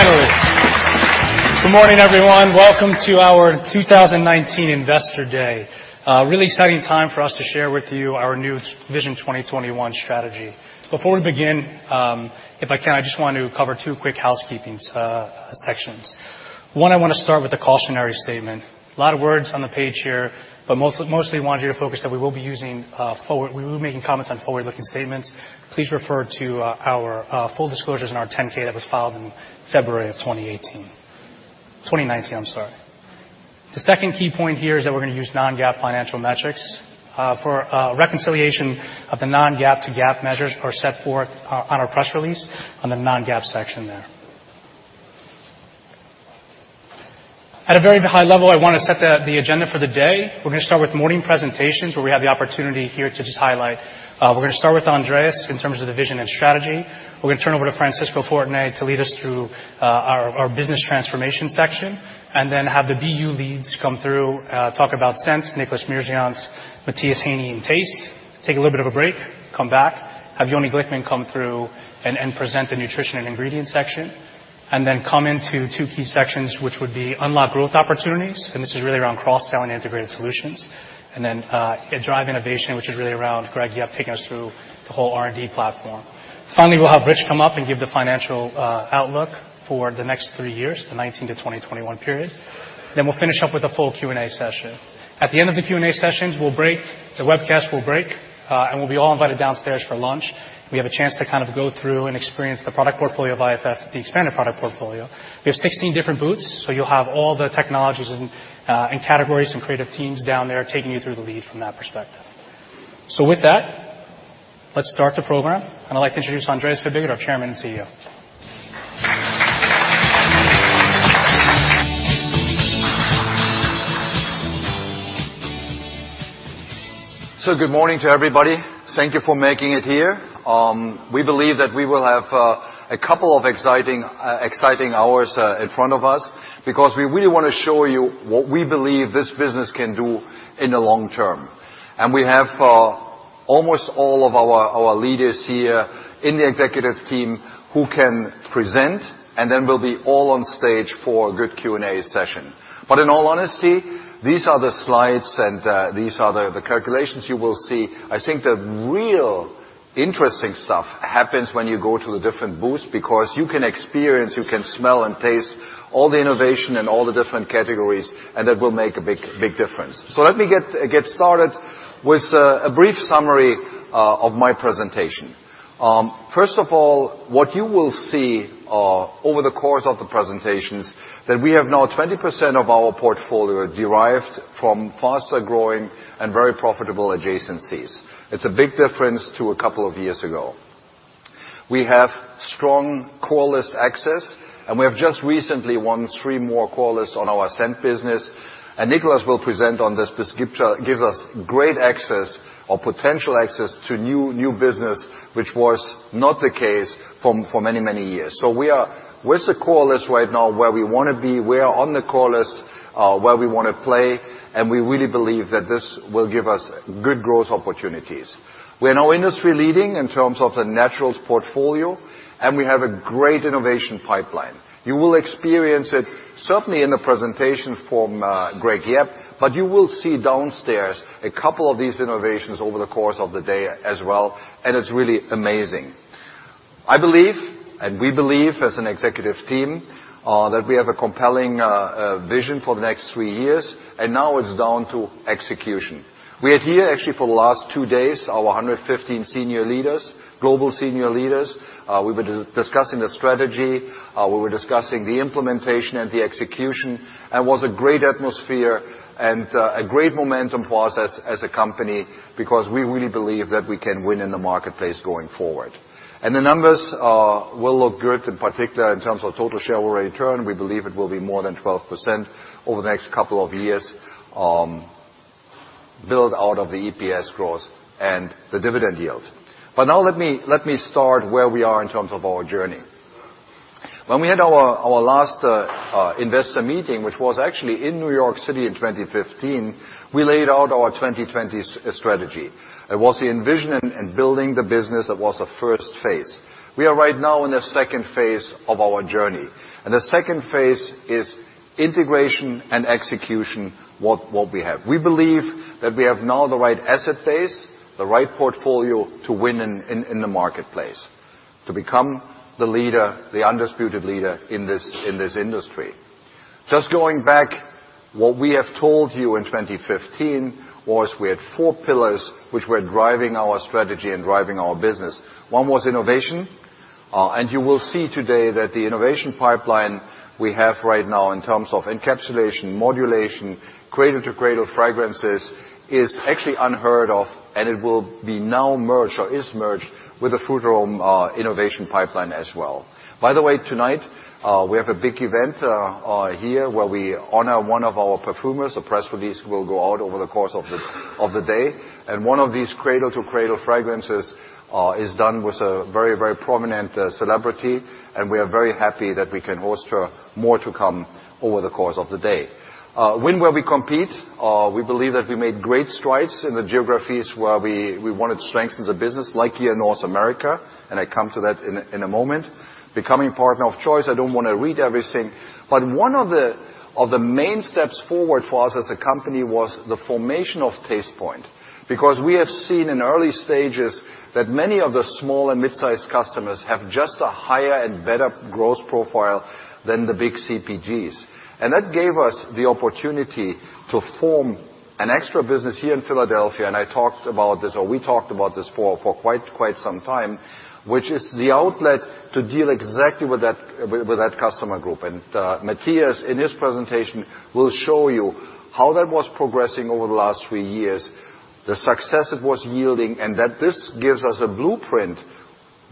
Good morning, everyone. Welcome to our 2019 Investor Day. A really exciting time for us to share with you our new Vision 2021 strategy. Before we begin, if I can, I just want to cover two quick housekeeping sections. One, I want to start with a cautionary statement. A lot of words on the page here, mostly wanted you to focus that we will be making comments on forward-looking statements. Please refer to our full disclosures in our 10-K that was filed in February of 2018, 2019, I'm sorry. The second key point here is that we're going to use non-GAAP financial metrics. For reconciliation of the non-GAAP to GAAP measures are set forth on our press release on the non-GAAP section there. At a very high level, I want to set the agenda for the day. We're going to start with morning presentations, where we have the opportunity here to just highlight. We're going to start with Andreas in terms of the vision and strategy. We're going to turn over to Francisco Fortanet to lead us through our business transformation section, have the BU leads come through, talk about Scent, Nicolas Mirzayantz, Matthias Heinzel in Taste. Take a little bit of a break, come back, have Yoni Glickman come through and present the Nutrition and Ingredient section. Come into two key sections, which would be unlock growth opportunities, and this is really around cross-selling integrated solutions. Drive innovation, which is really around Greg Yep taking us through the whole R&D platform. Finally, we'll have Rich come up and give the financial outlook for the next three years, the 2019 to 2021 period. We'll finish up with a full Q&A session. At the end of the Q&A sessions, the webcast will break, and we'll be all invited downstairs for lunch. We have a chance to go through and experience the product portfolio of IFF, the expanded product portfolio. We have 16 different booths, you'll have all the technologies and categories and creative teams down there taking you through the lead from that perspective. With that, let's start the program. I'd like to introduce Andreas Fibig, our Chairman and CEO. Good morning to everybody. Thank you for making it here. We believe that we will have a couple of exciting hours in front of us because we really want to show you what we believe this business can do in the long term. We have almost all of our leaders here in the executive team who can present, and we'll be all on stage for a good Q&A session. In all honesty, these are the slides and these are the calculations you will see. I think the real interesting stuff happens when you go to the different booths because you can experience, you can smell and taste all the innovation and all the different categories, and that will make a big difference. Let me get started with a brief summary of my presentation. First of all, what you will see over the course of the presentations, that we have now 20% of our portfolio derived from faster-growing and very profitable adjacencies. It's a big difference to a couple of years ago. We have strong call list access. We have just recently won three more call lists on our scent business. Nicolas will present on this, gives us great access or potential access to new business, which was not the case for many, many years. We're with the call list right now where we want to be. We're on the call list where we want to play, and we really believe that this will give us good growth opportunities. We're now industry-leading in terms of the naturals portfolio, and we have a great innovation pipeline. You will experience it certainly in the presentation from Greg Yep, but you will see downstairs a couple of these innovations over the course of the day as well, and it's really amazing. I believe, and we believe as an executive team, that we have a compelling vision for the next three years, and now it's down to execution. We are here actually for the last two days, our 115 senior leaders, global senior leaders. We were discussing the strategy, we were discussing the implementation and the execution, and was a great atmosphere and a great momentum for us as a company because we really believe that we can win in the marketplace going forward. The numbers will look good in particular in terms of total shareholder return. We believe it will be more than 12% over the next couple of years, build out of the EPS growth and the dividend yield. Now let me start where we are in terms of our journey. When we had our last investor meeting, which was actually in New York City in 2015, we laid out our Vision 2020 strategy. It was the envision and building the business that was the first phase. We are right now in the second phase of our journey. The second phase is integration and execution what we have. We believe that we have now the right asset base, the right portfolio to win in the marketplace, to become the undisputed leader in this industry. Just going back, what we have told you in 2015 was we had four pillars which were driving our strategy and driving our business. One was innovation. You will see today that the innovation pipeline we have right now in terms of encapsulation, modulation, cradle-to-cradle fragrances is actually unheard of, and it will be now merged or is merged with the Food Next innovation pipeline as well. By the way, tonight, we have a big event here where we honor one of our perfumers. A press release will go out over the course of the day. One of these cradle-to-cradle fragrances is done with a very, very prominent celebrity, and we are very happy that we can host her. More to come over the course of the day. Win where we compete. We believe that we made great strides in the geographies where we wanted to strengthen the business, like here in North America, and I come to that in a moment. Becoming partner of choice, I don't want to read everything. One of the main steps forward for us as a company was the formation of Tastepoint. Because we have seen in early stages that many of the small and mid-size customers have just a higher and better growth profile than the big CPGs. That gave us the opportunity to form an extra business here in Philadelphia, and I talked about this, or we talked about this for quite some time, which is the outlet to deal exactly with that customer group. Matthias, in his presentation, will show you how that was progressing over the last three years, the success it was yielding, and that this gives us a blueprint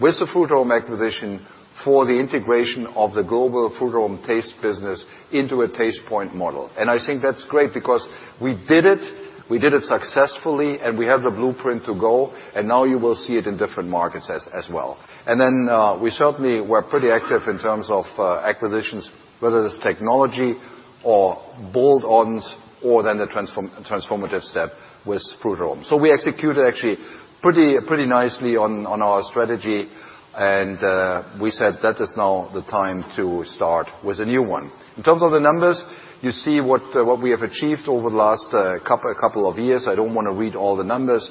with the Frutarom acquisition for the integration of the global Frutarom taste business into a Tastepoint model. I think that's great because we did it successfully, and we have the blueprint to go, and now you will see it in different markets as well. Then we certainly were pretty active in terms of acquisitions, whether it's technology or bolt-ons or then the transformative step with Frutarom. We executed actually pretty nicely on our strategy, and we said that is now the time to start with a new one. In terms of the numbers, you see what we have achieved over the last couple of years. I don't want to read all the numbers,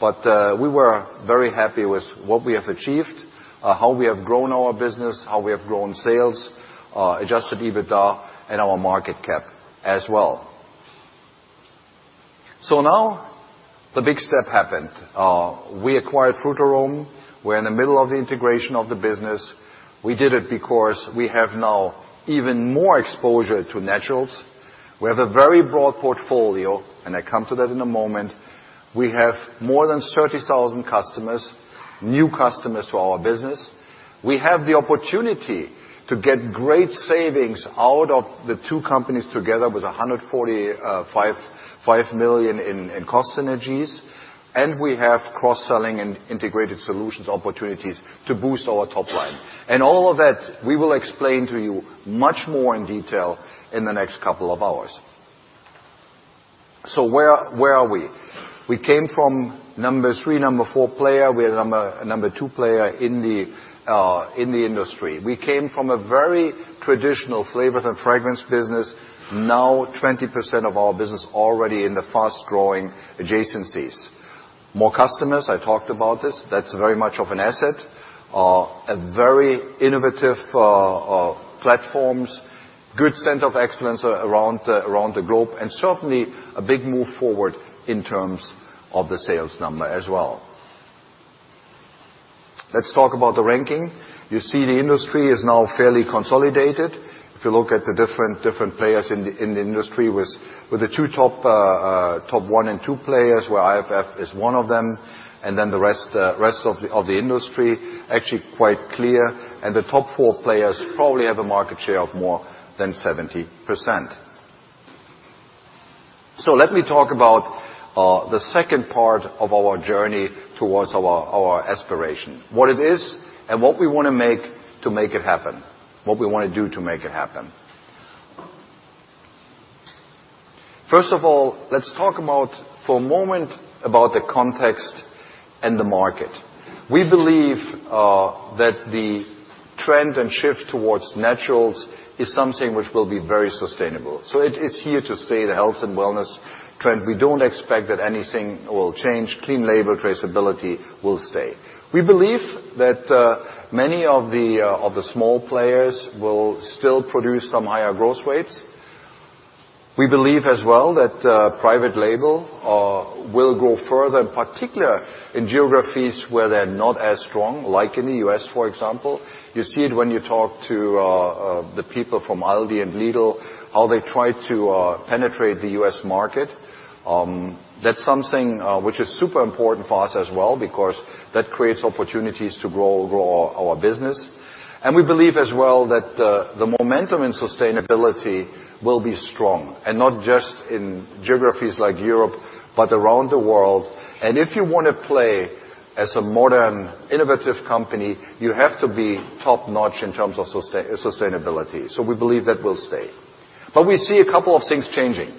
but we were very happy with what we have achieved, how we have grown our business, how we have grown sales, adjusted EBITDA, and our market cap as well. Now the big step happened. We acquired Frutarom. We're in the middle of the integration of the business. We did it because we have now even more exposure to naturals. We have a very broad portfolio, and I come to that in a moment. We have more than 30,000 customers, new customers to our business. We have the opportunity to get great savings out of the two companies together with $145 million in cost synergies. We have cross-selling and integrated solutions opportunities to boost our top line. All of that, we will explain to you much more in detail in the next couple of hours. Where are we? We came from number 3, number 4 player. We are number 2 player in the industry. We came from a very traditional flavors and fragrance business. Now 20% of our business already in the fast-growing adjacencies. More customers, I talked about this. That's very much of an asset. A very innovative platforms, good center of excellence around the globe, certainly a big move forward in terms of the sales number as well. Let's talk about the ranking. You see the industry is now fairly consolidated. If you look at the different players in the industry with the two top 1 and 2 players, where IFF is one of them, and then the rest of the industry, actually quite clear, and the top 4 players probably have a market share of more than 70%. Let me talk about the second part of our journey towards our aspiration, what it is and what we want to make to make it happen, what we want to do to make it happen. First of all, let's talk about, for a moment, about the context and the market. We believe that the trend and shift towards naturals is something which will be very sustainable. It is here to stay, the health and wellness trend. We don't expect that anything will change. Clean label traceability will stay. We believe that many of the small players will still produce some higher growth rates. We believe as well that private label will grow further, in particular in geographies where they're not as strong, like in the U.S., for example. You see it when you talk to the people from Aldi and Lidl, how they try to penetrate the U.S. market. That's something which is super important for us as well because that creates opportunities to grow our business. We believe as well that the momentum in sustainability will be strong, not just in geographies like Europe, but around the world. If you want to play as a modern, innovative company, you have to be top-notch in terms of sustainability. We believe that will stay. We see a couple of things changing.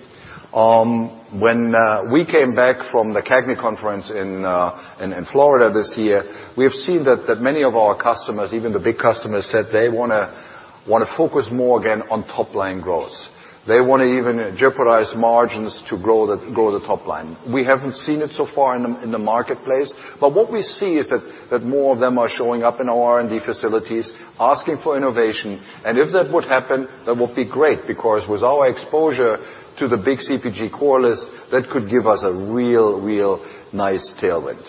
When we came back from the CAGNY Conference in Florida this year, we have seen that many of our customers, even the big customers, said they want to focus more again on top line growth. They want to even jeopardize margins to grow the top line. We haven't seen it so far in the marketplace, but what we see is that more of them are showing up in our R&D facilities, asking for innovation. If that would happen, that would be great because with our exposure to the big CPG correlates, that could give us a real nice tailwind.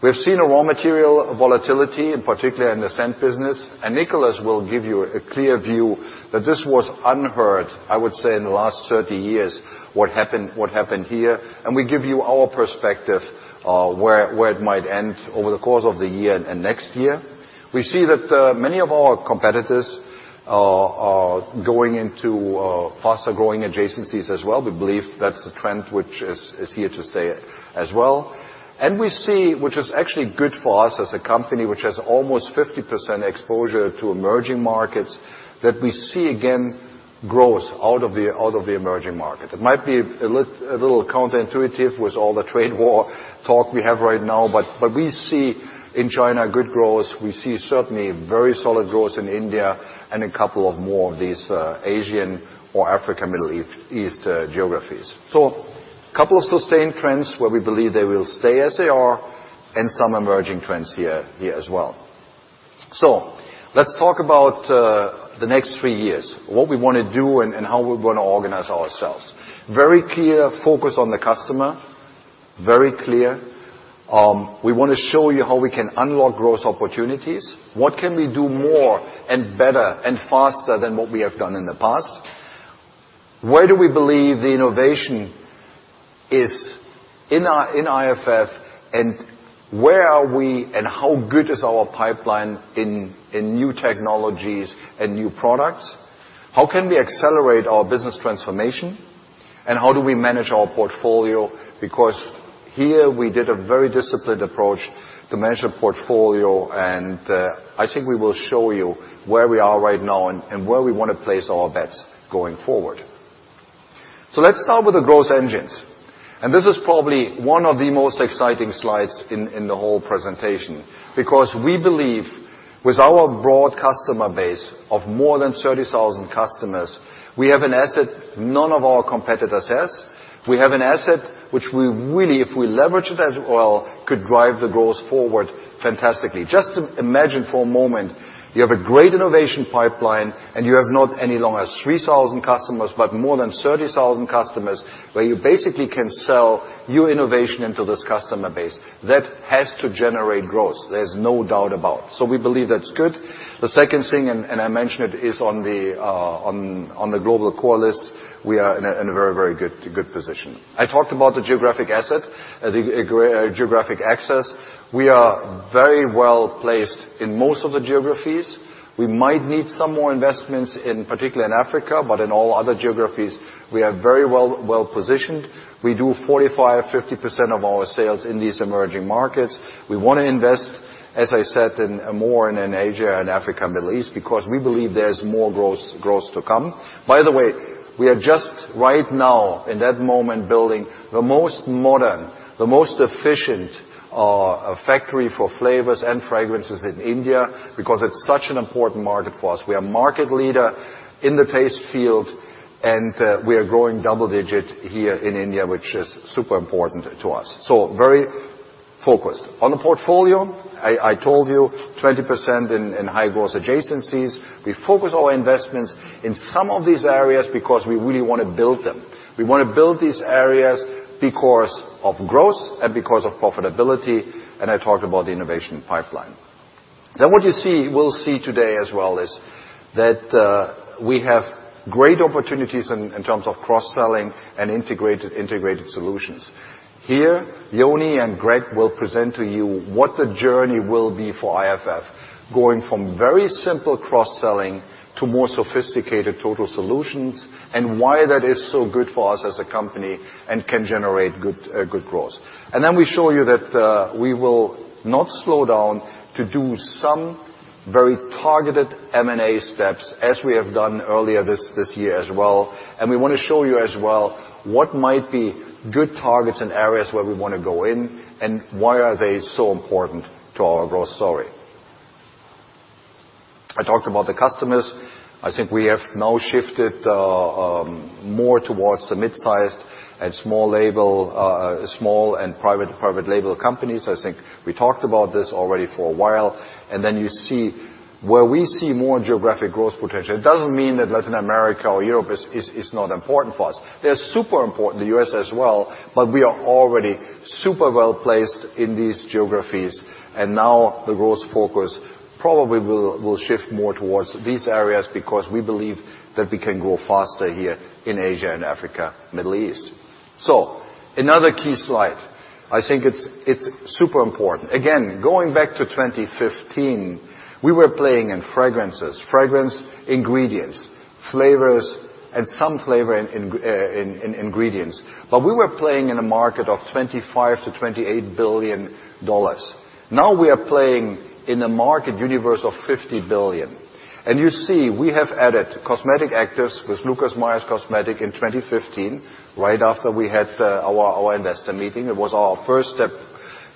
We have seen a raw material volatility, in particular in the scent business. Nicolas will give you a clear view that this was unheard, I would say, in the last 30 years, what happened here. We give you our perspective where it might end over the course of the year and next year. We see that many of our competitors are going into faster-growing adjacencies as well. We believe that's a trend which is here to stay as well. We see, which is actually good for us as a company which has almost 50% exposure to emerging markets, that we see again growth out of the emerging market. It might be a little counterintuitive with all the trade war talk we have right now, but we see in China good growth. We see certainly very solid growth in India and a couple of more of these Asian or Africa, Middle East geographies. Couple of sustained trends where we believe they will stay as they are, some emerging trends here as well. Let's talk about the next 3 years, what we want to do and how we're going to organize ourselves. Very clear focus on the customer. Very clear. We want to show you how we can unlock growth opportunities. What can we do more and better and faster than what we have done in the past? Where do we believe the innovation is in IFF, where are we and how good is our pipeline in new technologies and new products? How can we accelerate our business transformation, how do we manage our portfolio? Because here we did a very disciplined approach to manage the portfolio, I think we will show you where we are right now and where we want to place our bets going forward. Let's start with the growth engines. This is probably one of the most exciting slides in the whole presentation because we believe with our broad customer base of more than 30,000 customers, we have an asset none of our competitors has. We have an asset which we really, if we leverage it as well, could drive the growth forward fantastically. Just imagine for a moment, you have a great innovation pipeline and you have not any longer 3,000 customers, but more than 30,000 customers where you basically can sell new innovation into this customer base. That has to generate growth, there's no doubt about. We believe that's good. The second thing, and I mentioned it, is on the global core list, we are in a very good position. I talked about the geographic asset, geographic access. We are very well-placed in most of the geographies. We might need some more investments in particular in Africa, in all other geographies, we are very well positioned. We do 45%, 50% of our sales in these emerging markets. We want to invest, as I said, in more in Asia and Africa and Middle East, because we believe there's more growth to come. By the way, we are just right now, in that moment, building the most modern, the most efficient factory for flavors and fragrances in India because it's such an important market for us. We are market leader in the taste field, and we are growing double digit here in India, which is super important to us. Very focused. On the portfolio, I told you 20% in high growth adjacencies. We focus our investments in some of these areas because we really want to build them. We want to build these areas because of growth and because of profitability, and I talked about the innovation pipeline. What you will see today as well is that we have great opportunities in terms of cross-selling and integrated solutions. Here, Yoni and Greg will present to you what the journey will be for IFF, going from very simple cross-selling to more sophisticated total solutions, and why that is so good for us as a company and can generate good growth. We show you that we will not slow down to do some very targeted M&A steps as we have done earlier this year as well. We want to show you as well what might be good targets and areas where we want to go in, and why are they so important to our growth story. I talked about the customers. I think we have now shifted more towards the mid-sized and small label, small and private label companies. I think we talked about this already for a while. You see where we see more geographic growth potential. It doesn't mean that Latin America or Europe is not important for us. They're super important, the U.S. as well, we are already super well-placed in these geographies. Now the growth focus probably will shift more towards these areas because we believe that we can grow faster here in Asia and Africa, Middle East. Another key slide. I think it's super important. Again, going back to 2015, we were playing in fragrances, fragrance ingredients, flavors, and some flavor in ingredients. We were playing in a market of $25 billion-$28 billion. Now we are playing in a market universe of $50 billion. You see we have added cosmetic actives with Lucas Meyer Cosmetics in 2015, right after we had our investor meeting. It was our first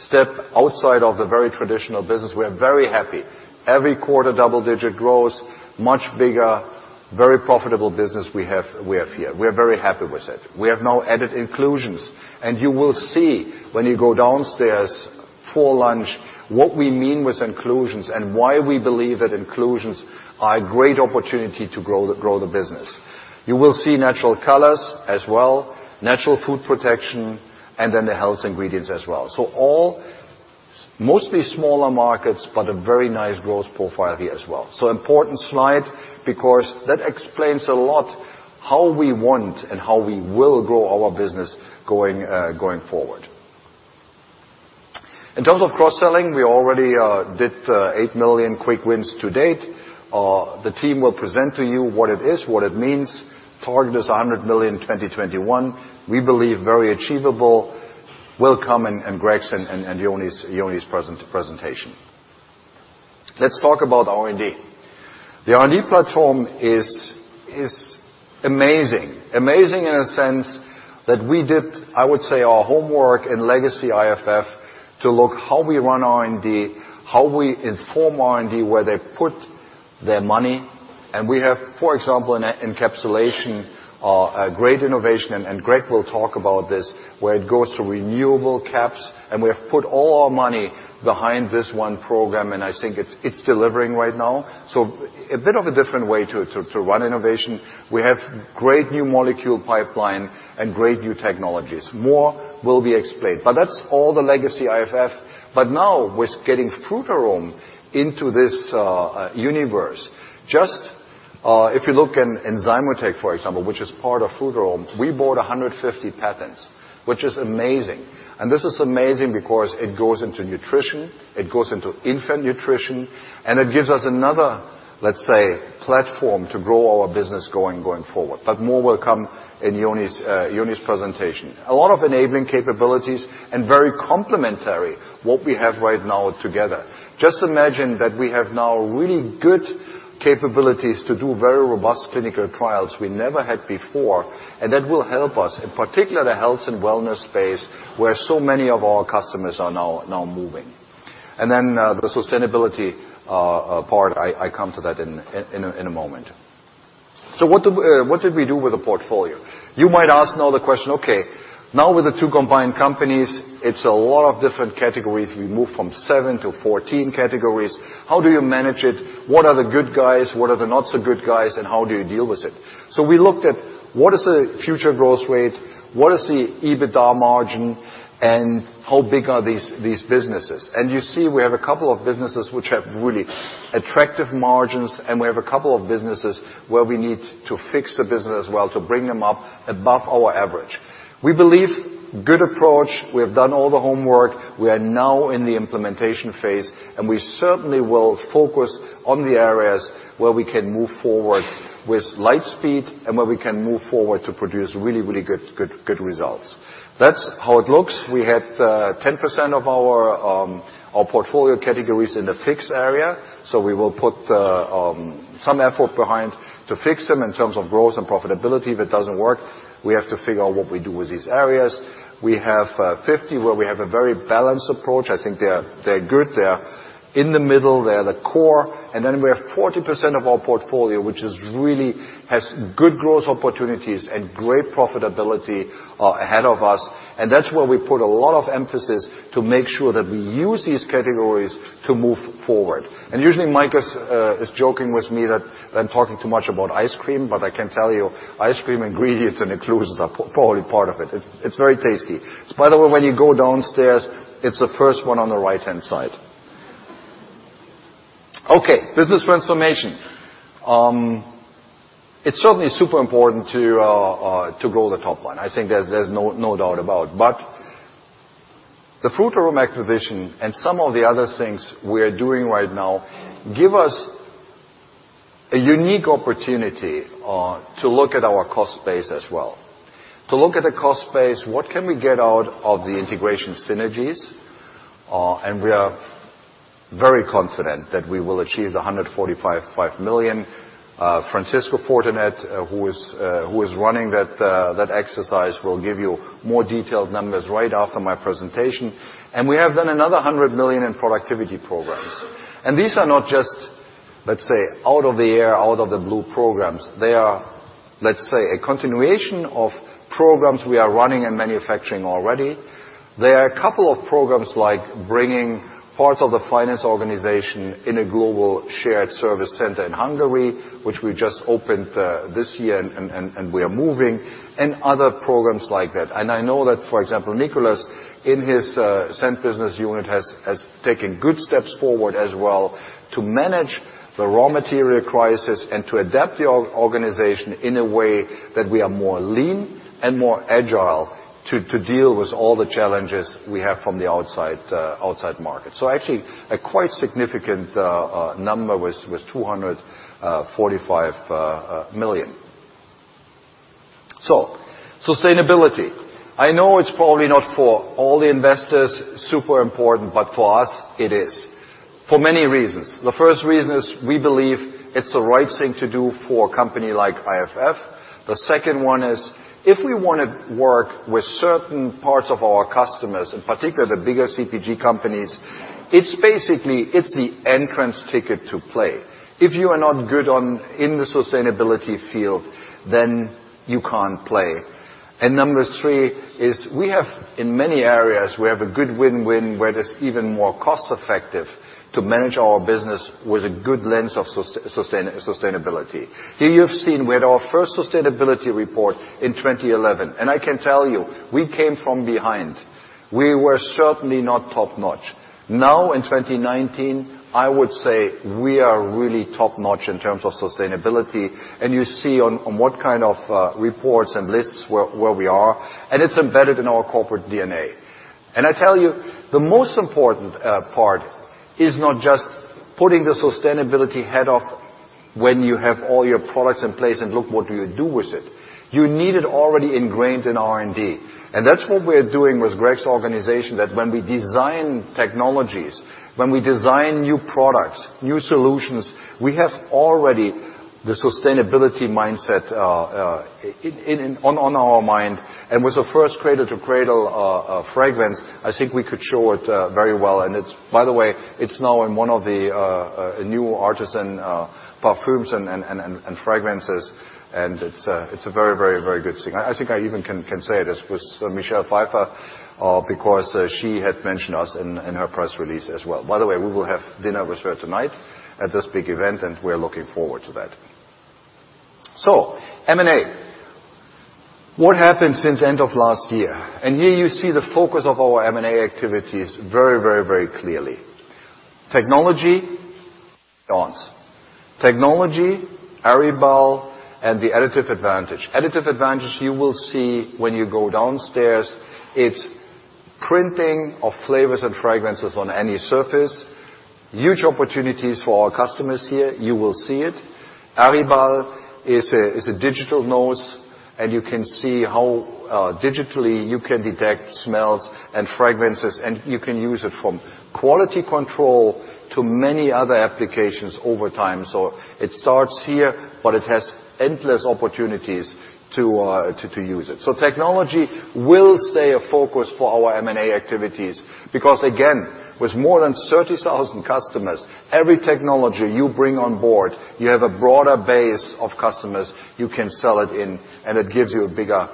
step outside of the very traditional business. We are very happy. Every quarter, double-digit growth, much bigger, very profitable business we have here. We are very happy with it. We have now added inclusions, and you will see when you go downstairs for lunch, what we mean with inclusions and why we believe that inclusions are a great opportunity to grow the business. You will see natural colors as well, natural food protection, and then the health ingredients as well. All mostly smaller markets, but a very nice growth profile here as well. Important slide because that explains a lot how we want and how we will grow our business going forward. In terms of cross-selling, we already did $8 million quick wins to date. The team will present to you what it is, what it means. Target is $100 million 2021. We believe very achievable will come in Greg's and Yoni's presentation. Let's talk about R&D. The R&D platform is amazing. Amazing in a sense that we did, I would say, our homework in legacy IFF to look how we run R&D, how we inform R&D, where they put their money. We have, for example, in encapsulation, a great innovation, and Greg will talk about this, where it goes to renewable caps, and we have put all our money behind this one program, and I think it's delivering right now. A bit of a different way to run innovation. We have great new molecule pipeline and great new technologies. More will be explained, but that's all the legacy IFF. Now with getting Frutarom into this universe. Just if you look in Enzymotec, for example, which is part of Frutarom, we bought 150 patents, which is amazing. This is amazing because it goes into nutrition, it goes into infant nutrition, and it gives us another, let's say, platform to grow our business going forward. More will come in Yoni's presentation. A lot of enabling capabilities and very complementary what we have right now together. Just imagine that we have now really good capabilities to do very robust clinical trials we never had before, and that will help us, in particular the health and wellness space, where so many of our customers are now moving. Then, the sustainability part, I come to that in a moment. What did we do with the portfolio? You might ask now the question, okay, now with the two combined companies, it's a lot of different categories. We moved from seven to 14 categories. How do you manage it? What are the good guys? What are the not so good guys, and how do you deal with it? We looked at what is the future growth rate? What is the EBITDA margin, and how big are these businesses? You see we have a couple of businesses which have really attractive margins, and we have a couple of businesses where we need to fix the business as well to bring them up above our average. We believe good approach, we have done all the homework, we are now in the implementation phase, we certainly will focus on the areas where we can move forward with light speed and where we can move forward to produce really, really good results. That's how it looks. We had 10% of our portfolio categories in the fixed area. We will put some effort behind to fix them in terms of growth and profitability. If it doesn't work, we have to figure out what we do with these areas. We have 50 where we have a very balanced approach. I think they're good. They're in the middle. They're the core. We have 40% of our portfolio, which really has good growth opportunities and great profitability ahead of us, that's where we put a lot of emphasis to make sure that we use these categories to move forward. Usually, Mike is joking with me that I'm talking too much about ice cream, but I can tell you, ice cream ingredients and inclusions are probably part of it. It's very tasty. By the way, when you go downstairs, it's the first one on the right-hand side. Okay, business transformation. It's certainly super important to grow the top line. I think there's no doubt about. The Frutarom acquisition and some of the other things we are doing right now give us a unique opportunity to look at our cost base as well. To look at the cost base, what can we get out of the integration synergies? We are very confident that we will achieve the $145.5 million. Francisco Fortanet who is running that exercise will give you more detailed numbers right after my presentation. We have then another $100 million in productivity programs. These are not just, let's say, out of the air, out of the blue programs. They are, let's say, a continuation of programs we are running and manufacturing already. There are a couple of programs like bringing parts of the finance organization in a global shared service center in Hungary, which we just opened this year and we are moving, and other programs like that. I know that, for example, Nicolas, in his scent business unit, has taken good steps forward as well to manage the raw material crisis and to adapt the organization in a way that we are more lean and more agile to deal with all the challenges we have from the outside market. Actually a quite significant number with $245 million. Sustainability. I know it's probably not for all the investors super important, but for us, it is. For many reasons. The first reason is we believe it's the right thing to do for a company like IFF. The second one is if we want to work with certain parts of our customers, in particular the bigger CPG companies, it's basically the entrance ticket to play. If you are not good in the sustainability field, then you can't play. Number three is we have in many areas, we have a good win-win where it is even more cost effective to manage our business with a good lens of sustainability. You've seen our first sustainability report in 2011. I can tell you, we came from behind. We were certainly not top-notch. In 2019, I would say we are really top-notch in terms of sustainability, you see on what kind of reports and lists where we are, it's embedded in our corporate DNA. I tell you, the most important part is not just putting the sustainability. When you have all your products in place and look what you do with it, you need it already ingrained in R&D. That's what we're doing with Greg's organization, that when we design technologies, when we design new products, new solutions, we have already the sustainability mindset on our mind. With the first cradle-to-cradle fragrance, I think we could show it very well. By the way, it's now in one of the new artisan perfumes and fragrances, it's a very good thing. I think I even can say this with Michelle Pfeiffer, because she had mentioned us in her press release as well. By the way, we will have dinner with her tonight at this big event, we're looking forward to that. M&A. What happened since end of last year? Here you see the focus of our M&A activities very clearly. Technology, [advance]. Technology, Aryballe, and The Additive Advantage. Additive Advantage, you will see when you go downstairs, it's printing of flavors and fragrances on any surface. Huge opportunities for our customers here. You will see it. Aryballe is a digital nose, you can see how digitally you can detect smells and fragrances, you can use it from quality control to many other applications over time. It starts here, it has endless opportunities to use it. Technology will stay a focus for our M&A activities because again, with more than 30,000 customers, every technology you bring on board, you have a broader base of customers you can sell it in, it gives you a bigger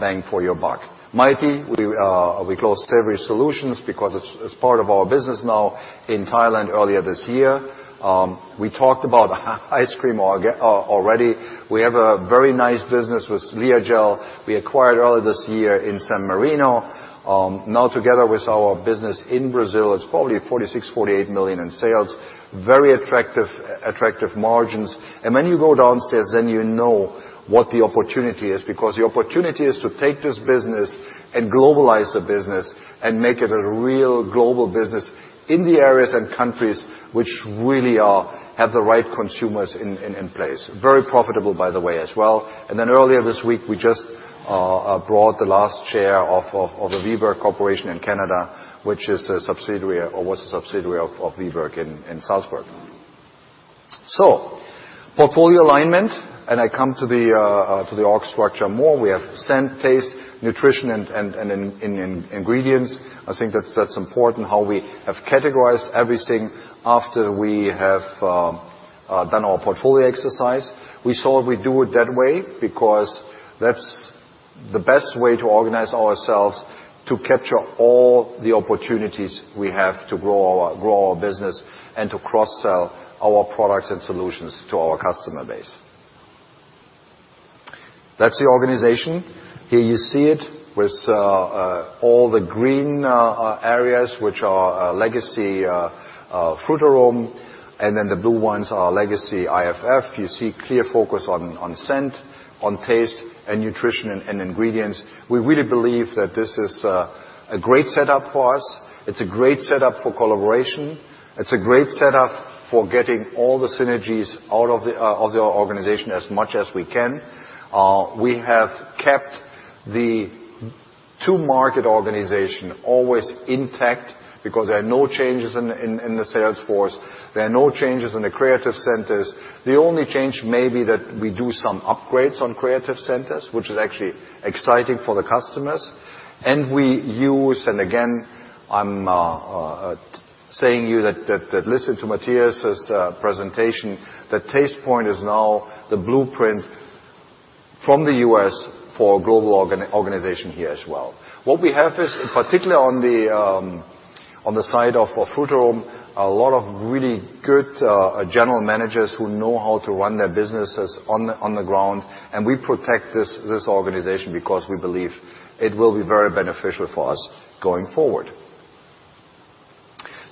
bang for your buck. Miti, we closed Savory Solutions, because it's part of our business now in Thailand earlier this year. We talked about ice cream already. We have a very nice business with Liogel. We acquired earlier this year in San Marino. Together with our business in Brazil, it's probably $46 million-$48 million in sales. Very attractive margins. When you go downstairs, you know what the opportunity is because the opportunity is to take this business and globalize the business, make it a real global business in the areas and countries which really have the right consumers in place. Very profitable, by the way, as well. Earlier this week, we just brought the last share of the Wiberg Corporation in Canada, which was a subsidiary of Wiberg in Salzburg. Portfolio alignment, I come to the org structure more. We have scent, taste, nutrition, and ingredients. I think that's important how we have categorized everything after we have done our portfolio exercise. We do it that way because that's the best way to organize ourselves to capture all the opportunities we have to grow our business and to cross-sell our products and solutions to our customer base. That's the organization. Here you see it with all the green areas, which are legacy Frutarom, and then the blue ones are legacy IFF. You see clear focus on scent, on taste, and nutrition, and ingredients. We really believe that this is a great setup for us. It's a great setup for collaboration. It's a great setup for getting all the synergies out of the organization as much as we can. We have kept the two market organization always intact because there are no changes in the sales force. There are no changes in the creative centers. The only change may be that we do some upgrades on creative centers, which is actually exciting for the customers. We use, and again, I'm saying you that listen to Matthias's presentation, that Tastepoint is now the blueprint from the U.S. for global organization here as well. What we have is particularly on the side of Frutarom, a lot of really good general managers who know how to run their businesses on the ground, and we protect this organization because we believe it will be very beneficial for us going forward.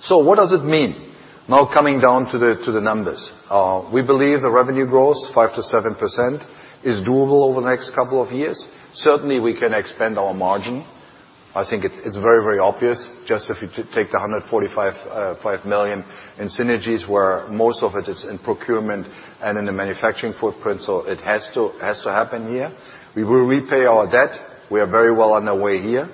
What does it mean? Coming down to the numbers. We believe the revenue growth 5%-7% is doable over the next couple of years. Certainly, we can expand our margin. I think it's very obvious, just if you take the $145.5 million in synergies, where most of it is in procurement and in the manufacturing footprint. It has to happen here. We will repay our debt. We are very well on our way here.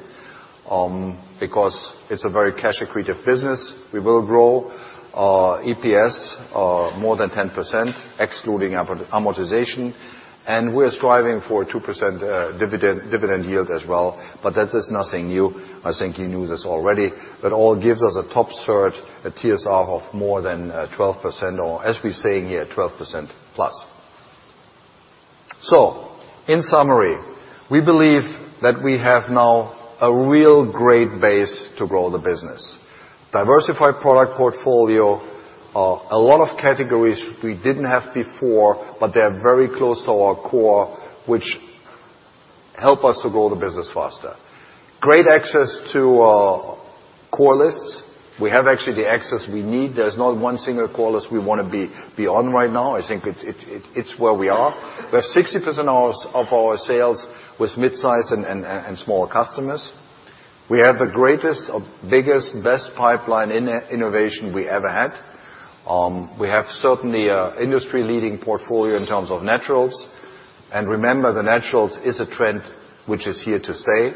It's a very cash-accretive business, we will grow our EPS more than 10%, excluding amortization. We're striving for 2% dividend yield as well, that is nothing new. I think you knew this already, all gives us a top search TSR of more than 12%, or as we're saying here, 12%+. In summary, we believe that we have now a real great base to grow the business. Diversified product portfolio, a lot of categories we didn't have before, but they are very close to our core, which help us to grow the business faster. Great access to our core lists. We have actually the access we need. There's not one single core list we want to be on right now. I think it's where we are. We have 60% of our sales with mid-size and smaller customers. We have the greatest, biggest, best pipeline innovation we ever had. We have certainly an industry-leading portfolio in terms of naturals. Remember, the naturals is a trend which is here to stay.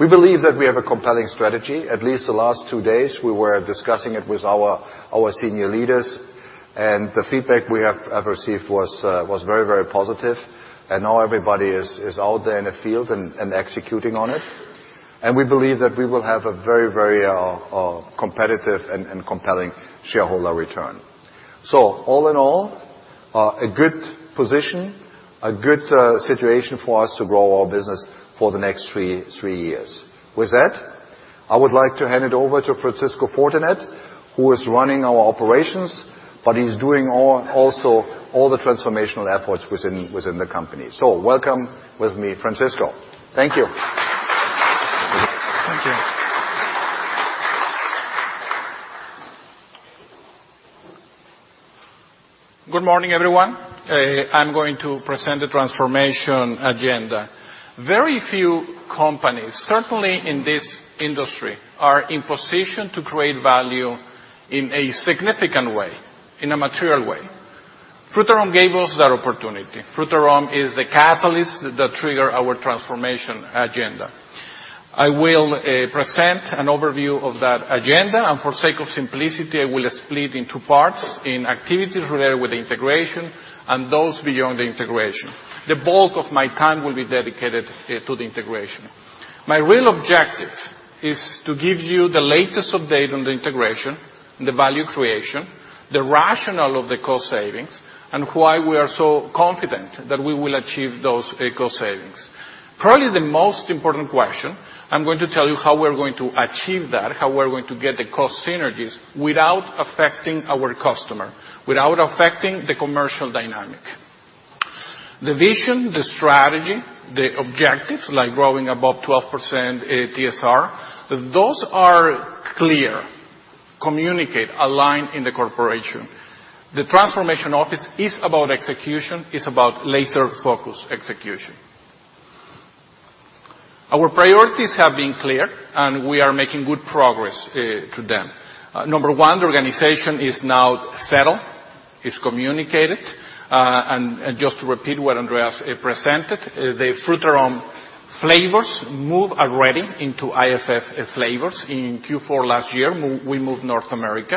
We believe that we have a compelling strategy. At least the last two days, we were discussing it with our senior leaders, and the feedback we have received was very positive. Now everybody is out there in the field and executing on it. We believe that we will have a very competitive and compelling shareholder return. All in all, a good position, a good situation for us to grow our business for the next three years. With that, I would like to hand it over to Francisco Fortanet, who is running our operations, but he is doing also all the transformational efforts within the company. Welcome with me, Francisco. Thank you. Thank you. Good morning, everyone. I am going to present the transformation agenda. Very few companies, certainly in this industry, are in position to create value in a significant way, in a material way. Frutarom gave us that opportunity. Frutarom is the catalyst that trigger our transformation agenda. I will present an overview of that agenda, and for sake of simplicity, I will split in two parts, in activities related with the integration and those beyond the integration. The bulk of my time will be dedicated to the integration. My real objective is to give you the latest update on the integration and the value creation, the rationale of the cost savings, and why we are so confident that we will achieve those cost savings. Probably the most important question, I am going to tell you how we are going to achieve that, how we are going to get the cost synergies without affecting our customer, without affecting the commercial dynamic. The vision, the strategy, the objectives, like growing above 12% TSR, those are clear, communicate, aligned in the corporation. The transformation office is about execution, is about laser-focused execution. Our priorities have been clear, and we are making good progress to them. Number one, the organization is now settled, it is communicated. Just to repeat what Andreas presented, the Frutarom flavors move already into IFF flavors. In Q4 last year, we moved North America.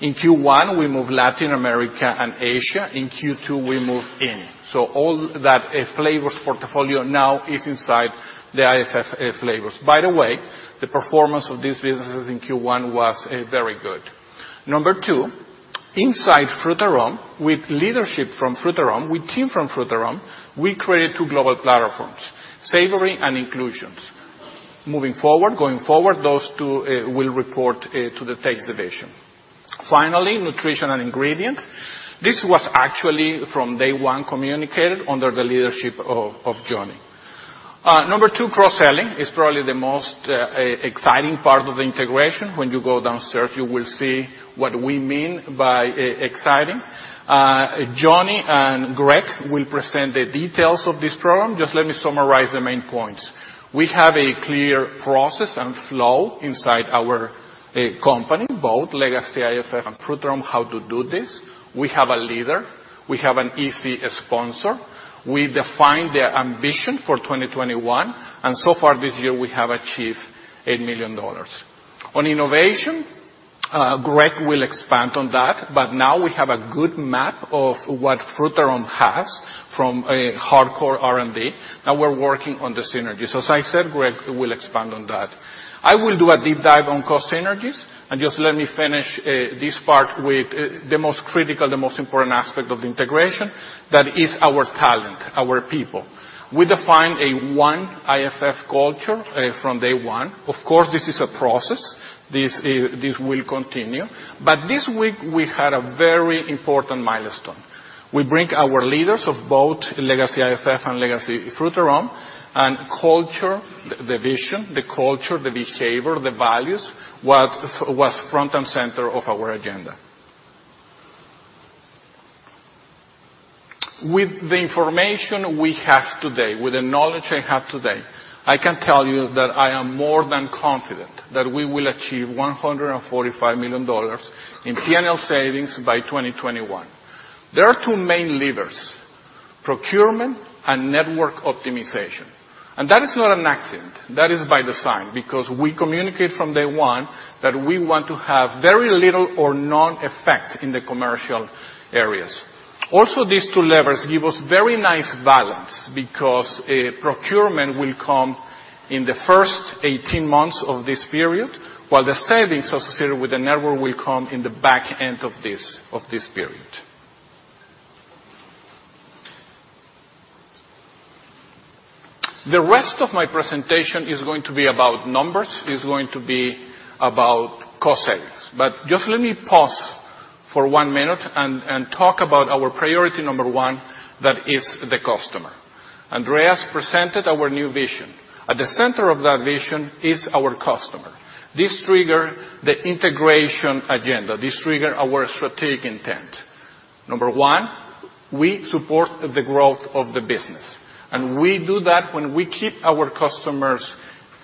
In Q1, we moved Latin America and Asia. In Q2, we moved EAME. All that flavors portfolio now is inside the IFF flavors. By the way, the performance of these businesses in Q1 was very good. Number two, inside Frutarom, with leadership from Frutarom, with team from Frutarom, we created two global platforms, savory and inclusions. Moving forward, going forward, those two will report to the tastes division. Finally, nutrition and ingredients. This was actually from day one communicated under the leadership of Johnny. Number two, cross-selling is probably the most exciting part of the integration. When you go downstairs, you will see what we mean by exciting. Johnny and Greg will present the details of this program. Just let me summarize the main points. We have a clear process and flow inside our company, both legacy IFF and Frutarom, how to do this. We have a leader. We have an easy sponsor. We defined the ambition for 2021, and so far this year, we have achieved $8 million. On innovation, Greg will expand on that. Now we have a good map of what Frutarom has from hardcore R&D. Now we're working on the synergies. As I said, Greg will expand on that. I will do a deep dive on cost synergies. Just let me finish this part with the most critical, the most important aspect of the integration. That is our talent, our people. We define a one IFF culture from day one. Of course, this is a process. This will continue. This week, we had a very important milestone. We bring our leaders of both legacy IFF and legacy Frutarom. Culture, the vision, the culture, the behavior, the values, was front and center of our agenda. With the information we have today, with the knowledge I have today, I can tell you that I am more than confident that we will achieve $145 million in P&L savings by 2021. There are two main levers, procurement and network optimization. That is not an accident. That is by design, because we communicate from day one that we want to have very little or no effect in the commercial areas. These two levers give us very nice balance, because procurement will come in the first 18 months of this period, while the savings associated with the network will come in the back end of this period. The rest of my presentation is going to be about numbers, is going to be about cost savings. Just let me pause for one minute and talk about our priority number one, that is the customer. Andreas presented our new vision. At the center of that vision is our customer. This trigger the integration agenda. This trigger our strategic intent. Number one, we support the growth of the business. We do that when we keep our customers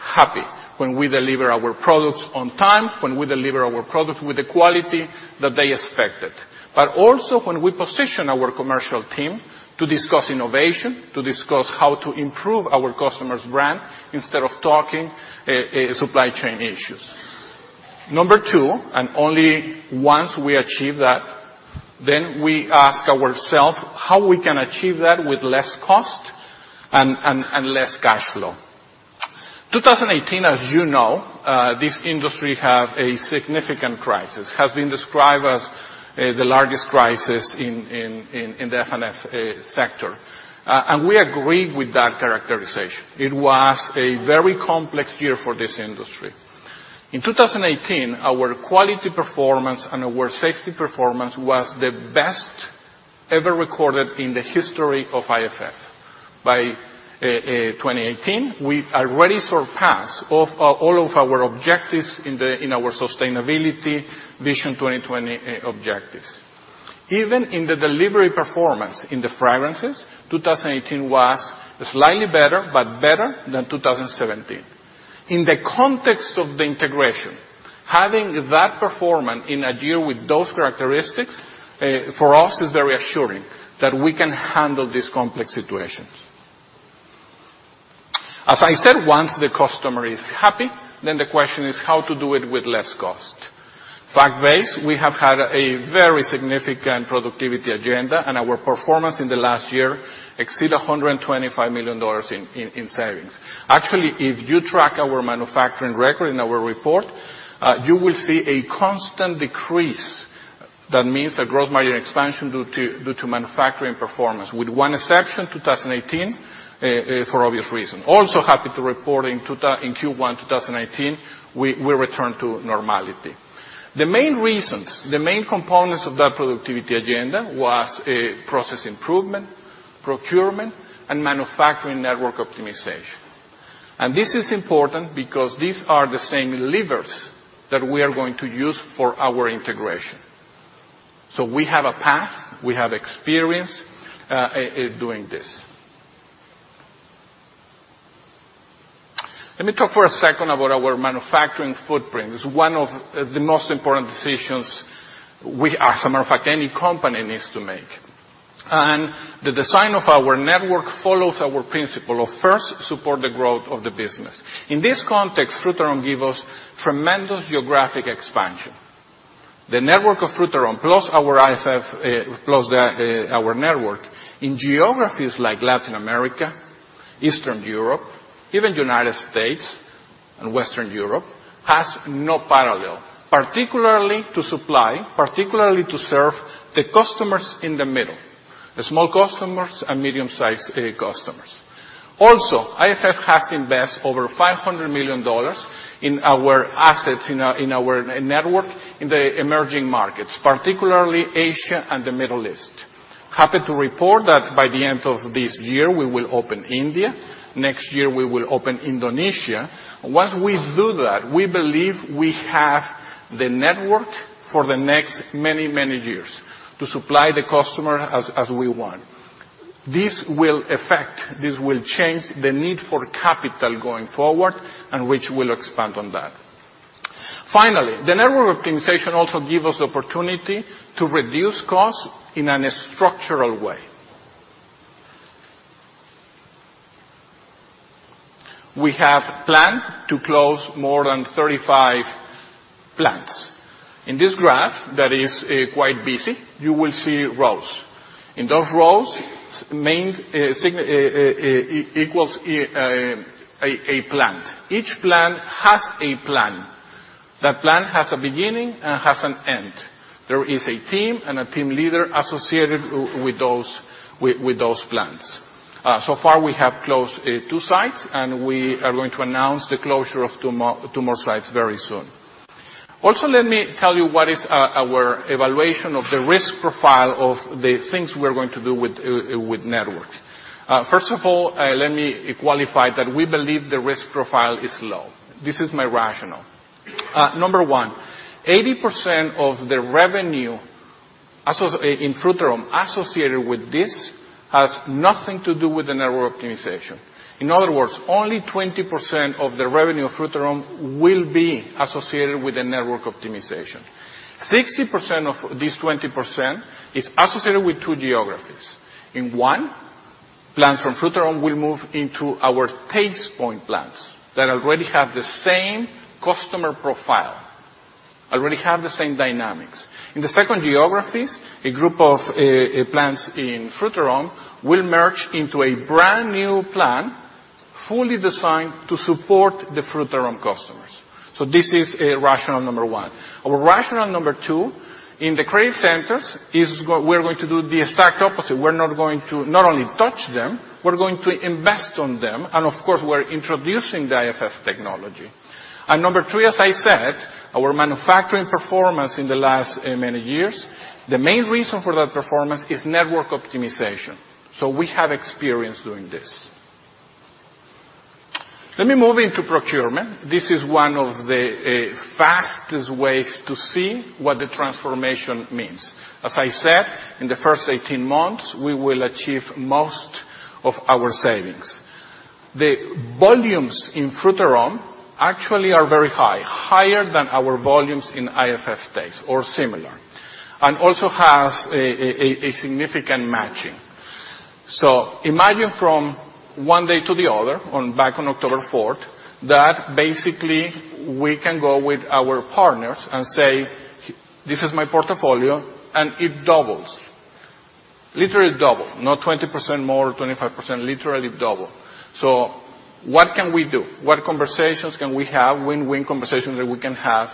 happy, when we deliver our products on time, when we deliver our products with the quality that they expected. Also when we position our commercial team to discuss innovation, to discuss how to improve our customer's brand, instead of talking supply chain issues. Number two, only once we achieve that, we ask ourself how we can achieve that with less cost and less cash flow. 2018, as you know, this industry has a significant crisis. Has been described as the largest crisis in the F&F sector. We agree with that characterization. It was a very complex year for this industry. In 2018, our quality performance and our safety performance was the best ever recorded in the history of IFF. By 2018, we already surpassed all of our objectives in our sustainability Vision 2020 objectives. Even in the delivery performance in the fragrances, 2018 was slightly better, but better than 2017. In the context of the integration, having that performance in a year with those characteristics, for us, is very assuring that we can handle these complex situations. As I said, once the customer is happy, the question is how to do it with less cost. Fact base, we have had a very significant productivity agenda. Our performance in the last year exceed $125 million in savings. Actually, if you track our manufacturing record in our report, you will see a constant decrease. That means a gross margin expansion due to manufacturing performance with one exception, 2018, for obvious reason. Also happy to report in Q1 2019, we returned to normality. The main reasons, the main components of that productivity agenda were process improvement, procurement, and manufacturing network optimization. This is important because these are the same levers that we are going to use for our integration. We have a path, we have experience doing this. Let me talk for a second about our manufacturing footprint. It's one of the most important decisions as a matter of fact, any company needs to make. The design of our network follows our principle of first, support the growth of the business. In this context, Frutarom gave us tremendous geographic expansion. The network of Frutarom plus our IFF, plus our network in geographies like Latin America, Eastern Europe, even U.S. and Western Europe, has no parallel, particularly to supply, particularly to serve the customers in the middle, the small customers and medium-sized customers. Also, IFF has invested over $500 million in our assets in our network in the emerging markets, particularly Asia and the Middle East. Happy to report that by the end of this year, we will open India. Next year, we will open Indonesia. Once we do that, we believe we have the network for the next many, many years to supply the customer as we want. This will affect, this will change the need for capital going forward, and which we'll expand on that. Finally, the network optimization also gives us opportunity to reduce cost in a structural way. We have planned to close more than 35 plants. In this graph, that is quite busy, you will see rows. In those rows, main equals a plant. Each plant has a plan. That plan has a beginning and has an end. There is a team and a team leader associated with those plants. So far, we have closed two sites, and we are going to announce the closure of two more sites very soon. Also, let me tell you what is our evaluation of the risk profile of the things we are going to do with network. First of all, let me qualify that we believe the risk profile is low. This is my rationale. Number one, 80% of the revenue in Frutarom associated with this has nothing to do with the network optimization. In other words, only 20% of the revenue of Frutarom will be associated with the network optimization. 60% of this 20% is associated with two geographies. In one, plants from Frutarom will move into our Tastepoint plants that already have the same customer profile, already have the same dynamics. In the second geographies, a group of plants in Frutarom will merge into a brand-new plant, fully designed to support the Frutarom customers. This is rationale number one. Our rationale number two, in the create centers, is we're going to do the exact opposite. We're not going to not only touch them, we're going to invest on them, and of course, we're introducing the IFF technology. Number three, as I said, our manufacturing performance in the last many years, the main reason for that performance is network optimization. We have experience doing this. Let me move into procurement. This is one of the fastest ways to see what the transformation means. As I said, in the first 18 months, we will achieve most of our savings. The volumes in Frutarom actually are very high, higher than our volumes in IFF taste or similar, and also has a significant matching. Imagine from one day to the other, back on October 4th, that basically we can go with our partners and say, "This is my portfolio," and it doubles. Literally double. Not 20% more, 25%, literally double. What can we do? What conversations can we have, win-win conversations that we can have,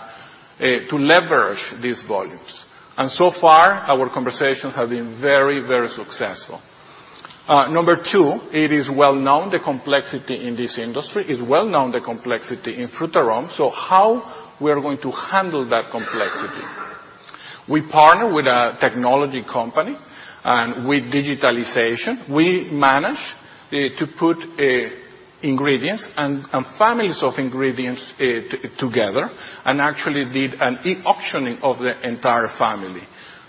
to leverage these volumes? So far, our conversations have been very, very successful. Number 2, it is well known, the complexity in this industry, is well known, the complexity in Frutarom. How we are going to handle that complexity? We partner with a technology company, with digitalization, we manage to put ingredients and families of ingredients together, and actually did an e-auctioning of the entire family.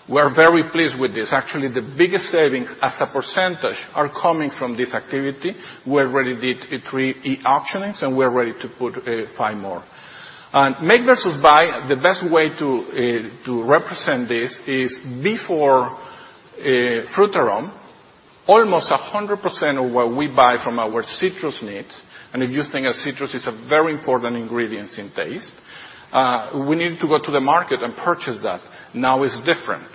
We're very pleased with this. Actually, the biggest savings as a percentage are coming from this activity. We already did 3 e-auctionings, and we're ready to put 5 more. Make versus buy, the best way to represent this is before Frutarom, almost 100% of what we buy from our citrus needs, and if you think of citrus, it's a very important ingredient in taste, we needed to go to the market and purchase that. Now it's different.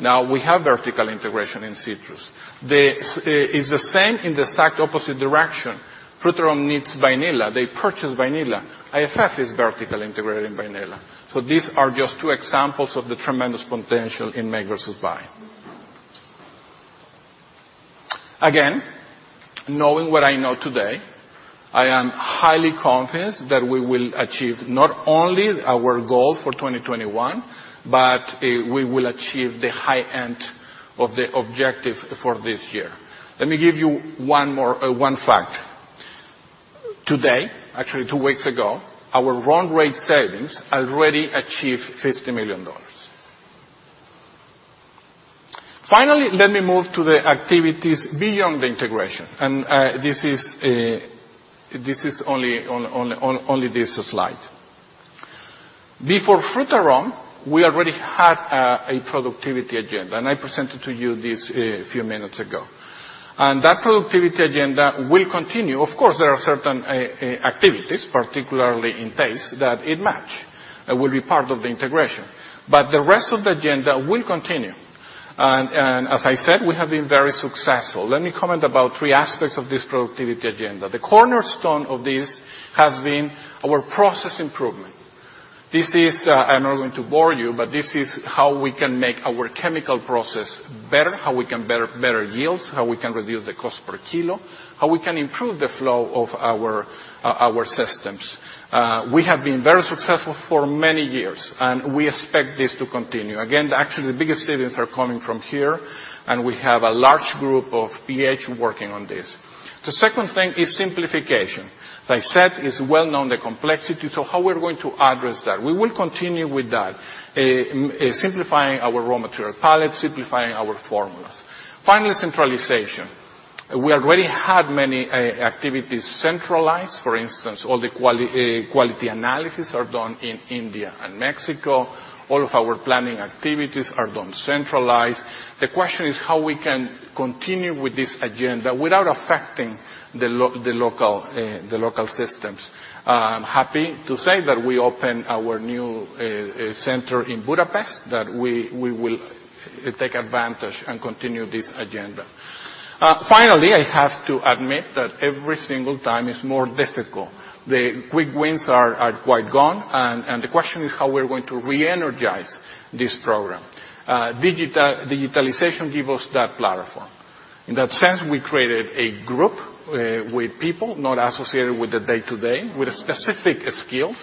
Now we have vertical integration in citrus. It's the same in the exact opposite direction. Frutarom needs vanilla. They purchase vanilla. IFF is vertically integrated in vanilla. These are just 2 examples of the tremendous potential in make versus buy. Again, knowing what I know today, I am highly confident that we will achieve not only our goal for 2021, but we will achieve the high end of the objective for this year. Let me give you 1 fact. Today, actually 2 weeks ago, our run rate savings already achieved $50 million. Finally, let me move to the activities beyond the integration, this is only this slide. Before Frutarom, we already had a productivity agenda, I presented to you this a few minutes ago. That productivity agenda will continue. Of course, there are certain activities, particularly in taste, that it match. It will be part of the integration. The rest of the agenda will continue. As I said, we have been very successful. Let me comment about 3 aspects of this productivity agenda. The cornerstone of this has been our process improvement. I'm not going to bore you, this is how we can make our chemical process better, how we can better yields, how we can reduce the cost per kilo, how we can improve the flow of our systems. We have been very successful for many years, we expect this to continue. Again, actually the biggest savings are coming from here, we have a large group of PhDs working on this. The 2nd thing is simplification. As I said, it's well known, the complexity, how we're going to address that? We will continue with that, simplifying our raw material palette, simplifying our formulas. Finally, centralization. We already had many activities centralized. For instance, all the quality analysis are done in India and Mexico. All of our planning activities are done centralized. The question is how we can continue with this agenda without affecting the local systems. I'm happy to say that we opened our new center in Budapest, that we will take advantage and continue this agenda. Finally, I have to admit that every single time it's more difficult. The quick wins are quite gone, and the question is how we're going to re-energize this program. Digitalization give us that platform. In that sense, we created a group with people not associated with the day-to-day, with specific skills,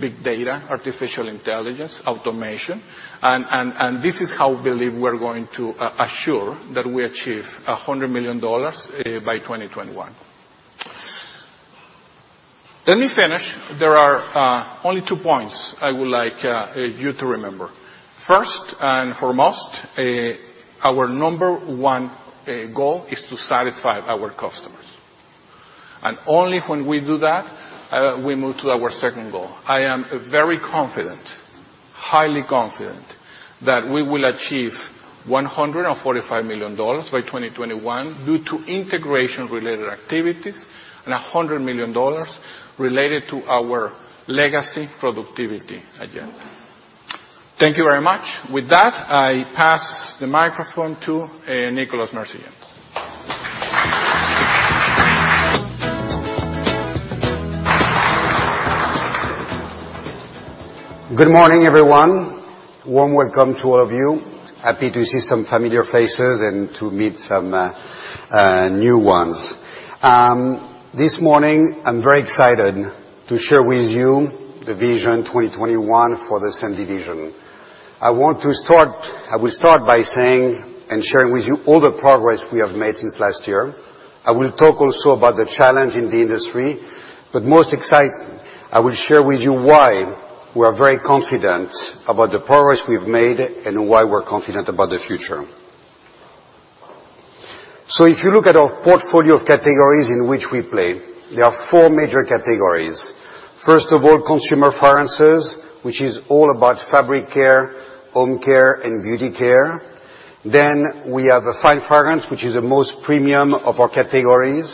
big data, artificial intelligence, automation, and this is how we believe we're going to assure that we achieve $100 million by 2021. Let me finish. There are only two points I would like you to remember. First and foremost, our number one goal is to satisfy our customers. Only when we do that, we move to our second goal. I am very confident, highly confident, that we will achieve $145 million by 2021 due to integration-related activities, and $100 million related to our legacy productivity agenda. Thank you very much. With that, I pass the microphone to Nicolas Mirzayantz. Good morning, everyone. Warm welcome to all of you. Happy to see some familiar faces and to meet some new ones. This morning, I'm very excited to share with you the Vision 2021 for the SCENT division. I want to start by saying and sharing with you all the progress we have made since last year. I will talk also about the challenge in the industry, most exciting, I will share with you why we are very confident about the progress we've made and why we're confident about the future. If you look at our portfolio of categories in which we play, there are 4 major categories. First of all, consumer fragrances, which is all about fabric care, home care, and beauty care. We have fine fragrance, which is the most premium of our categories.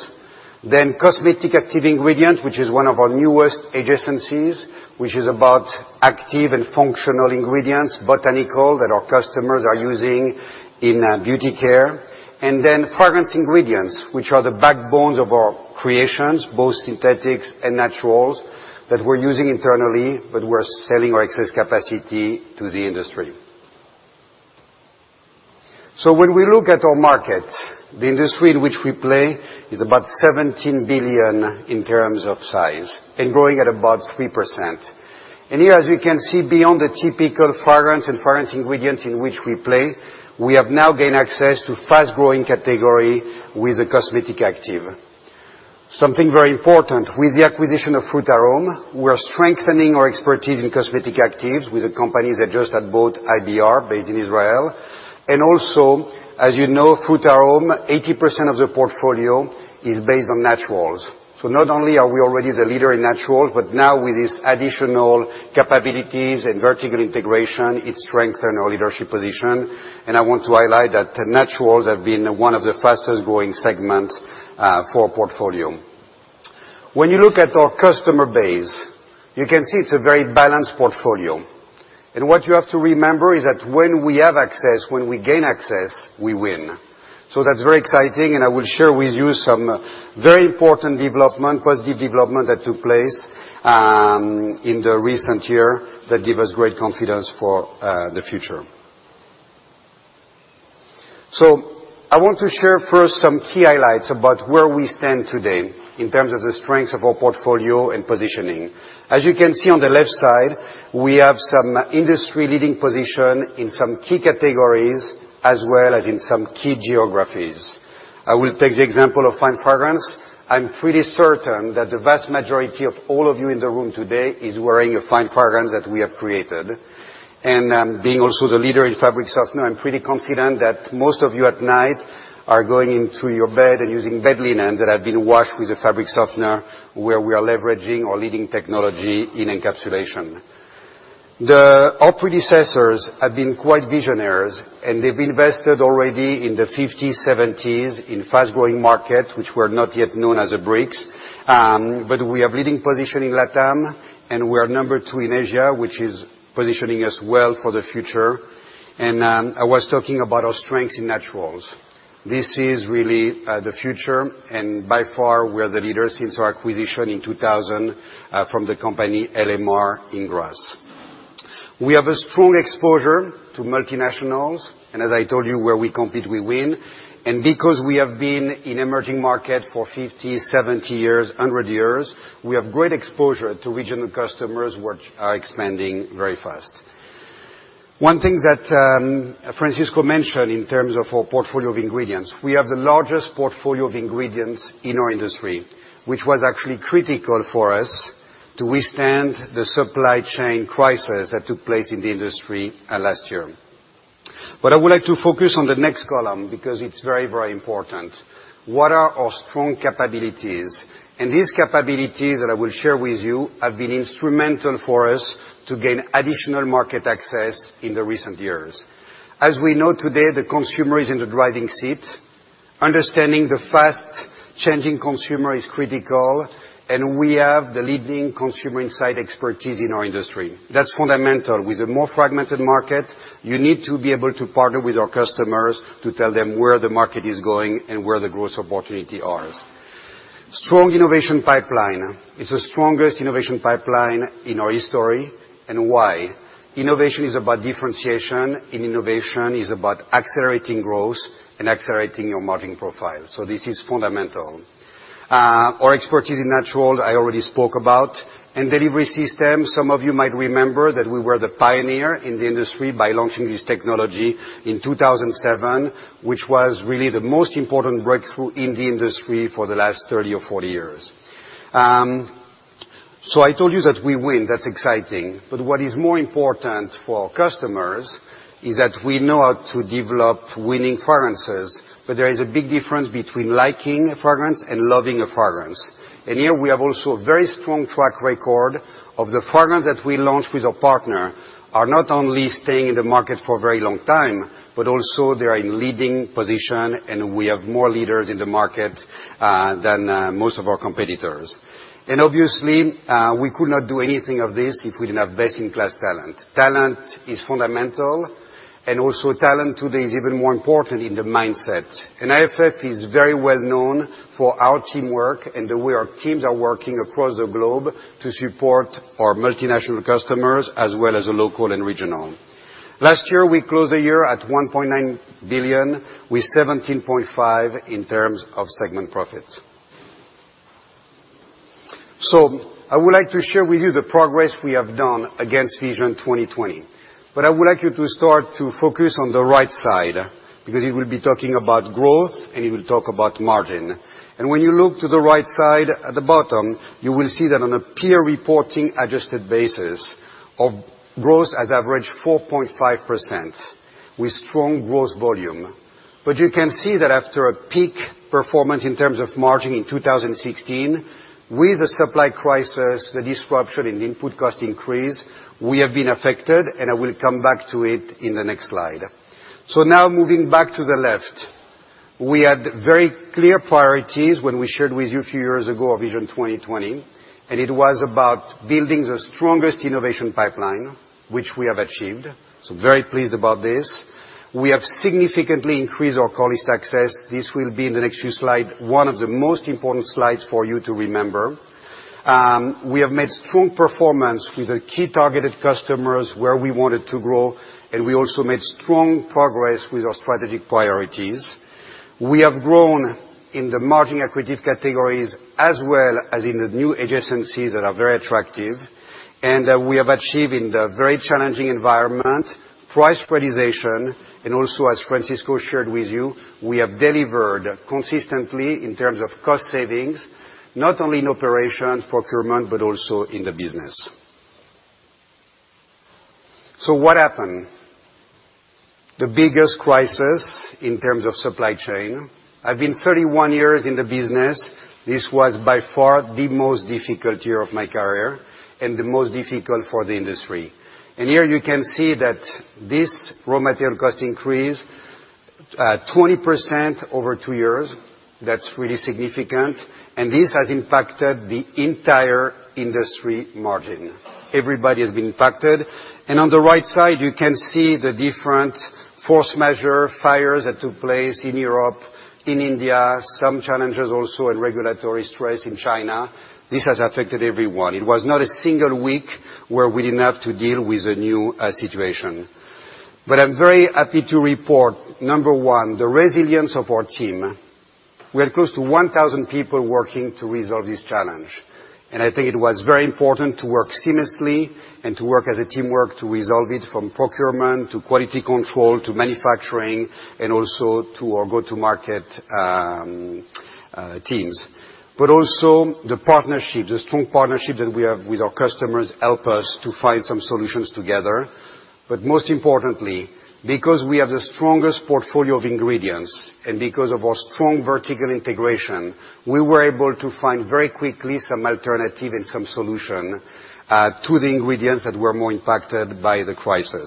Cosmetic active ingredient, which is one of our newest adjacencies, which is about active and functional ingredients, botanical, that our customers are using in beauty care. Fragrance ingredients, which are the backbones of our creations, both synthetics and naturals, that we're using internally, but we're selling our excess capacity to the industry. When we look at our market, the industry in which we play is about $17 billion in terms of size and growing at about 3%. Here, as you can see, beyond the typical fragrance and fragrance ingredient in which we play, we have now gained access to fast-growing category with a cosmetic active. Something very important, with the acquisition of Frutarom, we are strengthening our expertise in cosmetic actives with the companies that just had bought IBR, based in Israel. as you know, Frutarom, 80% of the portfolio is based on naturals. Not only are we already the leader in naturals, but now with these additional capabilities and vertical integration, it strengthen our leadership position. I want to highlight that naturals have been one of the fastest-growing segments for our portfolio. When you look at our customer base, you can see it's a very balanced portfolio. What you have to remember is that when we have access, when we gain access, we win. That's very exciting, and I will share with you some very important development, positive development that took place in the recent year that give us great confidence for the future. I want to share first some key highlights about where we stand today in terms of the strength of our portfolio and positioning. As you can see on the left side, we have some industry-leading position in some key categories as well as in some key geographies. I will take the example of fine fragrance. I'm pretty certain that the vast majority of all of you in the room today is wearing a fine fragrance that we have created. Being also the leader in fabric softener, I'm pretty confident that most of you at night are going into your bed and using bed linen that have been washed with a fabric softener where we are leveraging our leading technology in encapsulation. Our predecessors have been quite visionaries, they've invested already in the '50s, '70s, in fast-growing markets, which were not yet known as a BRICS. We have leading position in LATAM, and we are number 2 in Asia, which is positioning us well for the future. I was talking about our strength in naturals. This is really the future, and by far, we are the leader since our acquisition in 2000, from the company LMR in Grasse. We have a strong exposure to multinationals, and as I told you, where we compete, we win. Because we have been in emerging market for 50, 70 years, 100 years, we have great exposure to regional customers which are expanding very fast. One thing that Francisco mentioned in terms of our portfolio of ingredients, we have the largest portfolio of ingredients in our industry, which was actually critical for us to withstand the supply chain crisis that took place in the industry last year. I would like to focus on the next column because it's very important. What are our strong capabilities? These capabilities that I will share with you have been instrumental for us to gain additional market access in the recent years. As we know today, the consumer is in the driving seat. Understanding the fast-changing consumer is critical, and we have the leading consumer insight expertise in our industry. That's fundamental. With a more fragmented market, you need to be able to partner with our customers to tell them where the market is going and where the growth opportunity are. Strong innovation pipeline. It's the strongest innovation pipeline in our history, and why? Innovation is about differentiation, and innovation is about accelerating growth and accelerating your margin profile. This is fundamental. Our expertise in natural, I already spoke about. Delivery system, some of you might remember that we were the pioneer in the industry by launching this technology in 2007, which was really the most important breakthrough in the industry for the last 30 or 40 years. I told you that we win. That's exciting. What is more important for our customers is that we know how to develop winning fragrances, but there is a big difference between liking a fragrance and loving a fragrance. Here we have also a very strong track record of the fragrance that we launch with a partner are not only staying in the market for a very long time, but also they are in leading position, and we have more leaders in the market than most of our competitors. Obviously, we could not do anything of this if we didn't have best-in-class talent. Talent is fundamental, also talent today is even more important in the mindset. IFF is very well known for our teamwork and the way our teams are working across the globe to support our multinational customers as well as the local and regional. Last year, we closed the year at $1.9 billion, with 17.5% in terms of segment profits. I would like to share with you the progress we have done against Vision 2020. I would like you to start to focus on the right side, because it will be talking about growth and it will talk about margin. When you look to the right side, at the bottom, you will see that on a peer reporting adjusted basis of growth has averaged 4.5% with strong growth volume. You can see that after a peak performance in terms of margin in 2016, with the supply crisis, the disruption and input cost increase, we have been affected, I will come back to it in the next slide. Now moving back to the left. We had very clear priorities when we shared with you a few years ago our Vision 2020, it was about building the strongest innovation pipeline, which we have achieved. Very pleased about this. We have significantly increased our customer access. This will be in the next few slide, one of the most important slides for you to remember. We have made strong performance with the key targeted customers where we wanted to grow, we also made strong progress with our strategic priorities. We have grown in the margin-accretive categories as well as in the new adjacencies that are very attractive. We have achieved in the very challenging environment, price realization, also as Francisco shared with you, we have delivered consistently in terms of cost savings, not only in operations procurement, but also in the business. What happened? The biggest crisis in terms of supply chain. I've been 31 years in the business. This was by far the most difficult year of my career and the most difficult for the industry. Here you can see that this raw material cost increase, 20% over two years. That's really significant, this has impacted the entire industry margin. Everybody has been impacted. On the right side, you can see the different force majeure fires that took place in Europe, in India, some challenges also in regulatory stress in China. This has affected everyone. It was not a single week where we didn't have to deal with a new situation. I'm very happy to report, number one, the resilience of our team. We had close to 1,000 people working to resolve this challenge, and I think it was very important to work seamlessly and to work as a teamwork to resolve it, from procurement to quality control, to manufacturing, and also to our go-to-market teams. Also the partnership, the strong partnership that we have with our customers help us to find some solutions together. Most importantly, because we have the strongest portfolio of ingredients and because of our strong vertical integration, we were able to find very quickly some alternative and some solution to the ingredients that were more impacted by the crisis.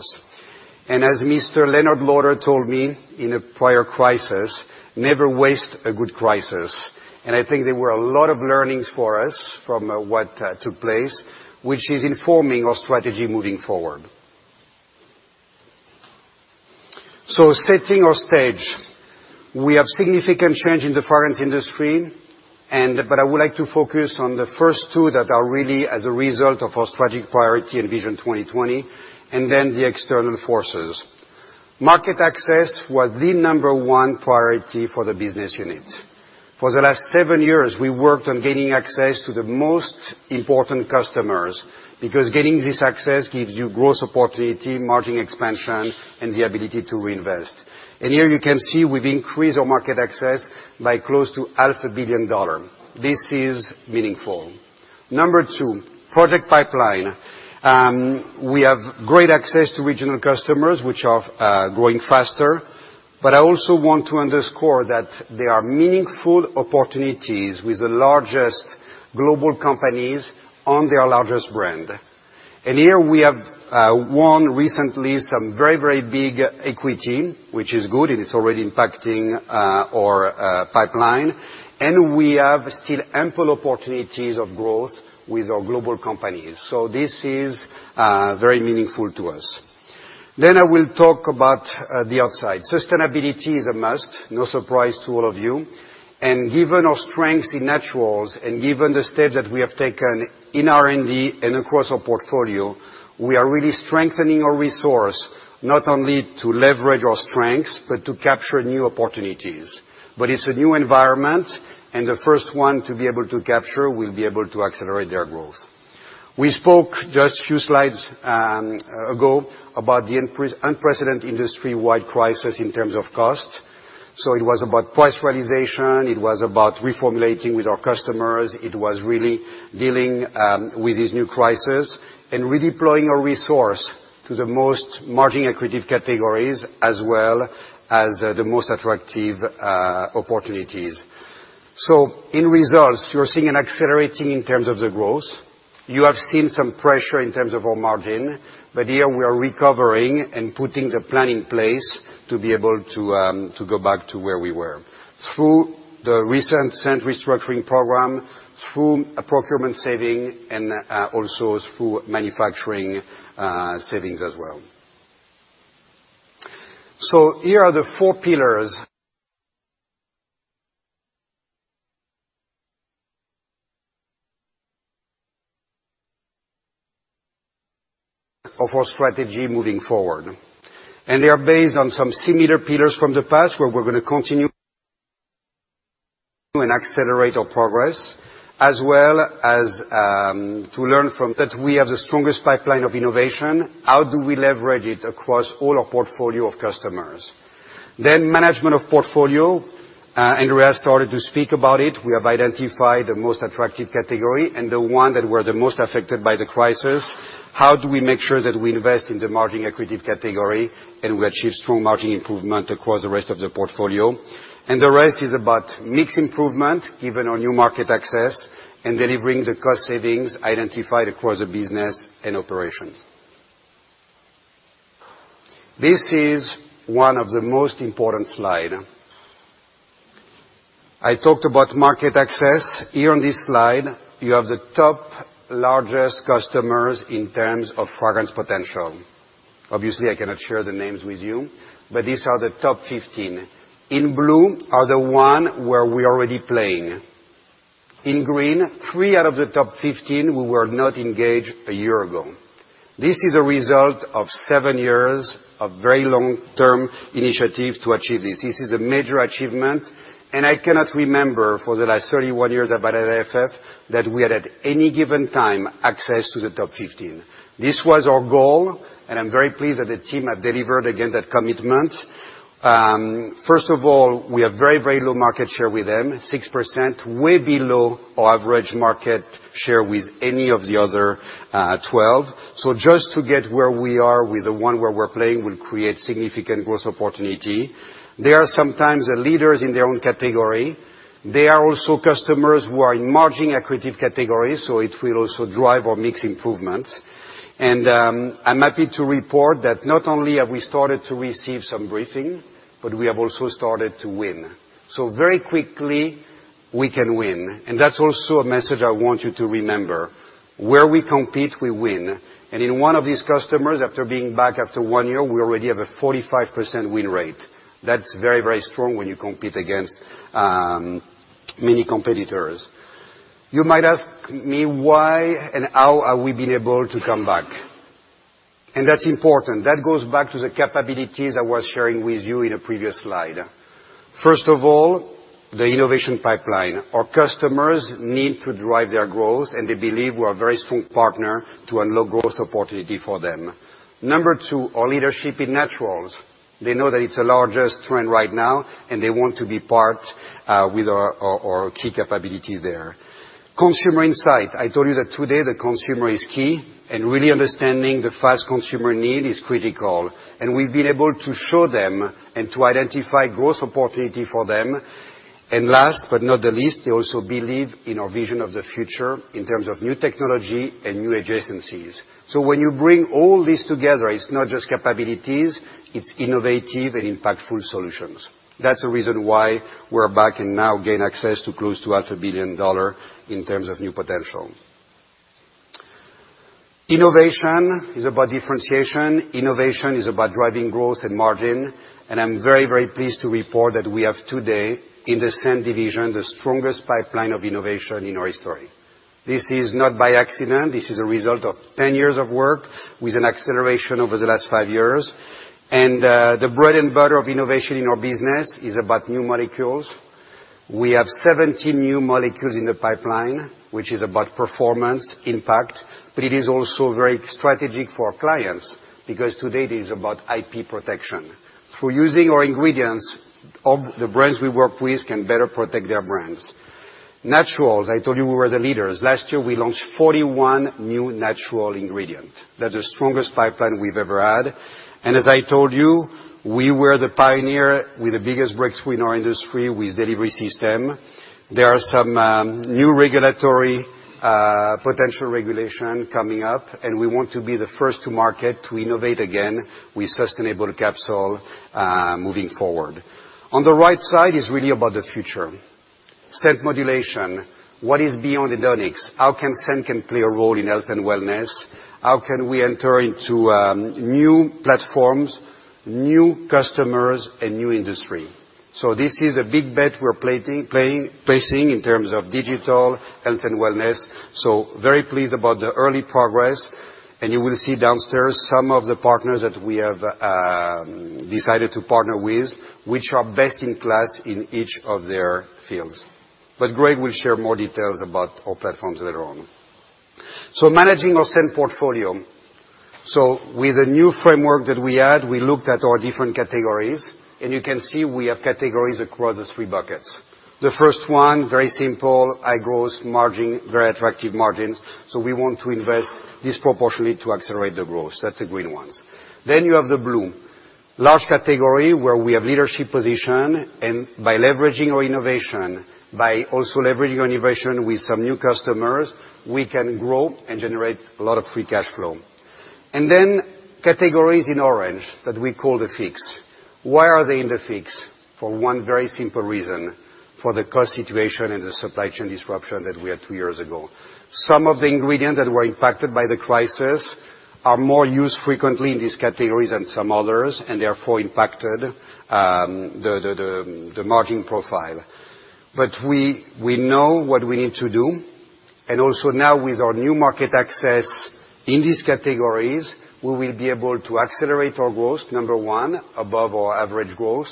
As Mr. Leonard Lauder told me in a prior crisis, "Never waste a good crisis." I think there were a lot of learnings for us from what took place, which is informing our strategy moving forward. Setting our stage. We have significant change in the fragrance industry, but I would like to focus on the first two that are really as a result of our strategic priority and Vision 2020, then the external forces. Market access was the number one priority for the business unit. For the last seven years, we worked on gaining access to the most important customers, because getting this access gives you growth opportunity, margin expansion, and the ability to reinvest. Here you can see we've increased our market access by close to half a billion dollar. This is meaningful. Number two, project pipeline. We have great access to regional customers, which are growing faster, but I also want to underscore that there are meaningful opportunities with the largest global companies on their largest brand. Here we have won recently some very, very big equity, which is good, and it's already impacting our pipeline. We have still ample opportunities of growth with our global companies. This is very meaningful to us. I will talk about the outside. Sustainability is a must, no surprise to all of you. Given our strength in naturals and given the steps that we have taken in R&D and across our portfolio, we are really strengthening our resource, not only to leverage our strengths, but to capture new opportunities. It's a new environment, and the first one to be able to capture will be able to accelerate their growth. We spoke just a few slides ago about the unprecedented industry-wide crisis in terms of cost. It was about price realization. It was about reformulating with our customers. It was really dealing with this new crisis and redeploying our resource to the most margin-accretive categories as well as the most attractive opportunities. In results, you're seeing an accelerating in terms of the growth. You have seen some pressure in terms of our margin, but here we are recovering and putting the plan in place to be able to go back to where we were through the recent Scent restructuring program, through procurement saving, and also through manufacturing savings as well. Here are the four pillars of our strategy moving forward. They are based on some similar pillars from the past, where we're going to continue and accelerate our progress, as well as to learn from that we have the strongest pipeline of innovation. How do we leverage it across all our portfolio of customers? Management of portfolio. Andreas started to speak about it. We have identified the most attractive category and the one that were the most affected by the crisis. How do we make sure that we invest in the margin-accretive category and we achieve strong margin improvement across the rest of the portfolio? The rest is about mix improvement, given our new market access, and delivering the cost savings identified across the business and operations. This is one of the most important slide. I talked about market access. Here on this slide, you have the top largest customers in terms of fragrance potential. Obviously, I cannot share the names with you, these are the top 15. In blue are the one where we're already playing. In green, three out of the top 15 we were not engaged a year ago. This is a result of seven years of very long-term initiative to achieve this. This is a major achievement, I cannot remember for the last 31 years I've been at IFF, that we had, at any given time, access to the top 15. This was our goal, I'm very pleased that the team have delivered against that commitment. First of all, we have very low market share with them, 6%, way below our average market share with any of the other 12. Just to get where we are with the one where we're playing will create significant growth opportunity. They are sometimes the leaders in their own category. They are also customers who are in margin-accretive categories, it will also drive our mix improvements. I'm happy to report that not only have we started to receive some briefing, we have also started to win. Very quickly, we can win. That's also a message I want you to remember. Where we compete, we win. In one of these customers, after being back after one year, we already have a 45% win rate. That's very strong when you compete against many competitors. You might ask me why and how are we being able to come back, that's important. That goes back to the capabilities I was sharing with you in a previous slide. First of all, the innovation pipeline. Our customers need to drive their growth, they believe we're a very strong partner to unlock growth opportunity for them. Number two, our leadership in naturals. They know that it's the largest trend right now, they want to be part with our key capability there. Consumer insight. I told you that today the consumer is key, really understanding the fast consumer need is critical. We've been able to show them and to identify growth opportunity for them. Last but not the least, they also believe in our vision of the future in terms of new technology and new adjacencies. When you bring all this together, it's not just capabilities, it's innovative and impactful solutions. That's the reason why we're back and now gain access to close to half a billion dollar in terms of new potential. Innovation is about differentiation. Innovation is about driving growth and margin. I'm very pleased to report that we have today, in the same division, the strongest pipeline of innovation in our history. This is not by accident. This is a result of 10 years of work with an acceleration over the last five years. The bread and butter of innovation in our business is about new molecules. We have 70 new molecules in the pipeline, which is about performance impact, but it is also very strategic for our clients because today it is about IP protection. Through using our ingredients, all the brands we work with can better protect their brands. Naturals, I told you we were the leaders. Last year, we launched 41 new natural ingredient. That's the strongest pipeline we've ever had. As I told you, we were the pioneer with the biggest breakthrough in our industry with delivery system. There are some new potential regulation coming up, we want to be the first to market to innovate again with sustainable capsule, moving forward. On the right side is really about the future. Scent modulation. What is beyond hedonics? How can scent can play a role in health and wellness? How can we enter into new platforms, new customers, and new industry? This is a big bet we're placing in terms of digital health and wellness, very pleased about the early progress. You will see downstairs some of the partners that we have decided to partner with, which are best in class in each of their fields. Greg will share more details about our platforms later on. Managing our scent portfolio. With the new framework that we had, we looked at our different categories, you can see we have categories across the three buckets. The first one, very simple, high growth margin, very attractive margins. We want to invest disproportionately to accelerate the growth. That's the green ones. You have the blue. Large category where we have leadership position, by leveraging our innovation, by also leveraging our innovation with some new customers, we can grow and generate a lot of free cash flow. Then categories in orange that we call the fix. Why are they in the fix? For one very simple reason: for the cost situation and the supply chain disruption that we had two years ago. Some of the ingredients that were impacted by the crisis are more used frequently in these categories than some others and therefore impacted the margin profile. But we know what we need to do. Also now with our new market access in these categories, we will be able to accelerate our growth, number one, above our average growth.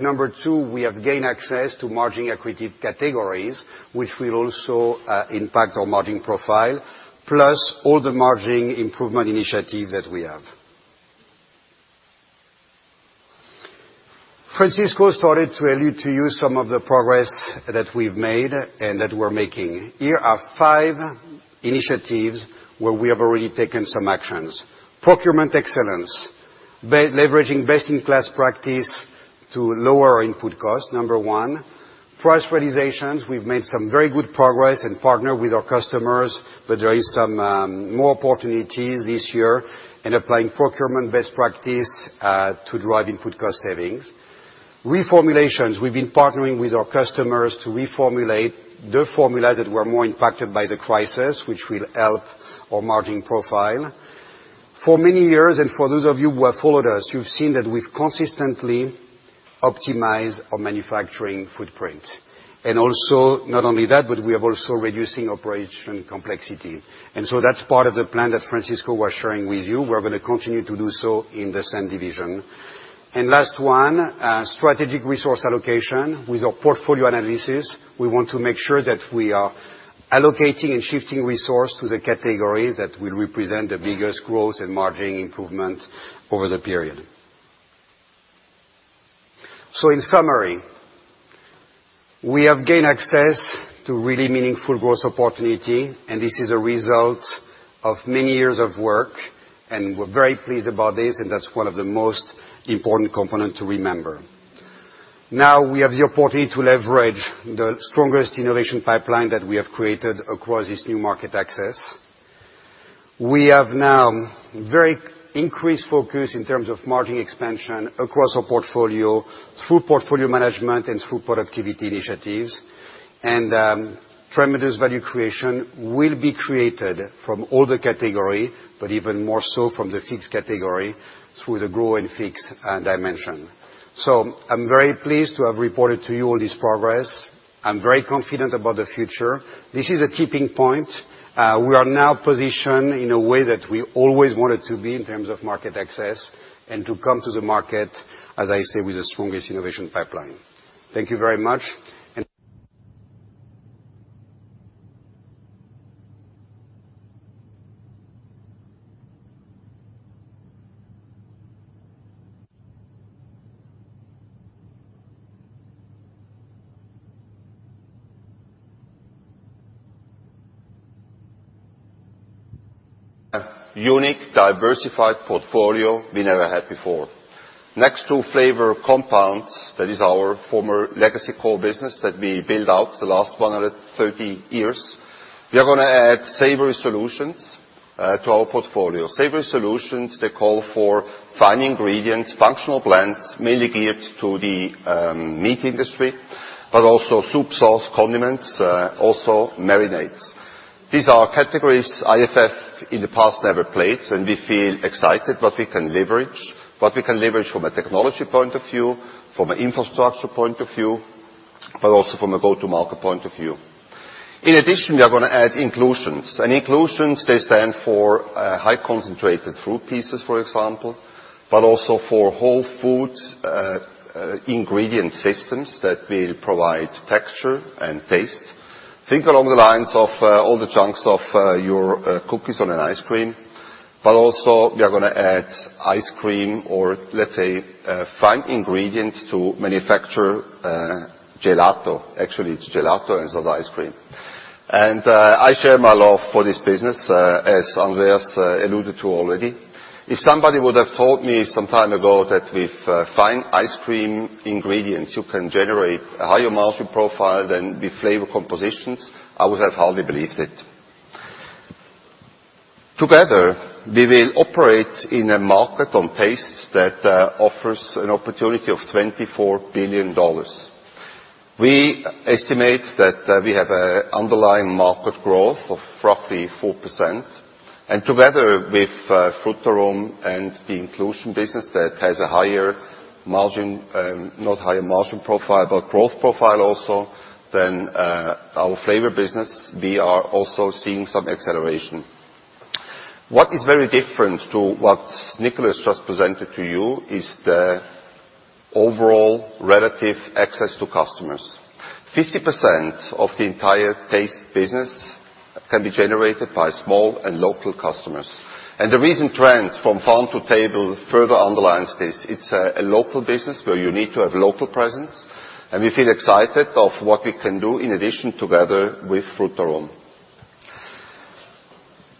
Number two, we have gained access to margin accretive categories, which will also impact our margin profile, plus all the margin improvement initiatives that we have. Francisco started to allude to you some of the progress that we've made and that we're making. Here are five initiatives where we have already taken some actions. Procurement excellence, leveraging best-in-class practice to lower input costs, number one. Price realizations. We've made some very good progress and partner with our customers, there is some more opportunities this year in applying procurement best practice to drive input cost savings. Reformulations. We've been partnering with our customers to reformulate the formulas that were more impacted by the crisis, which will help our margin profile. For many years, and for those of you who have followed us, you've seen that we've consistently optimized our manufacturing footprint. Not only that, but we are also reducing operation complexity. That's part of the plan that Francisco was sharing with you. We're going to continue to do so in the Scent division. Last one, strategic resource allocation. With our portfolio analysis, we want to make sure that we are allocating and shifting resource to the categories that will represent the biggest growth and margin improvement over the period. In summary, we have gained access to really meaningful growth opportunity, this is a result of many years of work, we're very pleased about this, that's one of the most important component to remember. Now we have the opportunity to leverage the strongest innovation pipeline that we have created across this new market access. We have now very increased focus in terms of margin expansion across our portfolio through portfolio management and through productivity initiatives. Tremendous value creation will be created from all the category, but even more so from the fixed category through the grow and fixed dimension. I'm very pleased to have reported to you on this progress. I'm very confident about the future. This is a tipping point. We are now positioned in a way that we always wanted to be in terms of market access and to come to the market, as I say, with the strongest innovation pipeline. Thank you very much. A unique, diversified portfolio we never had before. Next to flavor compounds, that is our former legacy core business that we built out the last 130 years. We are going to add Savory Solutions to our portfolio. Savory Solutions, they call for fine ingredients, functional blends, mainly geared to the meat industry, but also soup, sauce, condiments, also marinades. These are categories IFF in the past never played, we feel excited what we can leverage from a technology point of view, from an infrastructure point of view, but also from a go-to-market point of view. In addition, we are going to add inclusions. Inclusions, they stand for high concentrated fruit pieces, for example, but also for whole foods, ingredient systems that will provide texture and taste. Think along the lines of all the chunks of your cookies on an ice cream. We are going to add ice cream or let's say, fine ingredients to manufacture gelato. Actually, it's gelato and it's not ice cream. I share my love for this business, as Andreas alluded to already. If somebody would have told me some time ago that with fine ice cream ingredients, you can generate a higher margin profile than with flavor compositions, I would have hardly believed it. Together, we will operate in a market on tastes that offers an opportunity of $24 billion. We estimate that we have a underlying market growth of roughly 4%. Together with Frutarom and the inclusion business that has a higher margin not higher margin profile, but growth profile also than our flavor business, we are also seeing some acceleration. What is very different to what Nicolas just presented to you is the overall relative access to customers. 50% of the entire taste business can be generated by small and local customers. The recent trends from farm-to-table further underlines this. It's a local business where you need to have local presence, and we feel excited of what we can do in addition together with Frutarom.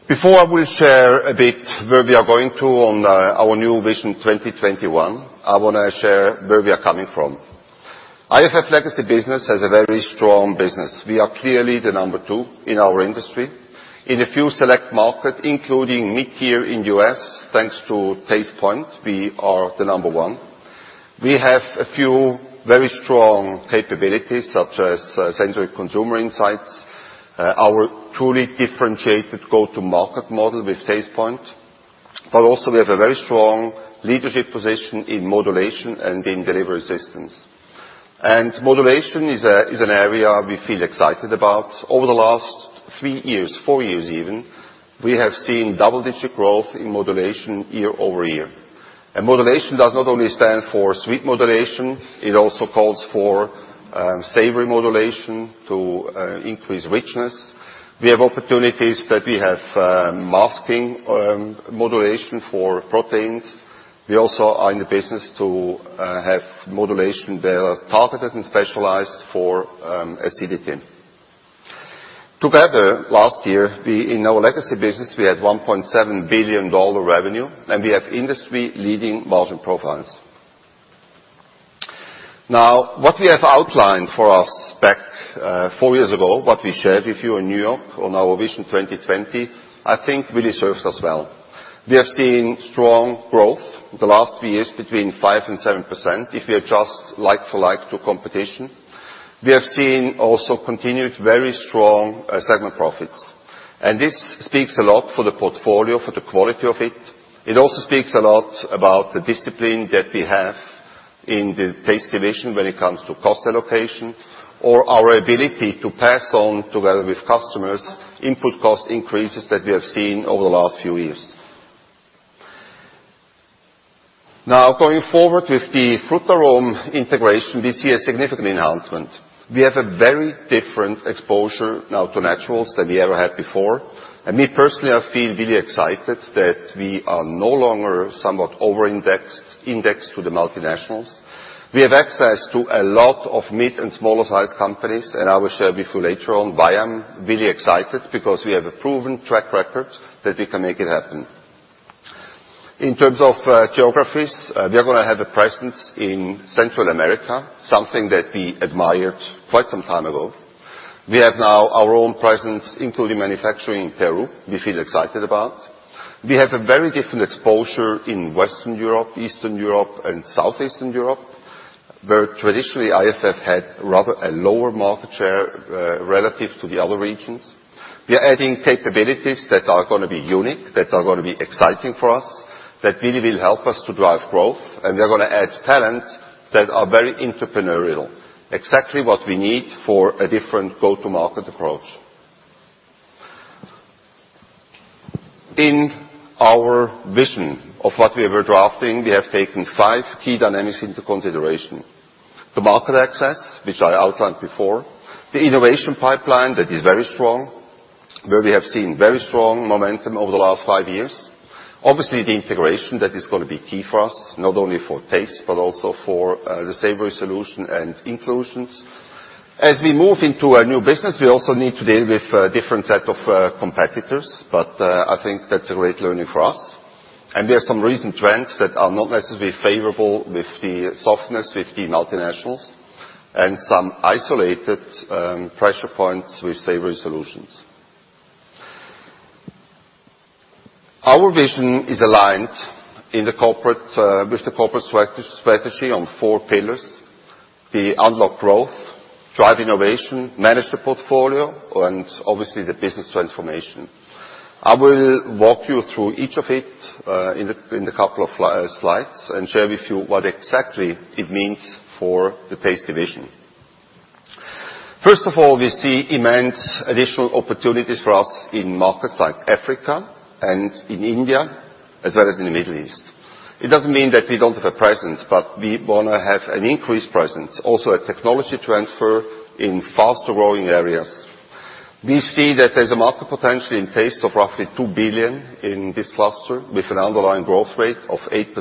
Before I will share a bit where we are going to on our new Vision 2021, I want to share where we are coming from. IFF legacy business has a very strong business. We are clearly the number two in our industry. In a few select market, including mid-tier in U.S., thanks to Tastepoint, we are the number one. We have a few very strong capabilities, such as sensory consumer insights, our truly differentiated go-to-market model with Tastepoint Also, we have a very strong leadership position in modulation and in delivery systems. Modulation is an area we feel excited about. Over the last three years, four years even, we have seen double-digit growth in modulation year-over-year. Modulation does not only stand for sweet modulation, it also calls for savory modulation to increase richness. We have opportunities that we have masking modulation for proteins. We also are in the business to have modulation that are targeted and specialized for acidity. Together, last year, in our legacy business, we had $1.7 billion revenue, and we have industry-leading margin profiles. Now, what we have outlined for our spec four years ago, what we shared with you in New York on our Vision 2020, I think really served us well. We have seen strong growth the last three years, between 5% and 7%, if we adjust like for like to competition. We have seen also continued very strong segment profits. This speaks a lot for the portfolio, for the quality of it. It also speaks a lot about the discipline that we have in the Taste division when it comes to cost allocation or our ability to pass on, together with customers, input cost increases that we have seen over the last few years. Now, going forward with the Frutarom integration, we see a significant enhancement. We have a very different exposure now to naturals than we ever had before. Me, personally, I feel really excited that we are no longer somewhat over-indexed to the multinationals. We have access to a lot of mid and smaller-sized companies. I will share with you later on why I'm really excited, because we have a proven track record that we can make it happen. In terms of geographies, we are going to have a presence in Central America, something that we admired quite some time ago. We have now our own presence, including manufacturing in Peru, we feel excited about. We have a very different exposure in Western Europe, Eastern Europe, and Southeastern Europe, where traditionally, IFF had rather a lower market share relative to the other regions. We are adding capabilities that are going to be unique, that are going to be exciting for us, that really will help us to drive growth. We are going to add talent that are very entrepreneurial, exactly what we need for a different go-to-market approach. In our vision of what we were drafting, we have taken 5 key dynamics into consideration. The market access, which I outlined before. The innovation pipeline that is very strong, where we have seen very strong momentum over the last 5 years. Obviously, the integration, that is going to be key for us, not only for Taste, but also for the Savory Solutions and Inclusions. As we move into a new business, we also need to deal with a different set of competitors, but I think that's a great learning for us. There are some recent trends that are not necessarily favorable with the softness with the multinationals and some isolated pressure points with Savory Solutions. Our vision is aligned with the corporate strategy on 4 pillars: unlock growth, drive innovation, manage the portfolio, and obviously, the business transformation. I will walk you through each of it in a couple of slides and share with you what exactly it means for the Taste division. First of all, we see immense additional opportunities for us in markets like Africa and in India, as well as in the Middle East. It doesn't mean that we don't have a presence, but we want to have an increased presence. Also, a technology transfer in faster-growing areas. We see that there's a market potential in Taste of roughly $2 billion in this cluster with an underlying growth rate of 8%.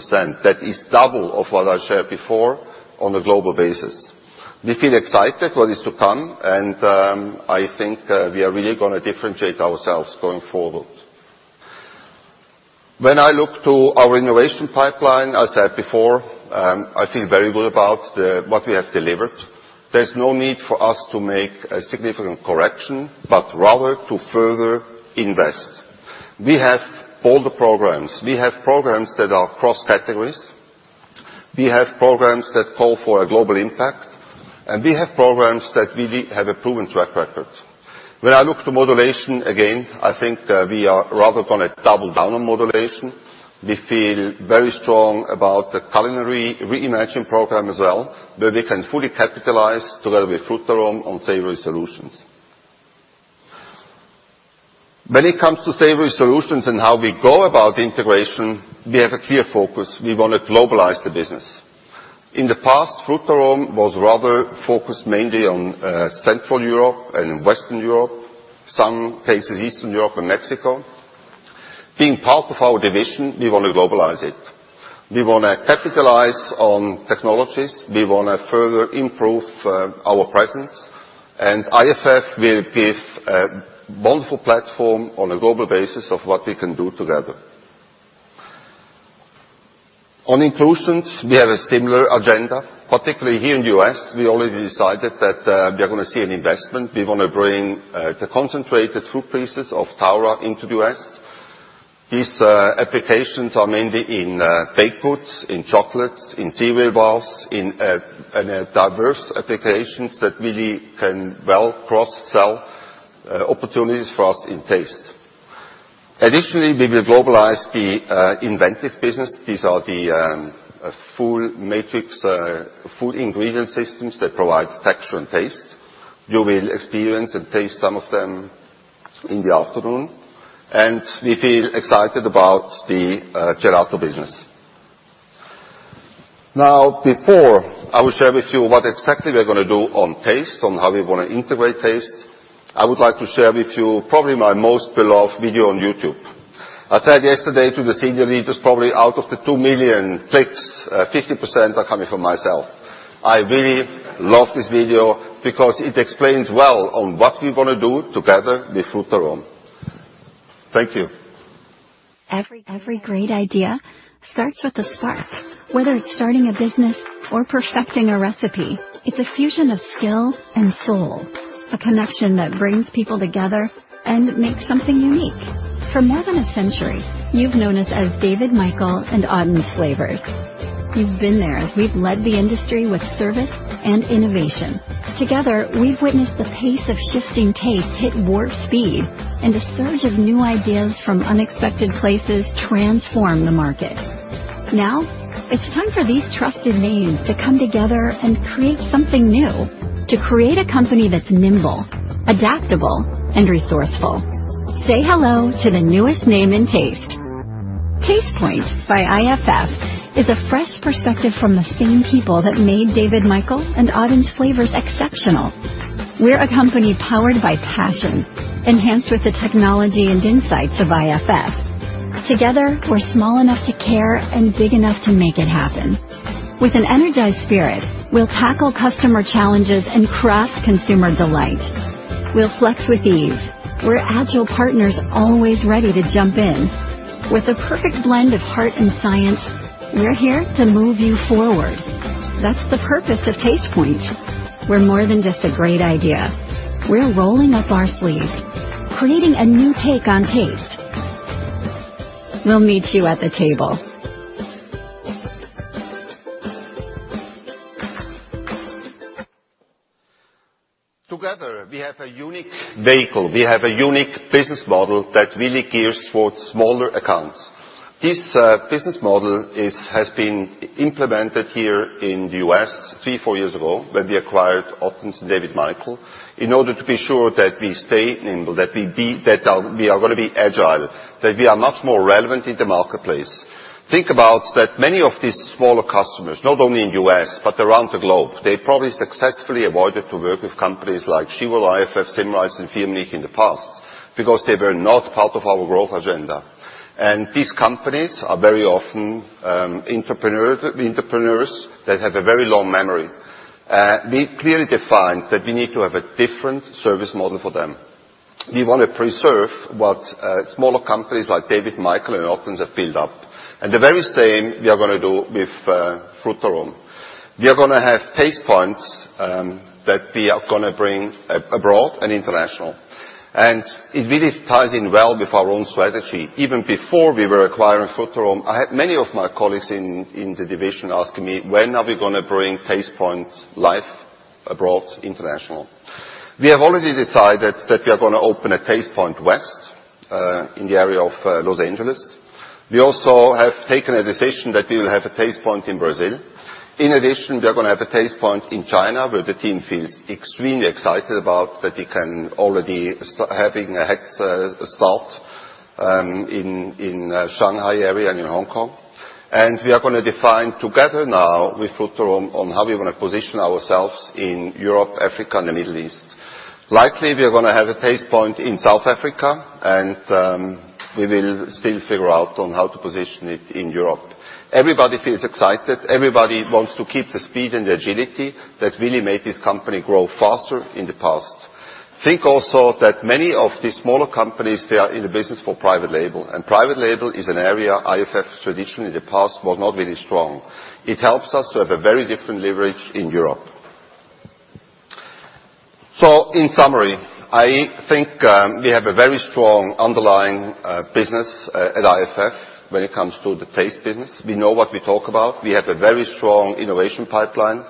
That is double of what I shared before on a global basis. We feel excited what is to come. I think we are really going to differentiate ourselves going forward. When I look to our innovation pipeline, I said before, I feel very good about what we have delivered. There's no need for us to make a significant correction, but rather to further invest. We have all the programs. We have programs that are cross-categories. We have programs that call for a global impact. We have programs that really have a proven track record. When I look to modulation again, I think we are rather going to double down on modulation. We feel very strong about the culinary reimagining program as well, where we can fully capitalize together with Frutarom on Savory Solutions. When it comes to Savory Solutions and how we go about integration, we have a clear focus. We want to globalize the business. In the past, Frutarom was rather focused mainly on Central Europe and Western Europe, some cases Eastern Europe and Mexico. Being part of our division, we want to globalize it. We want to capitalize on technologies. We want to further improve our presence. IFF will give a wonderful platform on a global basis of what we can do together. On Inclusions, we have a similar agenda. Particularly here in the U.S., we already decided that we are going to see an investment. We want to bring the concentrated fruit pieces of Taura into the U.S. These applications are mainly in baked goods, in chocolates, in cereal bars, in diverse applications that really can well cross-sell opportunities for us in taste. Additionally, we will globalize the Inventive business. These are the full matrix food ingredient systems that provide texture and taste. You will experience and taste some of them in the afternoon, and we feel excited about the gelato business. Before I will share with you what exactly we're going to do on taste, on how we want to integrate taste, I would like to share with you probably my most beloved video on YouTube. I said yesterday to the senior leaders, probably out of the 2 million clicks, 50% are coming from myself. I really love this video because it explains well on what we want to do together with Frutarom. Thank you. Every great idea starts with a spark. Whether it's starting a business or perfecting a recipe, it's a fusion of skill and soul, a connection that brings people together and makes something unique. For more than a century, you've known us as David Michael and Ottens Flavors. You've been there as we've led the industry with service and innovation. Together, we've witnessed the pace of shifting taste hit warp speed and a surge of new ideas from unexpected places transform the market. It's time for these trusted names to come together and create something new. To create a company that's nimble, adaptable, and resourceful. Say hello to the newest name in taste. Tastepoint by IFF is a fresh perspective from the same people that made David Michael and Ottens Flavors exceptional. We're a company powered by passion, enhanced with the technology and insights of IFF. Together, we're small enough to care and big enough to make it happen. With an energized spirit, we'll tackle customer challenges and craft consumer delight. We'll flex with ease. We're agile partners always ready to jump in. With a perfect blend of heart and science, we're here to move you forward. That's the purpose of Tastepoint. We're more than just a great idea. We're rolling up our sleeves, creating a new take on taste. We'll meet you at the table. Together, we have a unique vehicle. We have a unique business model that really gears towards smaller accounts. This business model has been implemented here in the U.S. three, four years ago, when we acquired Ottens and David Michael, in order to be sure that we stay nimble, that we are going to be agile, that we are much more relevant in the marketplace. Think about that many of these smaller customers, not only in U.S., but around the globe, they probably successfully avoided to work with companies like Firmenich in the past because they were not part of our growth agenda. These companies are very often entrepreneurs that have a very long memory. We clearly defined that we need to have a different service model for them. We want to preserve what smaller companies like David Michael and Ottens have built up, the very same we are going to do with Frutarom. We are going to have Tastepoints that we are going to bring abroad and international. It really ties in well with our own strategy. Even before we were acquiring Frutarom, I had many of my colleagues in the division asking me, when are we going to bring Tastepoint live abroad, international? We have already decided that we are going to open a Tastepoint West, in the area of Los Angeles. We also have taken a decision that we will have a Tastepoint in Brazil. In addition, we are going to have a Tastepoint in China, where the team feels extremely excited about that we can already having a head start in Shanghai area and in Hong Kong. We are going to define together now with Frutarom on how we want to position ourselves in Europe, Africa, and the Middle East. Likely, we are going to have a Tastepoint in South Africa, and we will still figure out on how to position it in Europe. Everybody feels excited. Everybody wants to keep the speed and agility that really made this company grow faster in the past. Think also that many of these smaller companies, they are in the business for private label, and private label is an area IFF traditionally in the past was not really strong. It helps us to have a very different leverage in Europe. In summary, I think we have a very strong underlying business at IFF when it comes to the taste business. We know what we talk about. We have a very strong innovation pipeline.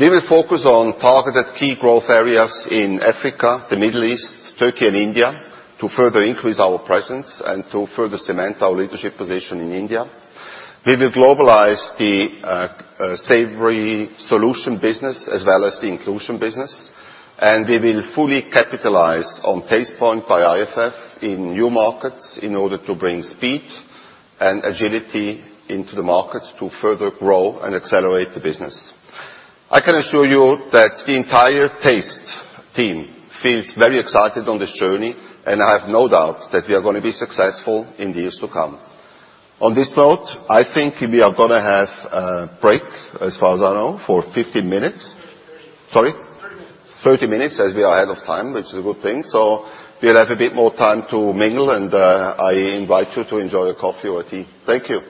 We will focus on targeted key growth areas in Africa, the Middle East, Turkey, and India to further increase our presence and to further cement our leadership position in India. We will globalize the Savory Solutions business as well as the inclusion business, and we will fully capitalize on Tastepoint by IFF in new markets in order to bring speed and agility into the markets to further grow and accelerate the business. I can assure you that the entire taste team feels very excited on this journey, and I have no doubt that we are going to be successful in the years to come. On this note, I think we are going to have a break, as far as I know, for 15 minutes. 30 minutes. Sorry? 30 minutes. 30 minutes as we are ahead of time, which is a good thing. We'll have a bit more time to mingle and I invite you to enjoy a coffee or tea. Thank you.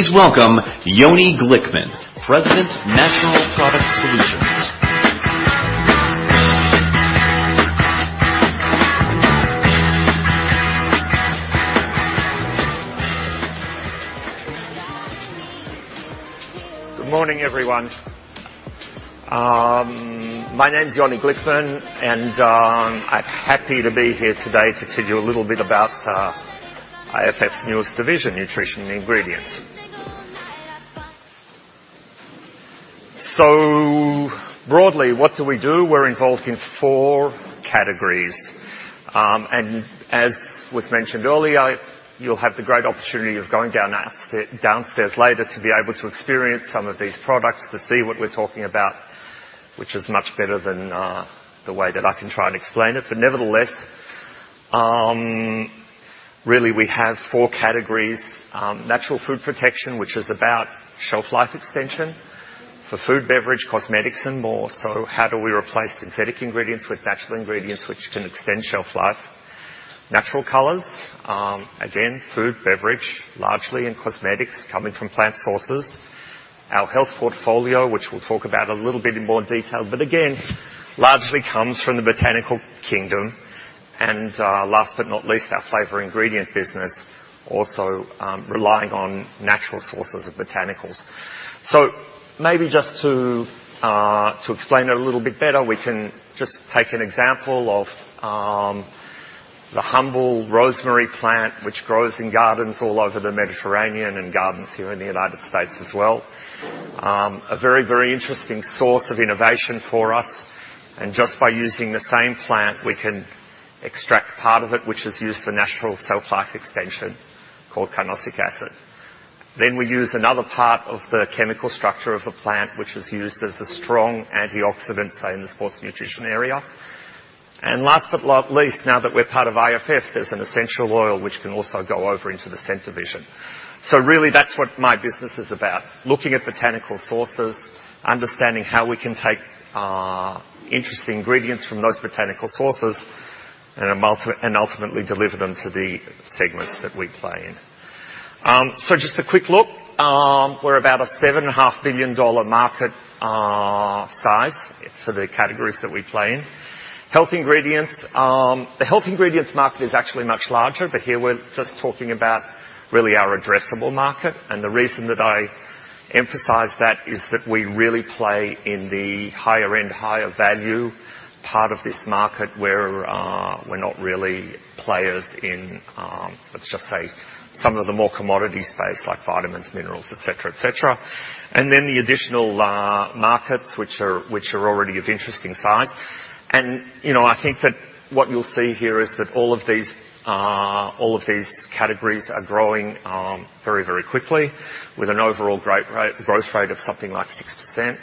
with me. Ladies and gentlemen, please welcome Yoni Glickman, President, Natural Solutions. Because I need you here with me Good morning, everyone. My name's Yoni Glickman, and I'm happy to be here today to tell you a little bit about IFF's newest division, Nutrition and Ingredients. Broadly, what do we do? We're involved in four categories. As was mentioned earlier, you'll have the great opportunity of going downstairs later to be able to experience some of these products, to see what we're talking about, which is much better than the way that I can try and explain it. Nevertheless, really, we have four categories. Natural food protection, which is about shelf life extension for food, beverage, cosmetics, and more. How do we replace synthetic ingredients with natural ingredients, which can extend shelf life? Natural colors. Again, food, beverage, largely in cosmetics, coming from plant sources. Our health portfolio, which we'll talk about a little bit in more detail, but again, largely comes from the botanical kingdom. Last but not least, our flavor ingredient business, also relying on natural sources of botanicals. Maybe just to explain it a little bit better, we can just take an example of the humble rosemary plant, which grows in gardens all over the Mediterranean and gardens here in the U.S. as well. A very interesting source of innovation for us. Just by using the same plant, we can extract part of it, which is used for natural shelf life extension called carnosic acid. We use another part of the chemical structure of the plant, which is used as a strong antioxidant, say, in the sports nutrition area. Last but not least, now that we're part of IFF, there's an essential oil which can also go over into the scent division. Really that's what my business is about. Looking at botanical sources, understanding how we can take interesting ingredients from those botanical sources, and ultimately deliver them to the segments that we play in. Just a quick look. We're about a $7.5 billion market size for the categories that we play in. Health ingredients. The health ingredients market is actually much larger, but here we're just talking about really our addressable market. The reason that I emphasize that is that we really play in the higher end, higher value part of this market, where we're not really players in, let's just say, some of the more commodity space like vitamins, minerals, et cetera. Then the additional markets which are already of interesting size. I think that what you'll see here is that all of these categories are growing very quickly, with an overall growth rate of something like 6%.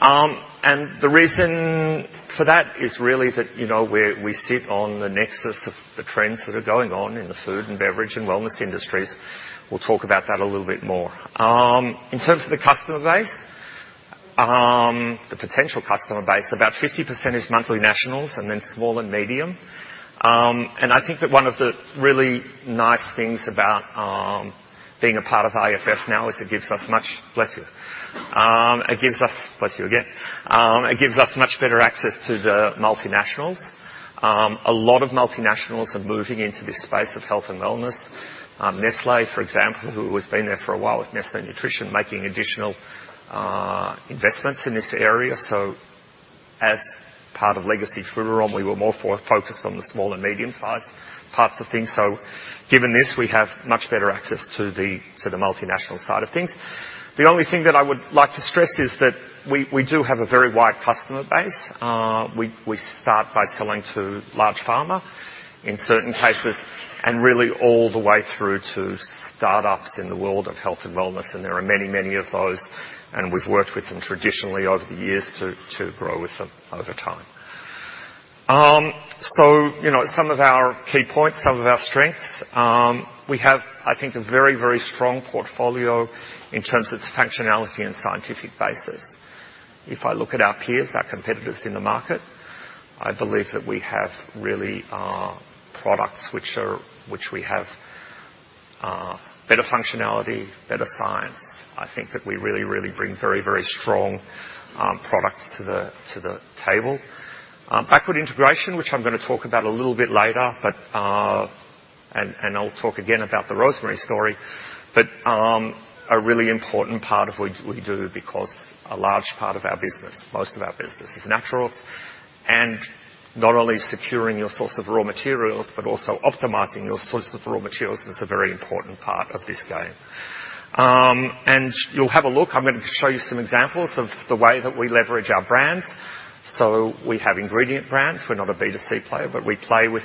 The reason for that is really that we sit on the nexus of the trends that are going on in the food and beverage and wellness industries. We'll talk about that a little bit more. In terms of the customer base. The potential customer base, about 50% is multinationals and then small and medium. I think that one of the really nice things about being a part of IFF now is it gives us much better access to the multinationals. A lot of multinationals are moving into this space of health and wellness. Nestlé, for example, who has been there for a while, with Nestlé Nutrition, making additional investments in this area. As part of legacy Frutarom, we were more focused on the small and medium-sized parts of things. Given this, we have much better access to the multinational side of things. The only thing that I would like to stress is that we do have a very wide customer base. We start by selling to large pharma in certain cases, and really all the way through to startups in the world of health and wellness, and there are many of those. We've worked with them traditionally over the years to grow with them over time. Some of our key points, some of our strengths. We have, I think, a very strong portfolio in terms of its functionality and scientific basis. If I look at our peers, our competitors in the market, I believe that we have, really, products which we have better functionality, better science. I think that we really bring very strong products to the table. Backward integration, which I'm going to talk about a little bit later, I'll talk again about the rosemary story. A really important part of what we do because a large part of our business, most of our business is naturals. Not only securing your source of raw materials, but also optimizing your source of raw materials is a very important part of this game. You'll have a look, I'm going to show you some examples of the way that we leverage our brands. We have ingredient brands. We're not a B2C player, but we play with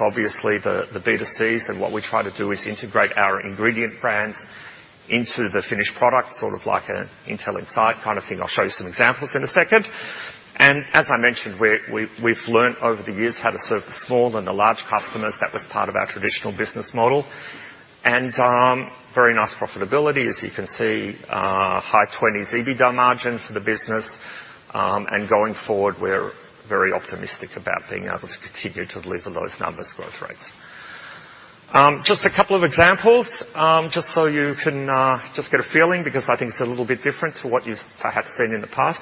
obviously the B2Cs, and what we try to do is integrate our ingredient brands into the finished product, sort of like an Intel Inside kind of thing. I'll show you some examples in a second. As I mentioned, we've learned over the years how to serve the small and the large customers. That was part of our traditional business model. Very nice profitability. As you can see, high 20s EBITDA margin for the business. Going forward, we're very optimistic about being able to continue to deliver those numbers growth rates. Just a couple of examples, just so you can get a feeling, because I think it's a little bit different to what you've perhaps seen in the past.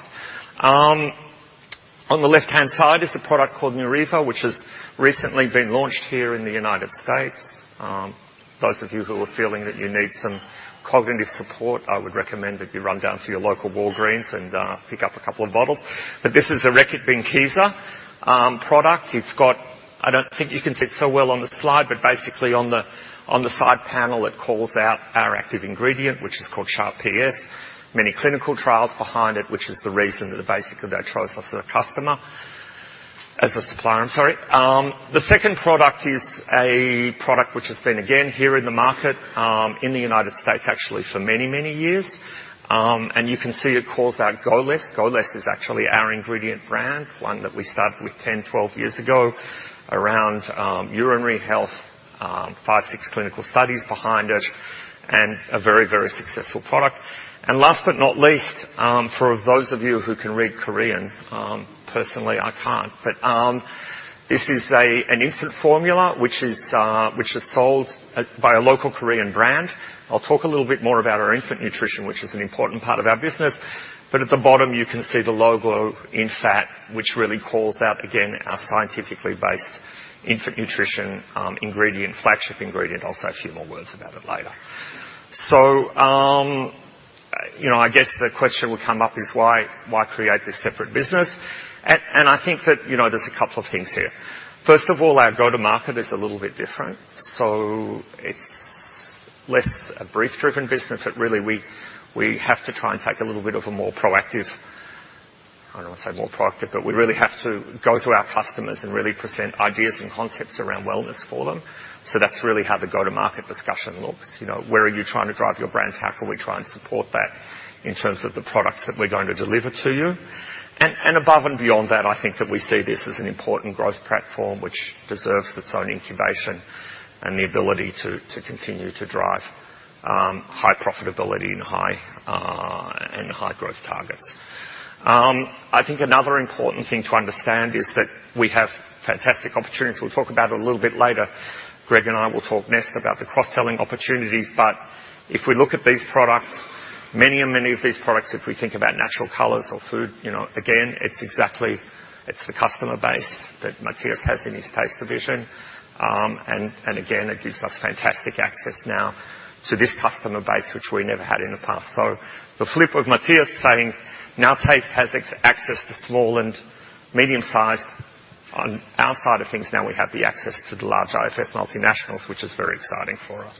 On the left-hand side is a product called Neuriva, which has recently been launched here in the United States. Those of you who are feeling that you need some cognitive support, I would recommend that you run down to your local Walgreens and pick up a couple of bottles. This is a Reckitt Benckiser product. I do not think you can see it so well on the slide, but basically on the side panel, it calls out our active ingredient, which is called Sharp-PS. Many clinical trials behind it, which is the reason that basically they chose us as a customer. As a supplier, I am sorry. The second product is a product which has been again here in the market, in the U.S., actually for many years. You can see it calls out Go-Less. Go-Less is actually our ingredient brand, one that we started with 10, 12 years ago around urinary health. Five, six clinical studies behind it, and a very successful product. Last but not least, for those of you who can read Korean, personally, I can't. This is an infant formula, which is sold by a local Korean brand. I will talk a little bit more about our infant nutrition, which is an important part of our business. At the bottom, you can see the logo INFAT, which really calls out, again, our scientifically based infant nutrition ingredient, flagship ingredient. I will say a few more words about it later. I guess the question will come up is why create this separate business? I think that there is a couple of things here. First of all, our go-to-market is a little bit different. It is less a brief driven business, but really we have to try and take a little bit of a more proactive, I do not want to say more proactive, but we really have to go to our customers and really present ideas and concepts around wellness for them. That is really how the go-to-market discussion looks. Where are you trying to drive your brand? How can we try and support that in terms of the products that we are going to deliver to you? Above and beyond that, I think that we see this as an important growth platform, which deserves its own incubation and the ability to continue to drive high profitability and high growth targets. I think another important thing to understand is that we have fantastic opportunities. We will talk about it a little bit later. Greg and I will talk next about the cross-selling opportunities. If we look at these products, many of these products, if we think about natural colors or food, again, it is the customer base that Matthias has in his Tastepoint. Again, it gives us fantastic access now to this customer base, which we never had in the past. The flip of Matthias saying now Tastepoint has access to small and medium-sized. On our side of things, now we have the access to the large IFF multinationals, which is very exciting for us.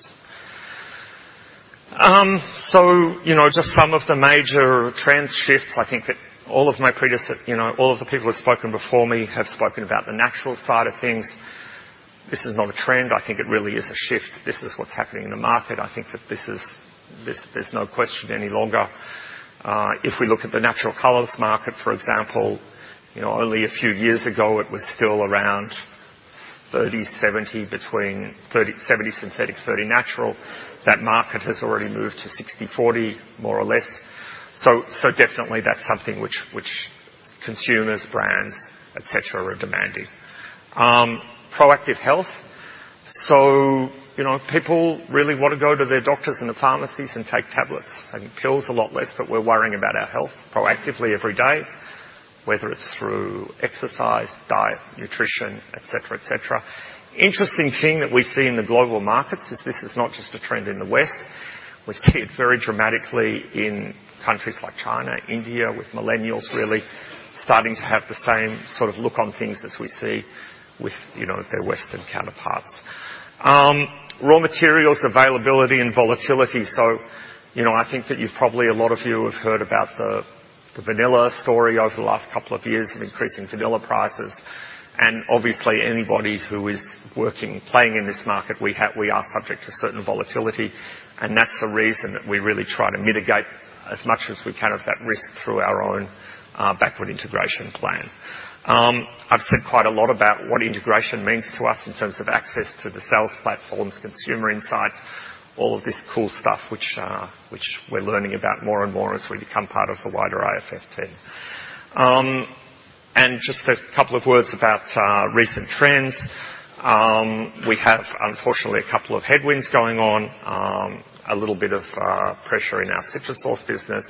Just some of the major trend shifts. I think that all of the people who have spoken before me have spoken about the natural side of things. This is not a trend. I think it really is a shift. This is what is happening in the market. I think that there is no question any longer. If we look at the natural colors market, for example, only a few years ago, it was still around 30/70, between 70 synthetic, 30 natural. That market has already moved to 60/40, more or less. Definitely, that's something which consumers, brands, et cetera, are demanding. Proactive health. People really want to go to their doctors and the pharmacies and take tablets and pills a lot less, but we're worrying about our health proactively every day, whether it's through exercise, diet, nutrition, et cetera. Interesting thing that we see in the global markets is this is not just a trend in the West. We see it very dramatically in countries like China, India, with millennials really starting to have the same sort of look on things as we see with their Western counterparts. Raw materials availability and volatility. I think that you've probably, a lot of you have heard about the vanilla story over the last couple of years of increasing vanilla prices. Obviously, anybody who is working, playing in this market, we are subject to certain volatility, and that's the reason that we really try to mitigate as much as we can of that risk through our own backward integration plan. I've said quite a lot about what integration means to us in terms of access to the sales platforms, consumer insights, all of this cool stuff which we're learning about more and more as we become part of the wider IFF team. Just a couple of words about recent trends. We have, unfortunately, a couple of headwinds going on. A little bit of pressure in our CitraSource business.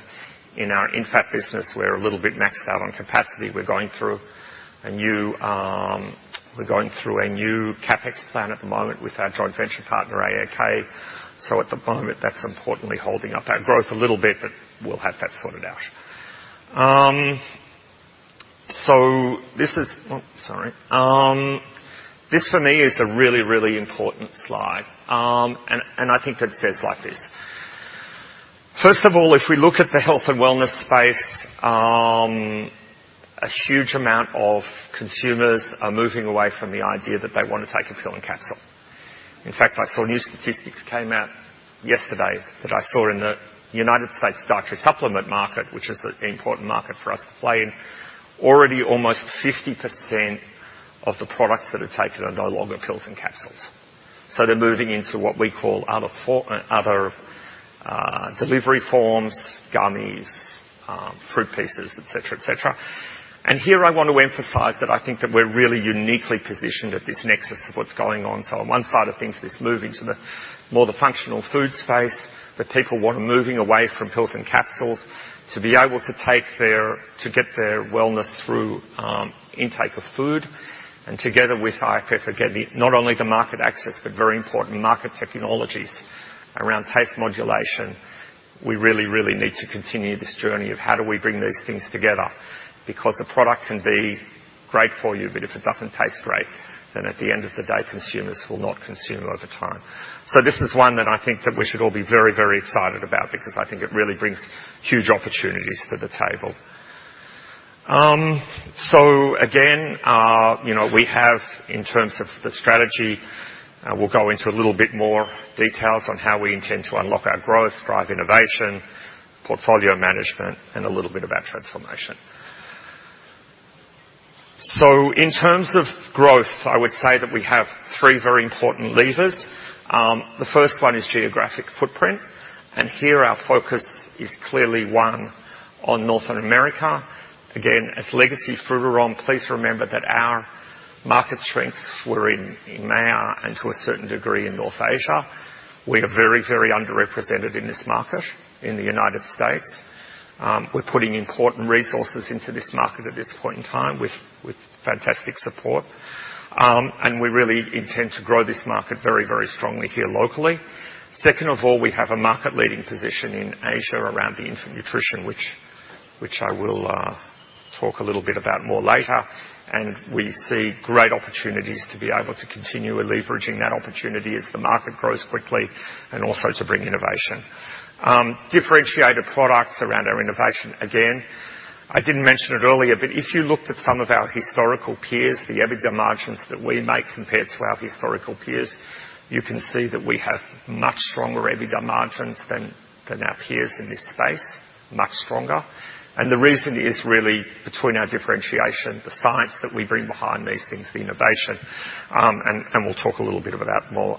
In our INFAT business, we're a little bit maxed out on capacity. We're going through a new CapEx plan at the moment with our joint venture partner, AAK. At the moment, that's importantly holding up our growth a little bit, but we'll have that sorted out. This, for me, is a really important slide. I think that says like this. First of all, if we look at the health and wellness space, a huge amount of consumers are moving away from the idea that they want to take a pill and capsule. In fact, I saw new statistics came out yesterday that I saw in the U.S. dietary supplement market, which is an important market for us to play in. Already almost 50% of the products that are taken are no longer pills and capsules. They're moving into what we call other delivery forms, gummies, fruit pieces, et cetera. Here I want to emphasize that I think that we're really uniquely positioned at this nexus of what's going on. On one side of things, this move into the more the functional food space, that people want moving away from pills and capsules to be able to get their wellness through intake of food. Together with IFF, we're getting not only the market access, but very important market technologies around taste modulation. We really need to continue this journey of how do we bring these things together. A product can be great for you, but if it doesn't taste great, then at the end of the day, consumers will not consume over time. This is one that I think that we should all be very excited about, because I think it really brings huge opportunities to the table. Again, we have in terms of the strategy, we'll go into a little bit more details on how we intend to unlock our growth, drive innovation, portfolio management, and a little bit about transformation. In terms of growth, I would say that we have three very important levers. The first one is geographic footprint. Here our focus is clearly one on Northern America. Again, as legacy Frutarom, please remember that our market strengths were in EAME and to a certain degree in North Asia. We are very underrepresented in this market in the U.S. We're putting important resources into this market at this point in time with fantastic support. We really intend to grow this market very strongly here locally. Second, we have a market-leading position in Asia around the infant nutrition, which I will talk a little bit about more later. We see great opportunities to be able to continue leveraging that opportunity as the market grows quickly and also to bring innovation. Differentiated products around our innovation. Again, I didn't mention it earlier, but if you looked at some of our historical peers, the EBITDA margins that we make compared to our historical peers, you can see that we have much stronger EBITDA margins than our peers in this space, much stronger. The reason is really between our differentiation, the science that we bring behind these things, the innovation, and we'll talk a little bit about that more.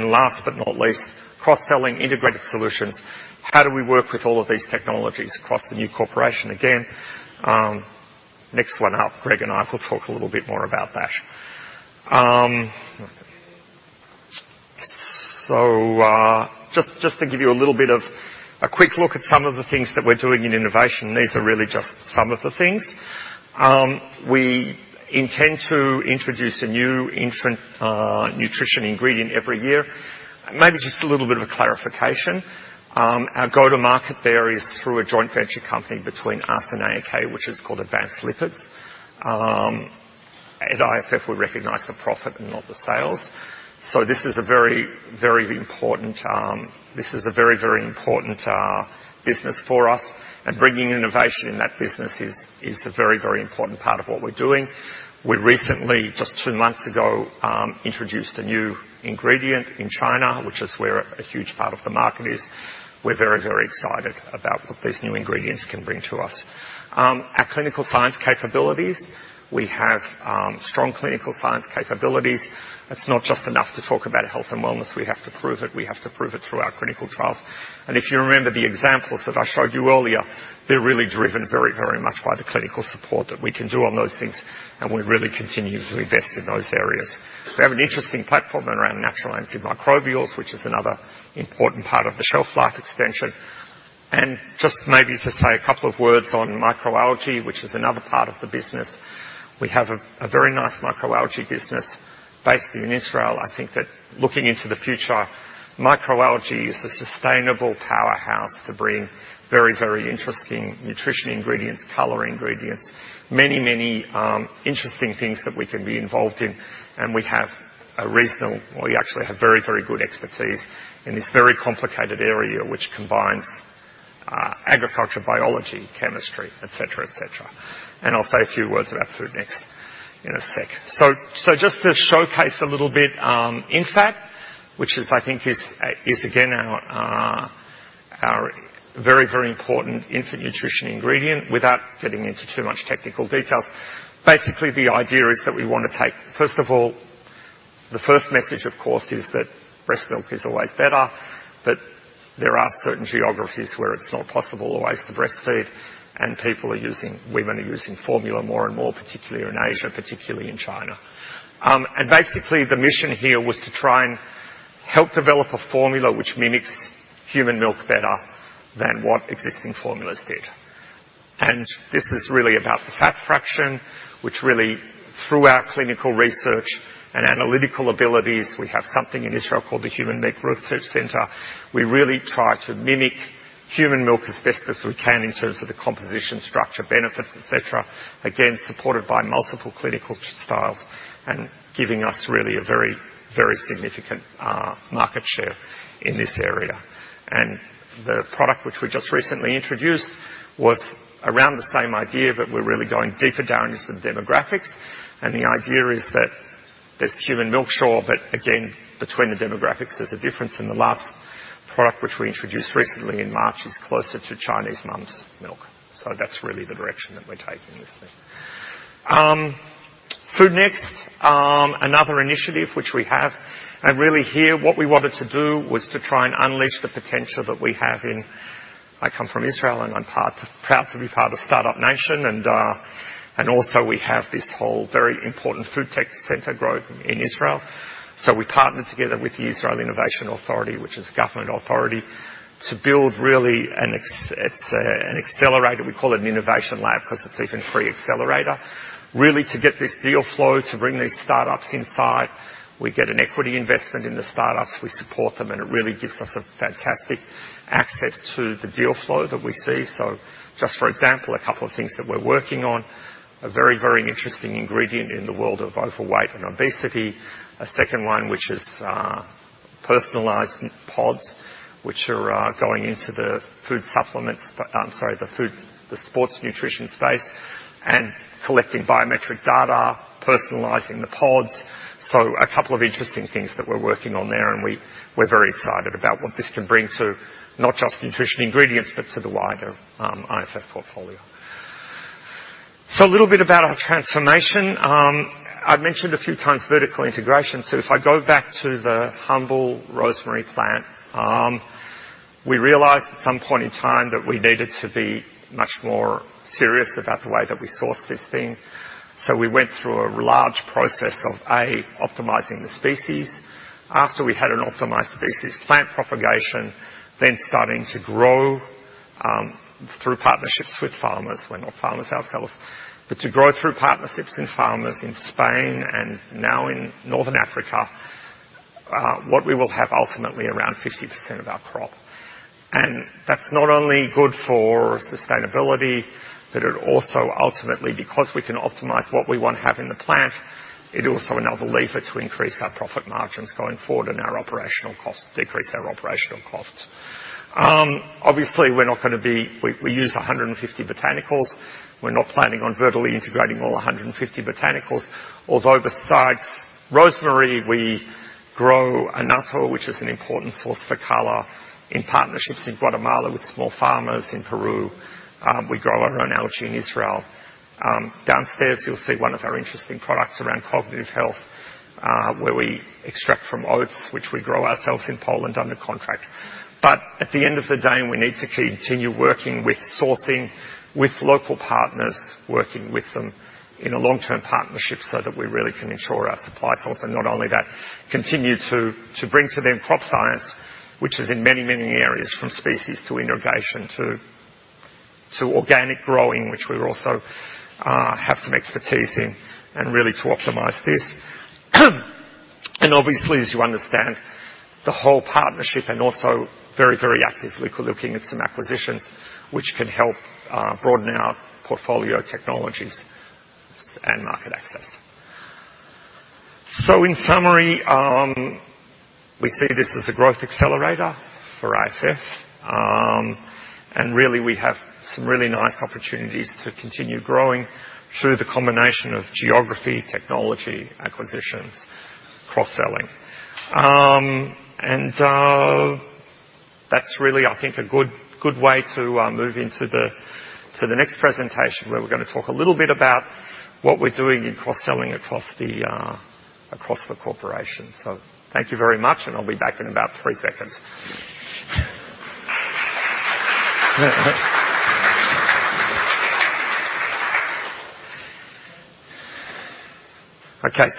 Last but not least, cross-selling integrated solutions. How do we work with all of these technologies across the new corporation? Again, next one up, Greg and I will talk a little bit more about that. Just to give you a little bit of a quick look at some of the things that we're doing in innovation. These are really just some of the things. We intend to introduce a new infant nutrition ingredient every year. Maybe just a little bit of a clarification. Our go-to-market there is through a joint venture company between us and AAK, which is called Advanced Lipids. At IFF, we recognize the profit and not the sales. This is a very important business for us, and bringing innovation in that business is a very important part of what we're doing. We recently, just two months ago, introduced a new ingredient in China, which is where a huge part of the market is. We're very excited about what these new ingredients can bring to us. Our clinical science capabilities. We have strong clinical science capabilities. It's not just enough to talk about health and wellness. We have to prove it. We have to prove it through our clinical trials. If you remember the examples that I showed you earlier, they're really driven very much by the clinical support that we can do on those things, and we really continue to invest in those areas. We have an interesting platform around natural antimicrobials, which is another important part of the shelf life extension. Just maybe to say a couple of words on microalgae, which is another part of the business. We have a very nice microalgae business based in Israel. I think that looking into the future, microalgae is a sustainable powerhouse to bring very interesting nutrition ingredients, color ingredients. Many interesting things that we can be involved in, and we have a reasonable, or we actually have very good expertise in this very complicated area, which combines agriculture, biology, chemistry, et cetera. I'll say a few words about Food Next in a sec. Just to showcase a little bit INFAT, which is, I think, is again our very important infant nutrition ingredient. Without getting into too much technical details, First of all, the first message, of course, is that breast milk is always better, but there are certain geographies where it's not possible always to breastfeed, and women are using formula more and more, particularly in Asia, particularly in China. Basically, the mission here was to try to help develop a formula which mimics human milk better than what existing formulas did. This is really about the fat fraction, which really through our clinical research and analytical abilities, we have something in Israel called the Human Milk Research Center. We really try to mimic human milk as best as we can in terms of the composition, structure, benefits, et cetera. Again, supported by multiple clinical studies, and giving us really a very significant market share in this area. The product which we just recently introduced was around the same idea, but we're really going deeper down into the demographics. The idea is that there's human milk sure, but again, between the demographics, there's a difference. The last product which we introduced recently in March is closer to Chinese mum's milk. That's really the direction that we're taking this thing. Food Next, another initiative which we have. Really here, what we wanted to do was to try and unleash the potential that we have. I come from Israel, and I'm proud to be part of Start-Up Nation. Also we have this whole very important food tech center growth in Israel. We partnered together with the Israel Innovation Authority, which is government authority, to build really an accelerator. We call it an innovation lab because it's even pre-accelerator, really to get this deal flow to bring these startups inside. We get an equity investment in the startups. We support them, and it really gives us a fantastic access to the deal flow that we see. Just for example, a couple of things that we're working on. A very interesting ingredient in the world of overweight and obesity. A second one, which is personalized pods, which are going into the food supplements, I'm sorry, the sports nutrition space. Collecting biometric data, personalizing the pods. A couple of interesting things that we're working on there, and we're very excited about what this can bring to not just nutrition ingredients, but to the wider IFF portfolio. A little bit about our transformation. I've mentioned a few times vertical integration. If I go back to the humble rosemary plant, we realized at some point in time that we needed to be much more serious about the way that we source this thing. We went through a large process of, A, optimizing the species. After we had an optimized species, plant propagation, then starting to grow, through partnerships with farmers. We're not farmers ourselves, to grow through partnerships in farmers in Spain and now in Northern Africa, what we will have ultimately around 50% of our crop. That's not only good for sustainability, it is also ultimately, because we can optimize what we want to have in the plant, it also another lever to increase our profit margins going forward and our operational costs, decrease our operational costs. Obviously, we're not going to be. We use 150 botanicals. We're not planning on vertically integrating all 150 botanicals. Although, besides rosemary, we grow annatto which is an important source for color in partnerships in Guatemala with small farmers in Peru. We grow our own algae in Israel. Downstairs, you'll see one of our interesting products around cognitive health, where we extract from oats, which we grow ourselves in Poland under contract. At the end of the day, we need to continue working with sourcing with local partners, working with them in a long-term partnership so that we really can ensure our supply source. Not only that, continue to bring to them crop science, which is in many areas from species to irrigation to organic growing, which we also have some expertise in and really to optimize this. Obviously, as you understand, the whole partnership and also very actively looking at some acquisitions which can help broaden our portfolio technologies and market access. In summary, we see this as a growth accelerator for IFF. Really we have some really nice opportunities to continue growing through the combination of geography, technology, acquisitions, cross-selling. That's really, I think, a good way to move into the next presentation, where we're going to talk a little bit about what we're doing in cross-selling across the corporation. Thank you very much, and I'll be back in about three seconds. Okay.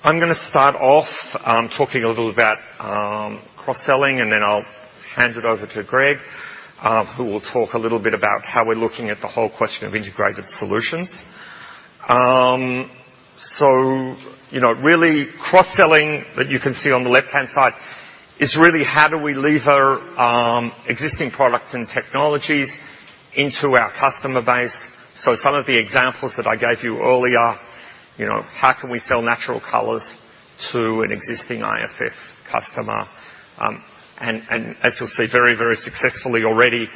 I'm going to start off talking a little about cross-selling, and then I'll hand it over to Greg, who will talk a little bit about how we're looking at the whole question of integrated solutions. Really cross-selling that you can see on the left-hand side is really how do we lever existing products and technologies into our customer base. Some of the examples that I gave you earlier, how can we sell natural colors to an existing IFF customer? As you'll see very successfully already,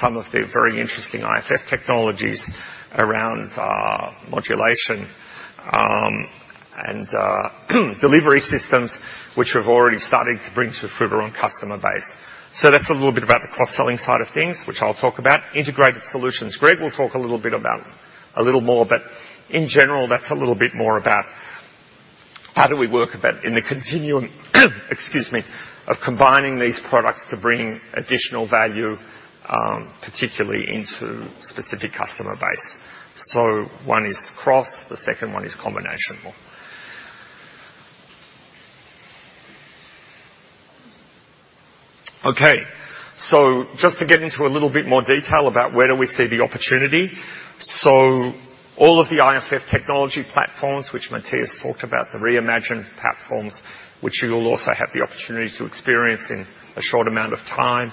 some of the very interesting IFF technologies around modulation, and delivery systems, which we've already started to bring to the Frutarom customer base. That's a little bit about the cross-selling side of things, which I'll talk about. Integrated solutions. Greg will talk a little bit about a little more, but in general, that's a little bit more about how do we work a bit in the continuum, excuse me, of combining these products to bring additional value, particularly into specific customer base. One is cross, the second one is combination more. Okay. Just to get into a little bit more detail about where do we see the opportunity. All of the IFF technology platforms, which Matthias talked about, the reimagined platforms, which you will also have the opportunity to experience in a short amount of time.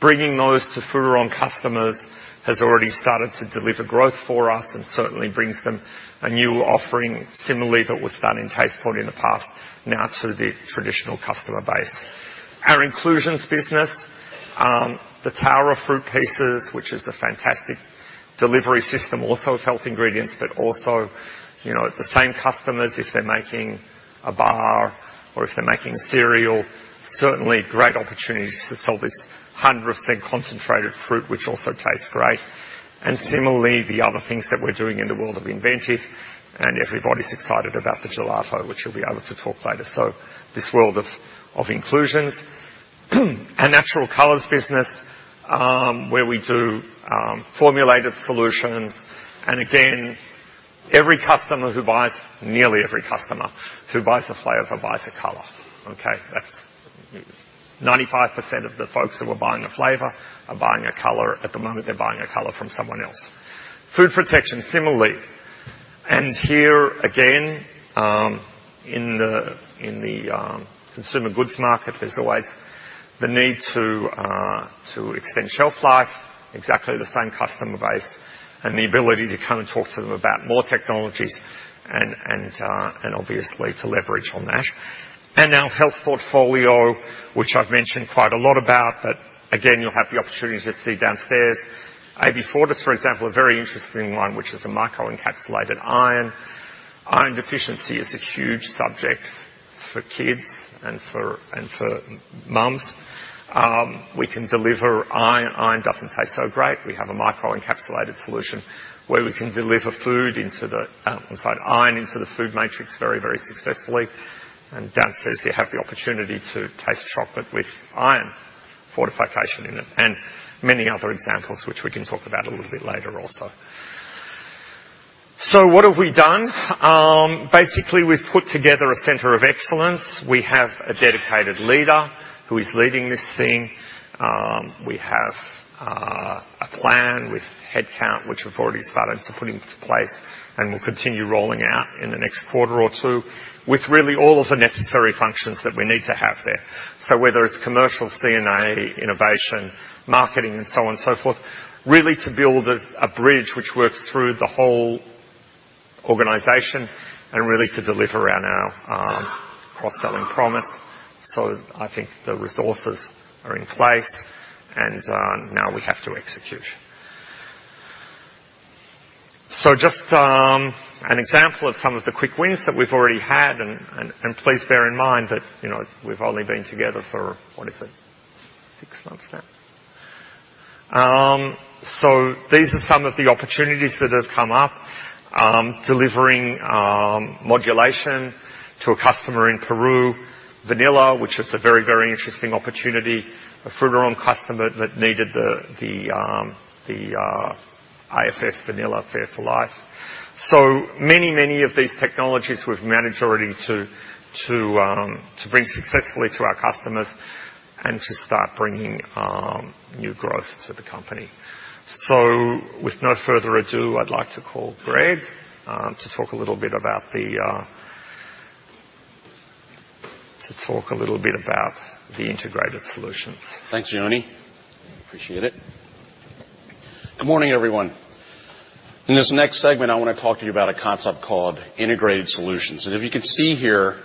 Bringing those to Frutarom customers has already started to deliver growth for us and certainly brings them a new offering similarly that was done in Tastepoint in the past, now to the traditional customer base. Our inclusions business, the tower of fruit pieces, which is a fantastic delivery system also of health ingredients, but also the same customers, if they're making a bar or if they're making a cereal, certainly great opportunities to sell this 100% concentrated fruit, which also tastes great. Similarly, the other things that we're doing in the world of Inventive, and everybody's excited about the gelato, which you'll be able to talk later. This world of inclusions. Our natural colors business, where we do formulated solutions. Again, every customer who buys, nearly every customer who buys a flavor buys a color, okay. That's 95% of the folks who are buying a flavor are buying a color. At the moment, they're buying a color from someone else. Food protection, similarly. Here again, in the consumer goods market, there's always the need to extend shelf life, exactly the same customer base, and the ability to come and talk to them about more technologies and obviously to leverage on that. Our health portfolio, which I've mentioned quite a lot about, but again, you'll have the opportunity to see downstairs. AB-Fortis, for example, a very interesting one, which is a microencapsulated iron. Iron deficiency is a huge subject for kids and for moms. We can deliver iron. Iron doesn't taste so great. We have a microencapsulated solution where we can deliver iron into the food matrix very, very successfully. Downstairs, you have the opportunity to taste chocolate with iron fortification in it, and many other examples, which we can talk about a little bit later also. What have we done? Basically, we've put together a center of excellence. We have a dedicated leader who is leading this thing. We have a plan with headcount, which we've already started to put into place and will continue rolling out in the next quarter or two with really all of the necessary functions that we need to have there. Whether it's commercial, C&A, innovation, marketing, and so on and so forth, really to build a bridge which works through the whole organization and really to deliver on our cross-selling promise. I think the resources are in place, and now we have to execute. Just an example of some of the quick wins that we've already had, and please bear in mind that we've only been together for, what is it? Six months now. These are some of the opportunities that have come up. Delivering modulation to a customer in Peru. Vanilla, which is a very, very interesting opportunity. A Frutarom customer that needed the IFF vanilla Fair for Life. Many, many of these technologies we've managed already to bring successfully to our customers and to start bringing new growth to the company. With no further ado, I'd like to call Greg, to talk a little bit about the integrated solutions. Thanks, Yoni. Appreciate it. Good morning, everyone. In this next segment, I want to talk to you about a concept called integrated solutions. If you can see here,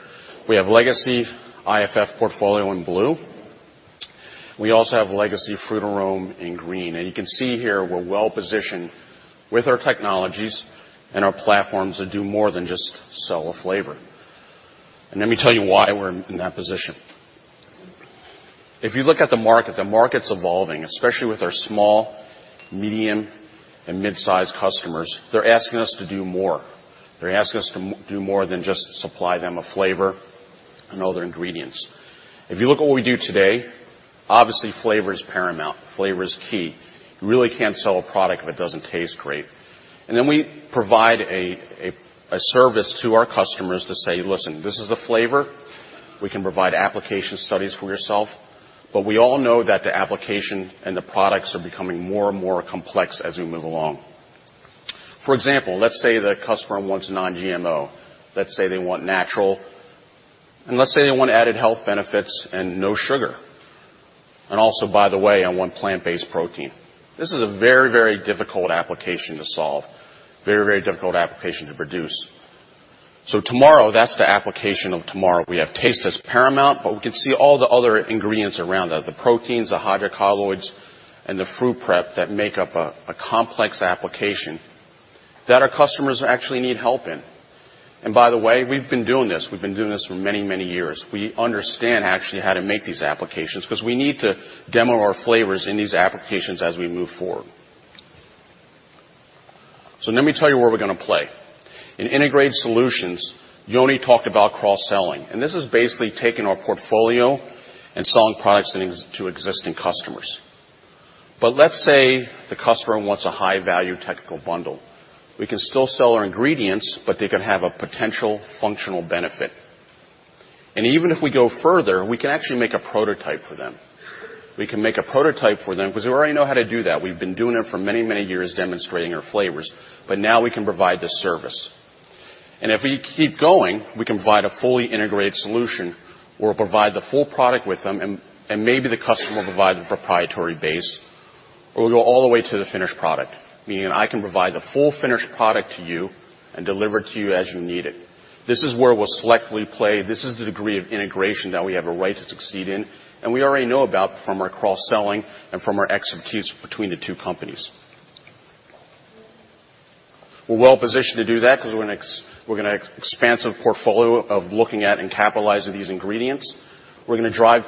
we have legacy IFF portfolio in blue. We also have legacy Frutarom in green. You can see here, we're well-positioned with our technologies and our platforms to do more than just sell a flavor. Let me tell you why we're in that position. If you look at the market, the market's evolving, especially with our small, medium, and mid-sized customers. They're asking us to do more. They're asking us to do more than just supply them a flavor and other ingredients. If you look at what we do today, obviously flavor is paramount. Flavor is key. You really can't sell a product if it doesn't taste great. We provide a service to our customers to say, "Listen, this is the flavor. We can provide application studies for yourself." We all know that the application and the products are becoming more and more complex as we move along. For example, let's say that a customer wants non-GMO. Let's say they want natural, let's say they want added health benefits and no sugar. Also, by the way, I want plant-based protein. This is a very, very difficult application to solve, very, very difficult application to produce. Tomorrow, that's the application of tomorrow. We have taste as paramount, we can see all the other ingredients around that, the proteins, the hydrocolloids, and the fruit prep that make up a complex application that our customers actually need help in. By the way, we've been doing this. We've been doing this for many, many years. We understand actually how to make these applications because we need to demo our flavors in these applications as we move forward. Let me tell you where we're going to play. In integrated solutions, Yoni talked about cross-selling, this is basically taking our portfolio and selling products to existing customers. But let's say the customer wants a high-value technical bundle. We can still sell our ingredients, but they can have a potential functional benefit. Even if we go further, we can actually make a prototype for them. We can make a prototype for them because we already know how to do that. We've been doing it for many, many years, demonstrating our flavors. Now we can provide this service. If we keep going, we can provide a fully integrated solution, or provide the full product with them, maybe the customer will provide the proprietary base, or we go all the way to the finished product, meaning I can provide the full finished product to you and deliver it to you as you need it. This is where we'll selectively play. This is the degree of integration that we have a right to succeed in, we already know about from our cross-selling and from our expertise between the two companies. We're well-positioned to do that because we're going to expand a portfolio of looking at and capitalizing these ingredients. We're going to drive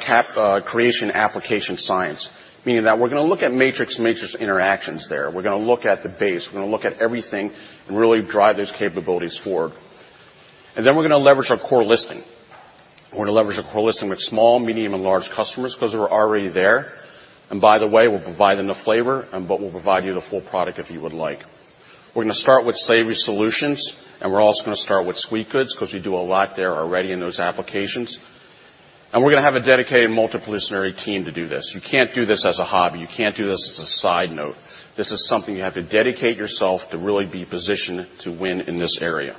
creation application science, meaning that we're going to look at matrix-matrix interactions there. We're going to look at the base. We're going to look at everything and really drive those capabilities forward. We're going to leverage our core listing. We're going to leverage our core listing with small, medium, and large customers because we're already there. By the way, we're providing the flavor, but we'll provide you the full product if you would like. We're going to start with Savory Solutions, and we're also going to start with sweet goods because we do a lot there already in those applications. We're going to have a dedicated multidisciplinary team to do this. You can't do this as a hobby. You can't do this as a side note. This is something you have to dedicate yourself to really be positioned to win in this area.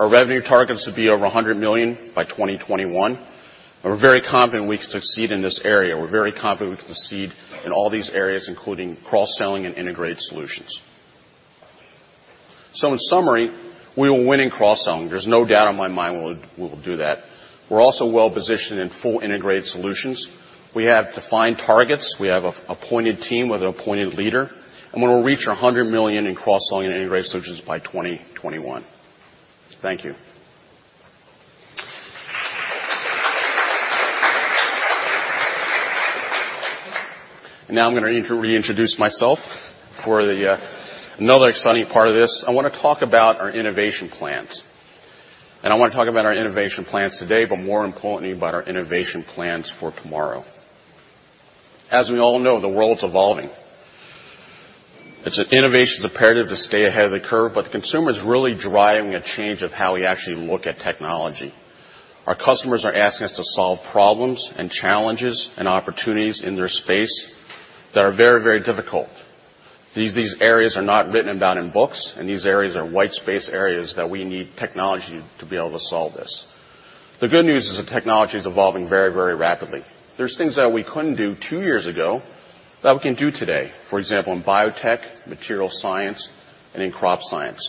Our revenue targets will be over $100 million by 2021. We're very confident we can succeed in this area. We're very confident we can succeed in all these areas, including cross-selling and integrated solutions. In summary, we will win in cross-selling. There's no doubt in my mind we will do that. We're also well-positioned in full integrated solutions. We have defined targets. We have an appointed team with an appointed leader, and we will reach our $100 million in cross-selling and integrated solutions by 2021. Thank you. Now I'm going to reintroduce myself for another exciting part of this. I want to talk about our innovation plans. I want to talk about our innovation plans today, but more importantly, about our innovation plans for tomorrow. As we all know, the world's evolving. It's an innovation imperative to stay ahead of the curve, but the consumer is really driving a change of how we actually look at technology. Our customers are asking us to solve problems and challenges and opportunities in their space that are very, very difficult. These areas are not written about in books, these areas are white space areas that we need technology to be able to solve this. The good news is the technology is evolving very, very rapidly. There's things that we couldn't do two years ago that we can do today. For example, in biotech, material science, and in crop science.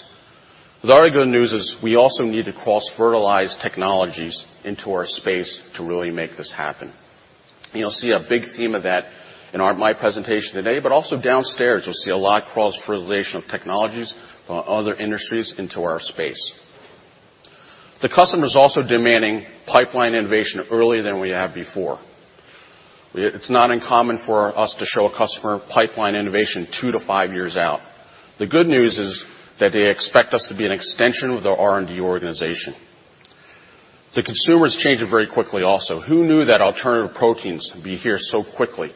The other good news is we also need to cross-fertilize technologies into our space to really make this happen. You'll see a big theme of that in my presentation today, but also downstairs, you'll see a lot of cross-fertilization of technologies from other industries into our space. The customer is also demanding pipeline innovation earlier than we have before. It's not uncommon for us to show a customer pipeline innovation two to five years out. The good news is that they expect us to be an extension of their R&D organization. The consumer is changing very quickly also. Who knew that alternative proteins would be here so quickly?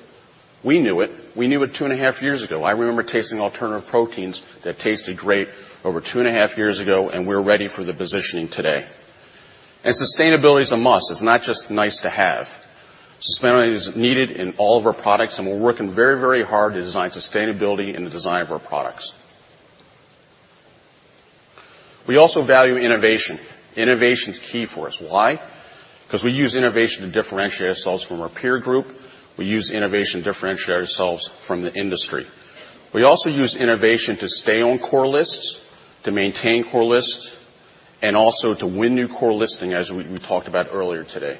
We knew it. We knew it two and a half years ago. I remember tasting alternative proteins that tasted great over two and a half years ago, we're ready for the positioning today. Sustainability is a must. It's not just nice to have. Sustainability is needed in all of our products, we're working very, very hard to design sustainability in the design of our products. We also value innovation. Innovation is key for us. Why? Because we use innovation to differentiate ourselves from our peer group. We use innovation to differentiate ourselves from the industry. We also use innovation to stay on core lists, to maintain core lists, also to win new core listing, as we talked about earlier today.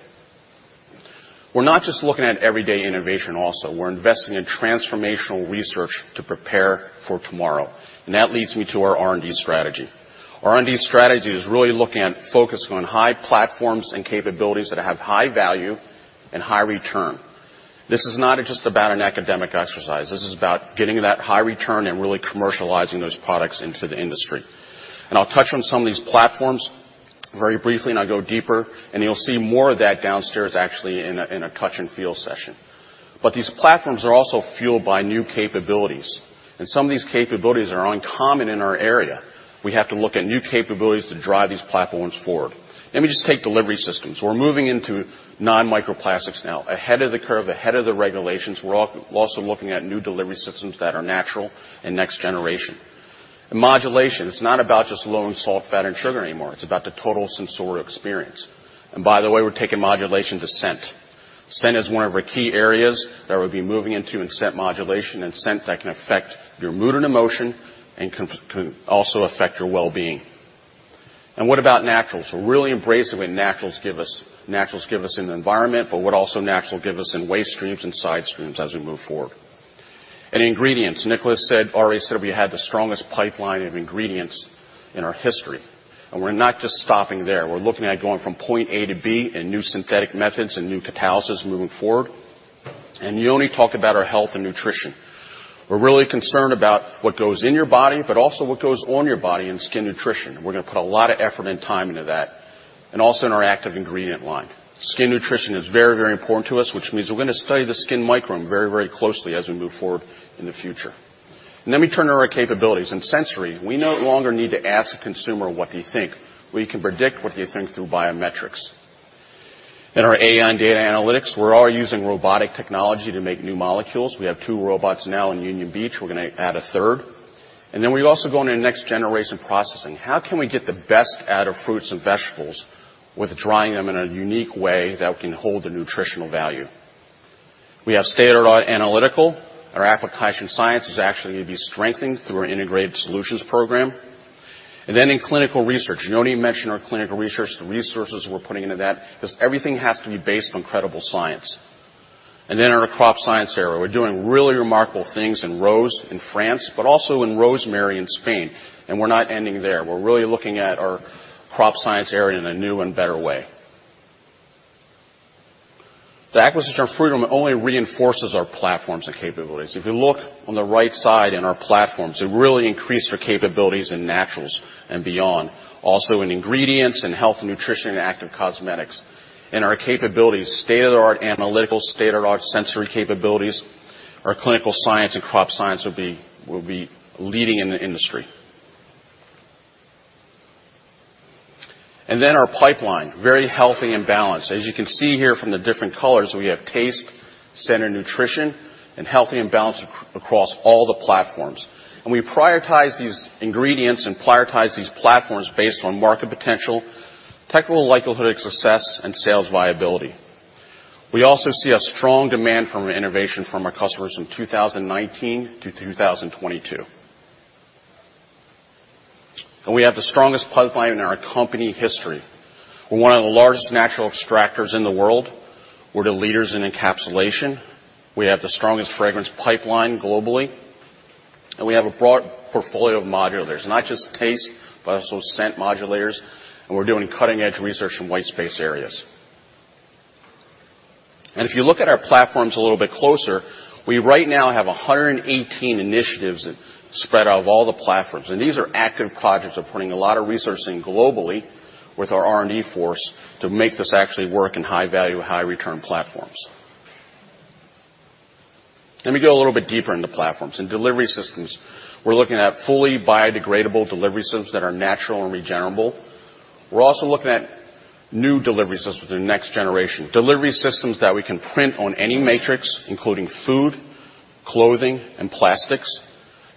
We're not just looking at everyday innovation also. We're investing in transformational research to prepare for tomorrow. That leads me to our R&D strategy. Our R&D strategy is really looking at focusing on high platforms and capabilities that have high value and high return. This is not just about an academic exercise. This is about getting that high return and really commercializing those products into the industry. I'll touch on some of these platforms very briefly, I go deeper, and you'll see more of that downstairs, actually, in a touch and feel session. These platforms are also fueled by new capabilities, and some of these capabilities are uncommon in our area. We have to look at new capabilities to drive these platforms forward. Let me just take delivery systems. We're moving into non-microplastics now. Ahead of the curve, ahead of the regulations. We're also looking at new delivery systems that are natural and next generation. Modulation. It's not about just low in salt, fat, and sugar anymore. It's about the total sensorial experience. By the way, we're taking modulation to scent. Scent is one of our key areas that we'll be moving into in scent modulation and scent that can affect your mood and emotion and can also affect your well-being. What about naturals? We're really embracing what naturals give us in the environment, but what also naturals give us in waste streams and side streams as we move forward. Ingredients. Nicolas already said we had the strongest pipeline of ingredients in our history. We're not just stopping there. We're looking at going from point A to B and new synthetic methods and new catalysis moving forward. Yoni talked about our health and nutrition. We're really concerned about what goes in your body, but also what goes on your body in skin nutrition. We're going to put a lot of effort and time into that, also in our active ingredient line. Skin nutrition is very important to us, which means we're going to study the skin microbiome very closely as we move forward in the future. Then we turn to our capabilities. In sensory, we no longer need to ask a consumer what they think. We can predict what they think through biometrics. In our AI and data analytics, we're already using robotic technology to make new molecules. We have two robots now in Union Beach. We're going to add a third. Then we also go into next generation processing. How can we get the best out of fruits and vegetables with drying them in a unique way that we can hold the nutritional value? We have state-of-the-art analytical. Our application science is actually going to be strengthened through our integrated solutions program. Then in clinical research, you don't need to mention our clinical research, the resources we're putting into that, because everything has to be based on credible science. Then in our crop science area, we're doing really remarkable things in rose in France, but also in rosemary in Spain. We're not ending there. We're really looking at our crop science area in a new and better way. The acquisition of Frutarom only reinforces our platforms and capabilities. If you look on the right side in our platforms, it really increased our capabilities in naturals and beyond. In ingredients and health and nutrition and active cosmetics. In our capabilities, state-of-the-art analytical, state-of-the-art sensory capabilities. Our clinical science and crop science will be leading in the industry. Our pipeline, very healthy and balanced. As you can see here from the different colors, we have taste, Scent, Nutrition, and healthy and balanced across all the platforms. We prioritize these ingredients and prioritize these platforms based on market potential, technical likelihood of success, and sales viability. We also see a strong demand from our innovation from our customers in 2019 to 2022. We have the strongest pipeline in our company history. We're one of the largest natural extractors in the world. We're the leaders in encapsulation. We have the strongest fragrance pipeline globally. We have a broad portfolio of modulators, not just taste, but also scent modulators. We're doing cutting-edge research in white space areas. If you look at our platforms a little bit closer, we right now have 118 initiatives that spread out of all the platforms. These are active projects. We're putting a lot of resourcing globally with our R&D force to make this actually work in high value, high return platforms. Let me go a little bit deeper into platforms. In delivery systems, we're looking at fully biodegradable delivery systems that are natural and regenerable. We're also looking at new delivery systems for the next generation, delivery systems that we can print on any matrix, including food, clothing, and plastics,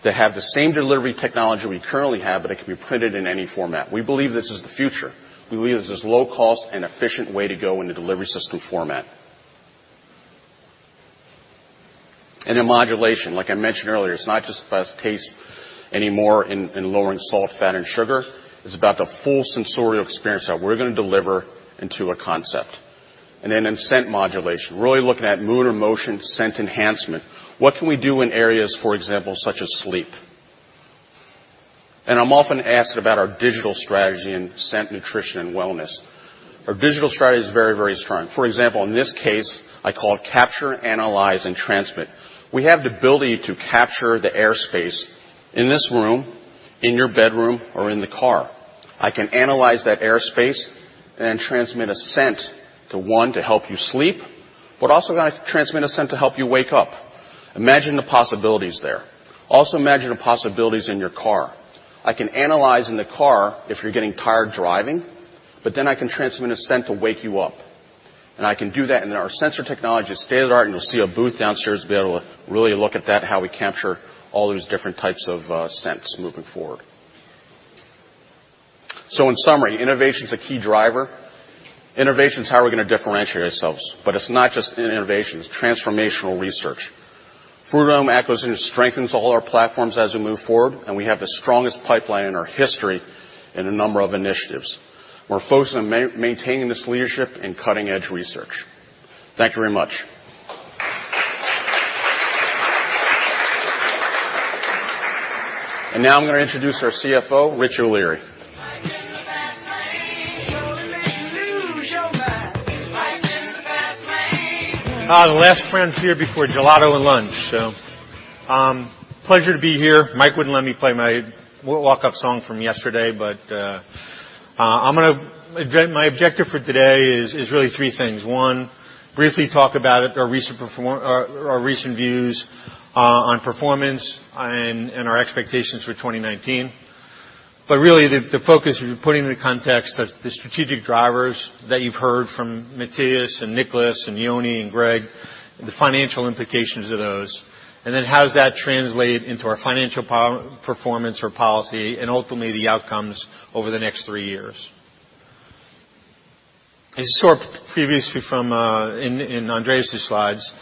that have the same delivery technology we currently have, but it can be printed in any format. We believe this is the future. We believe this is low cost and efficient way to go in the delivery system format. In modulation, like I mentioned earlier, it's not just about taste anymore in lowering salt, fat, and sugar. It's about the full sensorial experience that we're going to deliver into a concept. In scent modulation, really looking at mood and motion scent enhancement. What can we do in areas, for example, such as sleep? I'm often asked about our digital strategy in scent, nutrition, and wellness. Our digital strategy is very strong. For example, in this case, I call it capture, analyze, and transmit. We have the ability to capture the airspace in this room, in your bedroom, or in the car. I can analyze that airspace and transmit a scent to, 1, to help you sleep, but also going to transmit a scent to help you wake up. Imagine the possibilities there. Imagine the possibilities in your car. I can analyze in the car if you're getting tired driving, but then I can transmit a scent to wake you up. I can do that in our sensor technology, state-of-the-art. You'll see a booth downstairs to be able to really look at that, how we capture all those different types of scents moving forward. In summary, innovation is a key driver. Innovation is how we're going to differentiate ourselves. It's not just innovation, it's transformational research. Frutarom acquisition strengthens all our platforms as we move forward, we have the strongest pipeline in our history in a number of initiatives. We're focused on maintaining this leadership in cutting-edge research. Thank you very much. Now I'm going to introduce our CFO, Rich O'Leary. Life in the fast lane. Surely make you lose your mind. Life in the fast lane. The last friend here before gelato and lunch. Pleasure to be here. Mike wouldn't let me play my walk-up song from yesterday, my objective for today is really three things. One, briefly talk about our recent views on performance and our expectations for 2019. Really, the focus, putting into context the strategic drivers that you've heard from Matthias and Nicolas and Yoni and Greg, the financial implications of those, and then how does that translate into our financial performance or policy and ultimately the outcomes over the next three years. As you saw previously in Andreas' slides,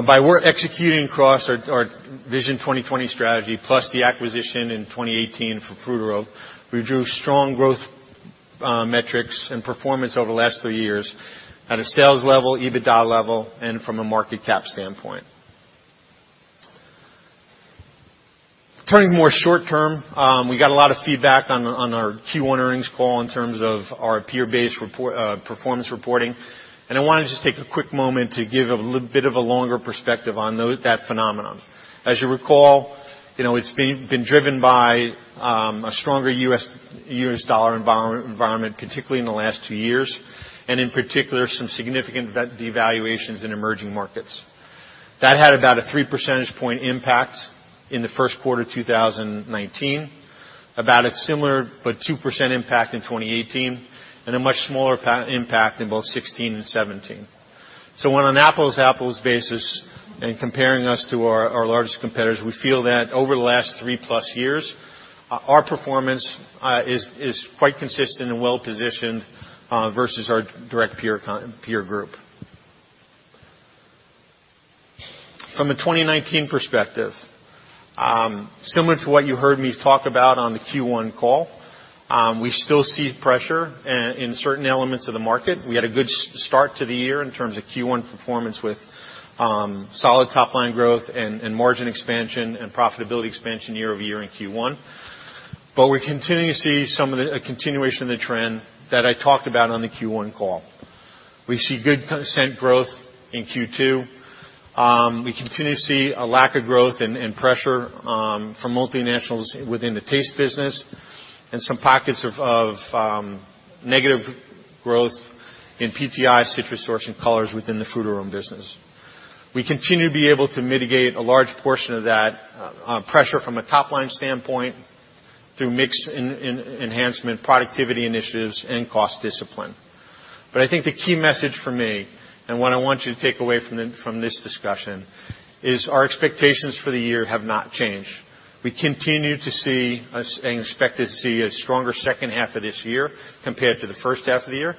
by executing across our Vision 2020 strategy plus the acquisition in 2018 for Frutarom, we drew strong growth metrics and performance over the last three years at a sales level, EBITDA level, and from a market cap standpoint. Turning more short term, we got a lot of feedback on our Q1 earnings call in terms of our peer-based performance reporting. I want to just take a quick moment to give a little bit of a longer perspective on that phenomenon. As you recall, it's been driven by a stronger U.S. dollar environment, particularly in the last two years, and in particular, some significant devaluations in emerging markets. That had about a three percentage point impact in the first quarter of 2019, about a similar, but 2% impact in 2018, and a much smaller impact in both 2016 and 2017. On an apples basis and comparing us to our largest competitors, we feel that over the last three plus years, our performance is quite consistent and well-positioned versus our direct peer group. From a 2019 perspective, similar to what you heard me talk about on the Q1 call, we still see pressure in certain elements of the market. We had a good start to the year in terms of Q1 performance with solid top-line growth and margin expansion and profitability expansion year-over-year in Q1. We're continuing to see a continuation of the trend that I talked about on the Q1 call. We see good scent growth in Q2. We continue to see a lack of growth and pressure from multinationals within the taste business and some pockets of negative growth in PTI, CitraSource, and colors within the Frutarom business. We continue to be able to mitigate a large portion of that pressure from a top-line standpoint through mix enhancement, productivity initiatives, and cost discipline. I think the key message from me, and what I want you to take away from this discussion, is our expectations for the year have not changed. We continue to see and expect to see a stronger second half of this year compared to the first half of the year,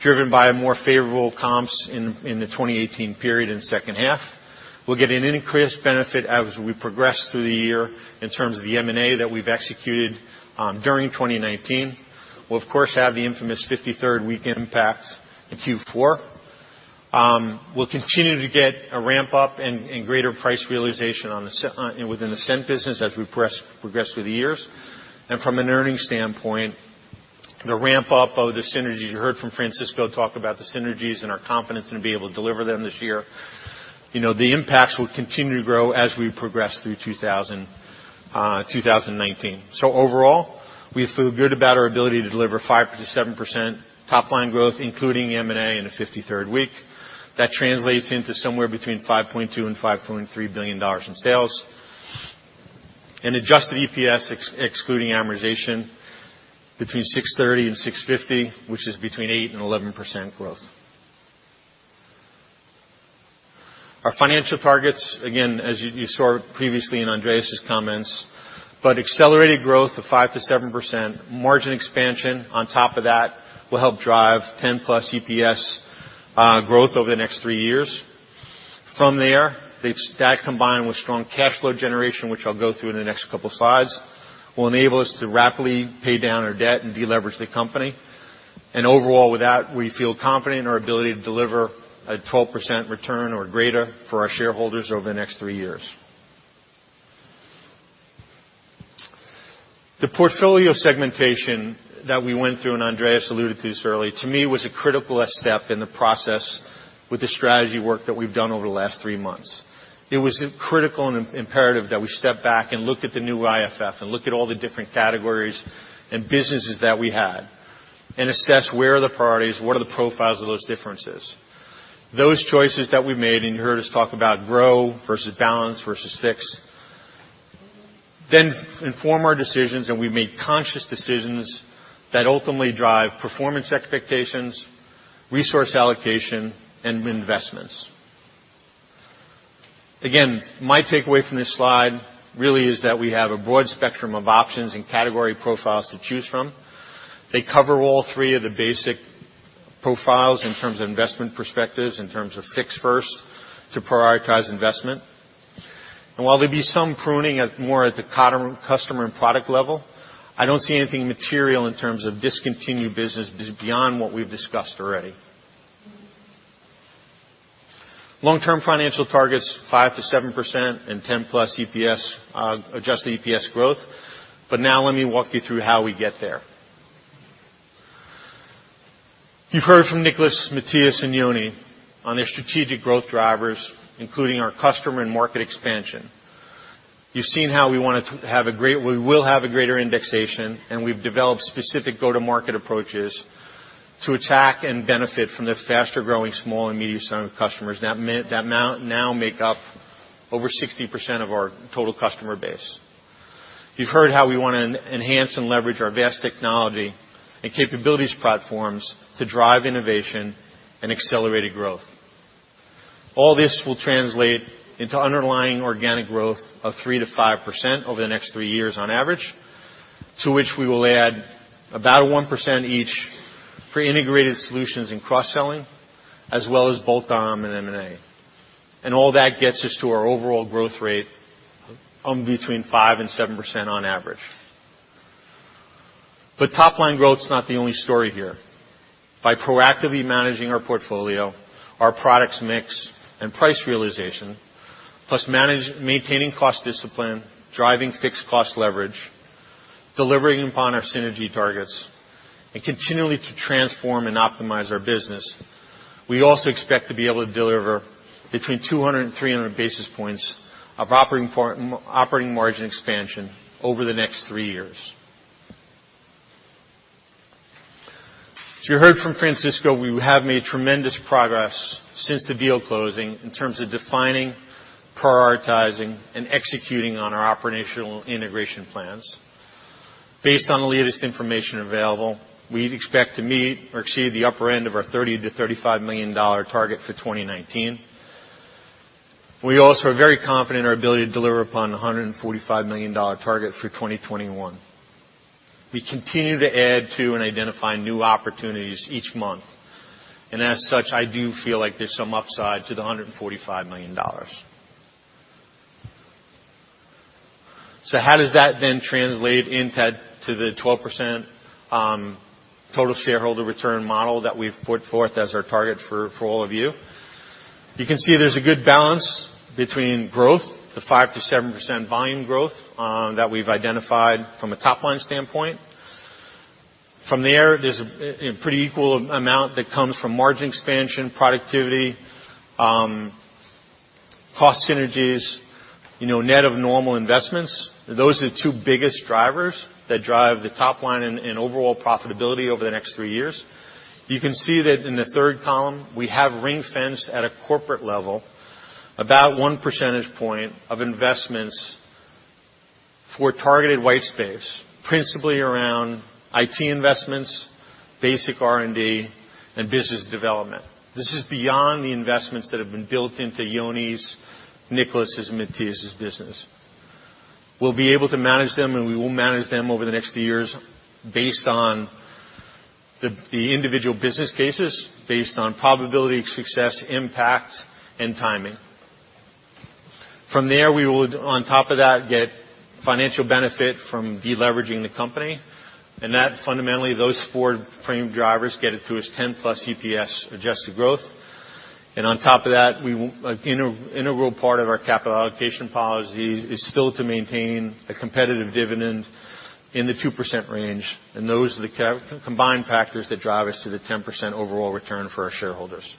driven by more favorable comps in the 2018 period in the second half. We'll get an increased benefit as we progress through the year in terms of the M&A that we've executed during 2019. We'll, of course, have the infamous 53rd week impact in Q4. We'll continue to get a ramp-up and greater price realization within the Scent business as we progress through the years. From an earnings standpoint, the ramp-up of the synergies, you heard from Francisco talk about the synergies and our confidence and be able to deliver them this year. The impacts will continue to grow as we progress through 2019. Overall, we feel good about our ability to deliver 5%-7% top-line growth, including M&A in the 53rd week. That translates into somewhere between $5.2 billion-$5.3 billion in sales. Adjusted EPS, excluding amortization, between $6.30 and $6.50, which is between 8%-11% growth. Our financial targets, again, as you saw previously in Andreas' comments, accelerated growth of 5%-7%. Margin expansion on top of that will help drive 10%+ EPS growth over the next three years. From there, that combined with strong cash flow generation, which I'll go through in the next couple of slides, will enable us to rapidly pay down our debt and deleverage the company. Overall, with that, we feel confident in our ability to deliver a 12% return or greater for our shareholders over the next three years. The portfolio segmentation that we went through, Andreas alluded to this early, to me, was a critical step in the process with the strategy work that we've done over the last three months. It was critical and imperative that we step back and look at the new IFF and look at all the different categories and businesses that we had, and assess where are the priorities, what are the profiles of those differences. Those choices that we made, you heard us talk about grow versus balance versus fix, inform our decisions, and we make conscious decisions that ultimately drive performance expectations, resource allocation, and investments. Again, my takeaway from this slide really is that we have a broad spectrum of options and category profiles to choose from. They cover all three of the basic profiles in terms of investment perspectives, in terms of fix first to prioritize investment. While there'll be some pruning more at the customer and product level, I don't see anything material in terms of discontinued business beyond what we've discussed already. Long-term financial targets, 5%-7% and 10%+ EPS, adjusted EPS growth. Now let me walk you through how we get there. You've heard from Nicolas, Matthias, and Yoni on their strategic growth drivers, including our customer and market expansion. You've seen how we will have a greater indexation, and we've developed specific go-to-market approaches to attack and benefit from the faster-growing small and medium-sized customers that now make up over 60% of our total customer base. You've heard how we want to enhance and leverage our vast technology and capabilities platforms to drive innovation and accelerated growth. All this will translate into underlying organic growth of 3%-5% over the next three years on average, to which we will add about 1% each for integrated solutions and cross-selling, as well as bolt-on and M&A. All that gets us to our overall growth rate between 5% and 7% on average. Top line growth is not the only story here. By proactively managing our portfolio, our products mix, and price realization, plus maintaining cost discipline, driving fixed cost leverage, delivering upon our synergy targets, and continually to transform and optimize our business, we also expect to be able to deliver between 200 and 300 basis points of operating margin expansion over the next three years. As you heard from Francisco, we have made tremendous progress since the deal closing in terms of defining, prioritizing, and executing on our operational integration plans. Based on the latest information available, we'd expect to meet or exceed the upper end of our $30 million-$35 million target for 2019. We also are very confident in our ability to deliver upon the $145 million target for 2021. We continue to add to and identify new opportunities each month. As such, I do feel like there's some upside to the $145 million. How does that then translate into the 12% total shareholder return model that we've put forth as our target for all of you? You can see there's a good balance between growth, the 5%-7% volume growth that we've identified from a top-line standpoint. From there's a pretty equal amount that comes from margin expansion, productivity, cost synergies, net of normal investments. Those are the two biggest drivers that drive the top line and overall profitability over the next three years. You can see that in the third column, we have ring-fence at a corporate level about one percentage point of investments for targeted white space, principally around IT investments, basic R&D, and business development. This is beyond the investments that have been built into Yoni's, Nicolas's, and Matthias's business. We'll be able to manage them, and we will manage them over the next few years based on the individual business cases, based on probability of success, impact, and timing. From there, we would, on top of that, get financial benefit from de-leveraging the company. That fundamentally, those four frame drivers get it to its 10-plus EPS adjusted growth. On top of that, an integral part of our capital allocation policy is still to maintain a competitive dividend in the 2% range, and those are the combined factors that drive us to the 10% overall return for our shareholders.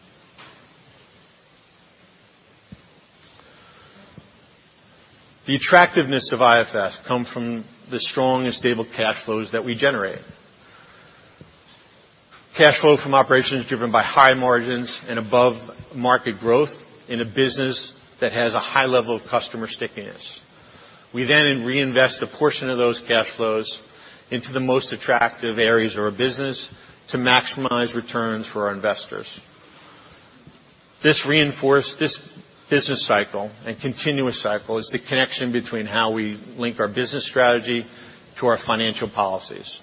The attractiveness of IFF come from the strong and stable cash flows that we generate. Cash flow from operations driven by high margins and above-market growth in a business that has a high level of customer stickiness. We reinvest a portion of those cash flows into the most attractive areas of our business to maximize returns for our investors. This business cycle and continuous cycle is the connection between how we link our business strategy to our financial policies.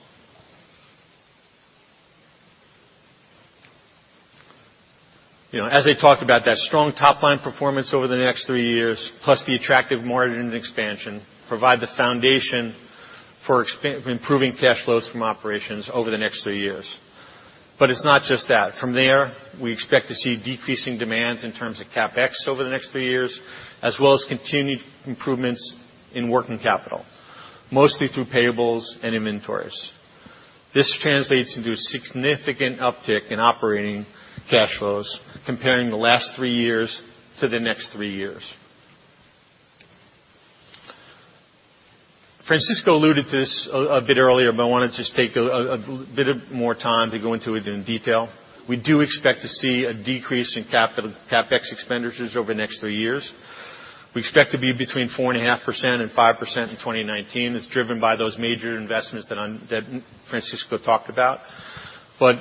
As I talked about, that strong top-line performance over the next three years, plus the attractive margin expansion, provide the foundation for improving cash flows from operations over the next three years. It's not just that. From there, we expect to see decreasing demands in terms of CapEx over the next three years, as well as continued improvements in working capital, mostly through payables and inventories. This translates into a significant uptick in operating cash flows comparing the last three years to the next three years. Francisco alluded to this a bit earlier, I want to just take a bit of more time to go into it in detail. We do expect to see a decrease in CapEx expenditures over the next three years. We expect to be between 4.5% and 5% in 2019. It's driven by those major investments that Francisco talked about.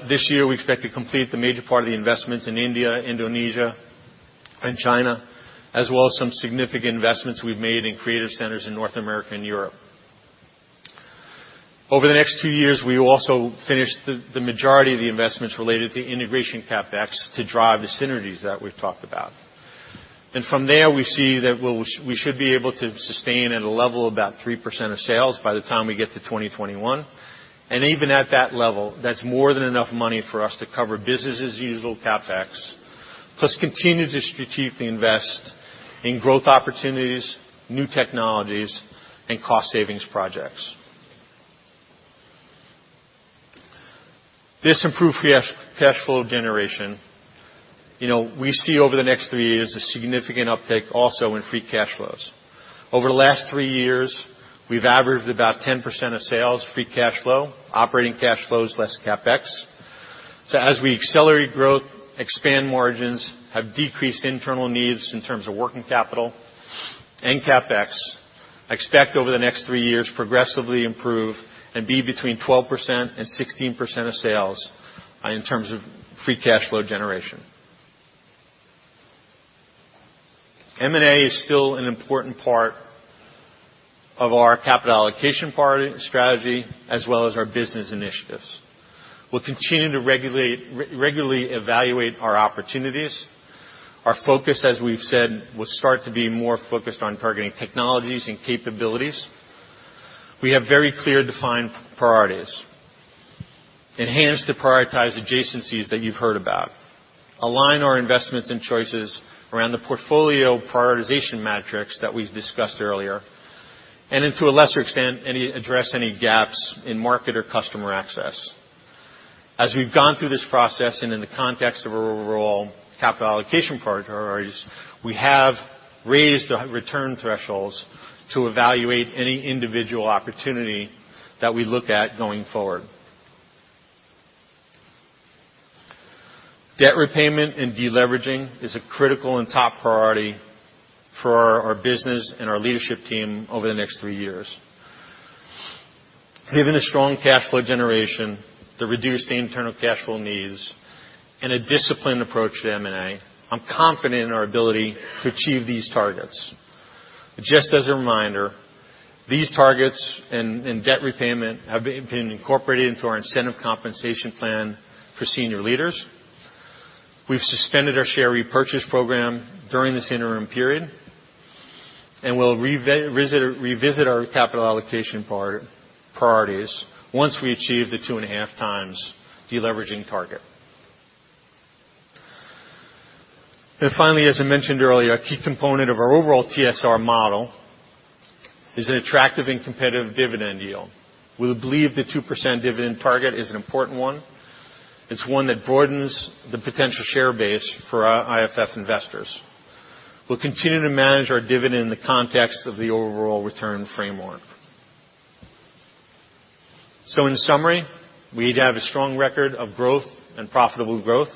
This year, we expect to complete the major part of the investments in India, Indonesia, and China, as well as some significant investments we've made in creative centers in North America and Europe. Over the next two years, we will also finish the majority of the investments related to integration CapEx to drive the synergies that we've talked about. From there, we see that we should be able to sustain at a level about 3% of sales by the time we get to 2021. Even at that level, that's more than enough money for us to cover business as usual CapEx, plus continue to strategically invest in growth opportunities, new technologies, and cost savings projects. This improved cash flow generation, we see over the next three years, a significant uptake also in free cash flows. Over the last three years, we've averaged about 10% of sales free cash flow, operating cash flows less CapEx. As we accelerate growth, expand margins, have decreased internal needs in terms of working capital and CapEx, expect over the next three years progressively improve and be between 12% and 16% of sales in terms of free cash flow generation. M&A is still an important part of our capital allocation strategy, as well as our business initiatives. We'll continue to regularly evaluate our opportunities. Our focus, as we've said, will start to be more focused on targeting technologies and capabilities. We have very clear defined priorities. Enhance the prioritized adjacencies that you've heard about. Align our investments and choices around the portfolio prioritization metrics that we've discussed earlier. Then to a lesser extent, address any gaps in market or customer access. As we've gone through this process and in the context of our overall capital allocation priorities, we have raised our return thresholds to evaluate any individual opportunity that we look at going forward. Debt repayment and de-leveraging is a critical and top priority for our business and our leadership team over the next three years. Given the strong cash flow generation, the reduced internal cash flow needs, and a disciplined approach to M&A, I'm confident in our ability to achieve these targets. Just as a reminder, these targets and debt repayment have been incorporated into our incentive compensation plan for senior leaders. We've suspended our share repurchase program during this interim period, and we'll revisit our capital allocation priorities once we achieve the 2.5 times de-leveraging target. Finally, as I mentioned earlier, a key component of our overall TSR model is an attractive and competitive dividend yield. We believe the 2% dividend target is an important one. It's one that broadens the potential share base for our IFF investors. We'll continue to manage our dividend in the context of the overall return framework. In summary, we have a strong record of growth and profitable growth.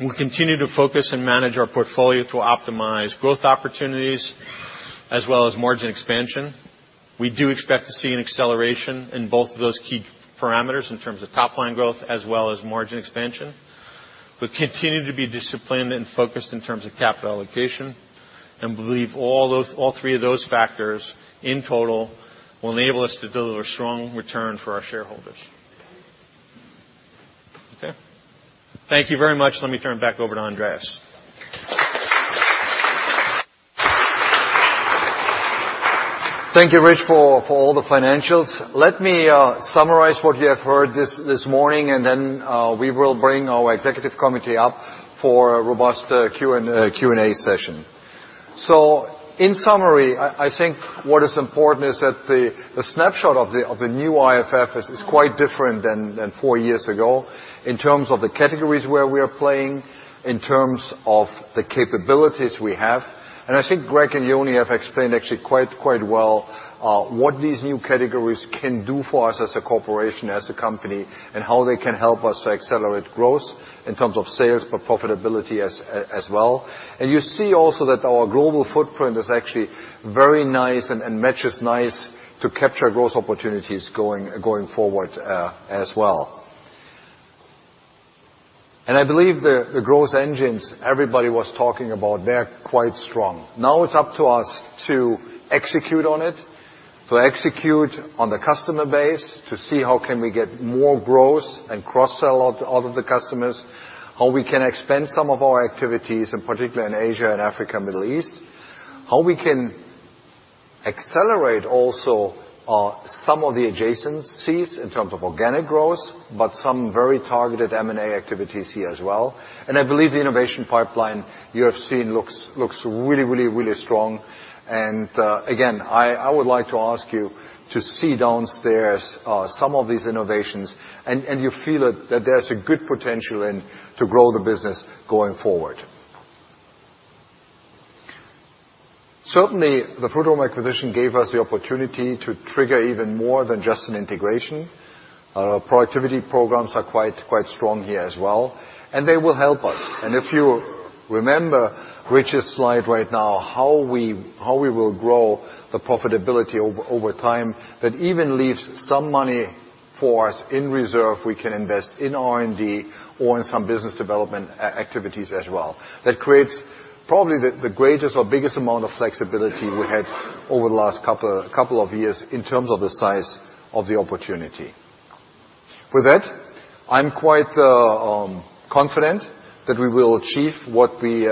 We continue to focus and manage our portfolio to optimize growth opportunities as well as margin expansion. We do expect to see an acceleration in both of those key parameters in terms of top-line growth as well as margin expansion. We continue to be disciplined and focused in terms of capital allocation and believe all three of those factors in total will enable us to deliver strong return for our shareholders. Okay. Thank you very much. Let me turn it back over to Andreas. Thank you, Rich, for all the financials. Let me summarize what you have heard this morning, then we will bring our executive committee up for a robust Q&A session. In summary, I think what is important is that the snapshot of the new IFF is quite different than 4 years ago in terms of the categories where we are playing, in terms of the capabilities we have. I think Greg and Yoni have explained actually quite well what these new categories can do for us as a corporation, as a company, and how they can help us to accelerate growth in terms of sales but profitability as well. You see also that our global footprint is actually very nice and matches nice to capture growth opportunities going forward as well. I believe the growth engines everybody was talking about, they're quite strong. Now it's up to us to execute on it, to execute on the customer base to see how can we get more growth and cross-sell to all of the customers, how we can expand some of our activities, in particular in Asia and Africa and Middle East. How we can accelerate also some of the adjacencies in terms of organic growth, but some very targeted M&A activities here as well. I believe the innovation pipeline you have seen looks really, really, really strong. Again, I would like to ask you to see downstairs some of these innovations, and you feel that there's a good potential to grow the business going forward. Certainly, the Frutarom acquisition gave us the opportunity to trigger even more than just an integration. Our productivity programs are quite strong here as well, and they will help us. If you remember Rich's slide right now, how we will grow the profitability over time, that even leaves some money for us in reserve we can invest in R&D or in some business development activities as well. That creates probably the greatest or biggest amount of flexibility we had over the last couple of years in terms of the size of the opportunity. I'm quite confident that we will achieve what we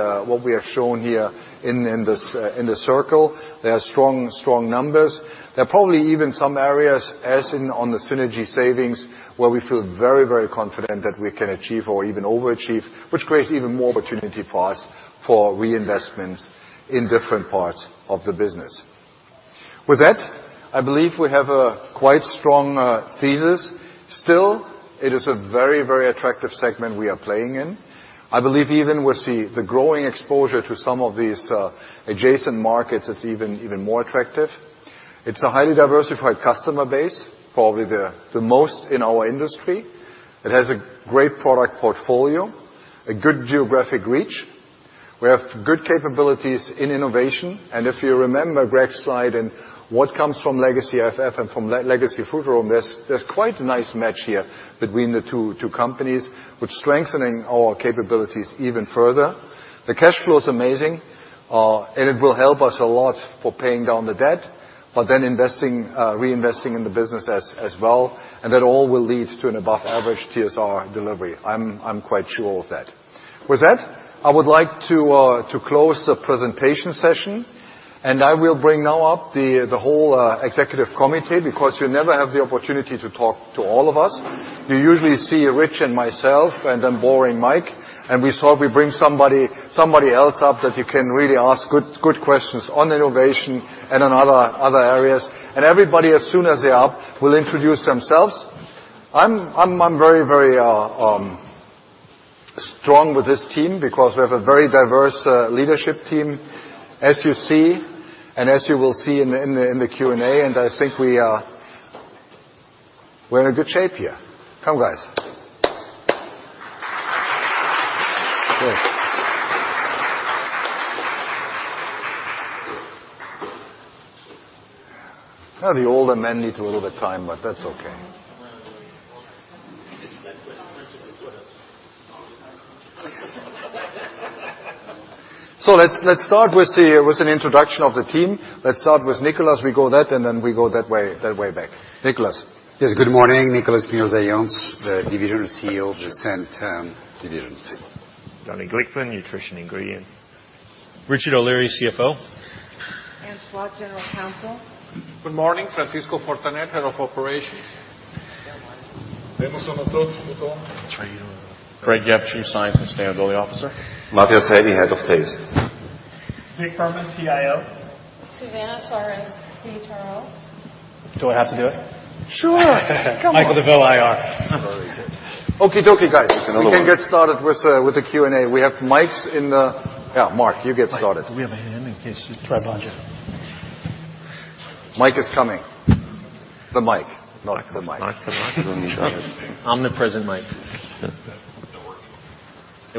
have shown here in the circle. They are strong numbers. They're probably even some areas, as in on the synergy savings, where we feel very, very confident that we can achieve or even overachieve, which creates even more opportunity for us for reinvestments in different parts of the business. I believe we have a quite strong thesis. Still, it is a very, very attractive segment we are playing in. I believe even with the growing exposure to some of these adjacent markets, it's even more attractive. It's a highly diversified customer base, probably the most in our industry. It has a great product portfolio, a good geographic reach. We have good capabilities in innovation. If you remember Greg's slide and what comes from legacy IFF and from legacy Frutarom, there's quite a nice match here between the two companies, which strengthening our capabilities even further. The cash flow is amazing. It will help us a lot for paying down the debt, but then reinvesting in the business as well. That all will lead to an above-average TSR delivery. I'm quite sure of that. I would like to close the presentation session. I will bring now up the whole executive committee, because you never have the opportunity to talk to all of us. You usually see Rich and myself, and then boring Mike. We thought we'd bring somebody else up that you can really ask good questions on innovation and on other areas. Everybody, as soon as they're up, will introduce themselves. I'm very strong with this team because we have a very diverse leadership team, as you see, and as you will see in the Q&A, and I think we're in a good shape here. Come, guys. Great. Now, the older men need a little bit of time, but that's okay. Let's start with an introduction of the team. Let's start with Nicolas. We go that way, and then we go that way back. Nicolas. Yes, good morning. Nicolas Mirzayantz, the Division CEO of the scent division. Yoni Glickman, nutrition ingredient. Richard O'Leary, CFO. Anne Chwat, General Counsel. Good morning. Francisco Fortanet, Head of Operations. Good morning. Remo Sonnichsen, legal. Greg Yep, Chief Science and Sustainability Officer. Matthias Haeni, Head of Taste. Dick Furman, CIO. Susana Suarez, CHRO. Do I have to do it? Sure. Come on. Okay. Michael DeVeau, IR. Okey-dokey, guys. We can get started with the Q&A. We have mics in the Yeah, Mark, you get started. Mike, do we have a hand in case you try? Mike is coming. The mic, not the Mike. Not the Mike. Omnipresent Mike. It's not working.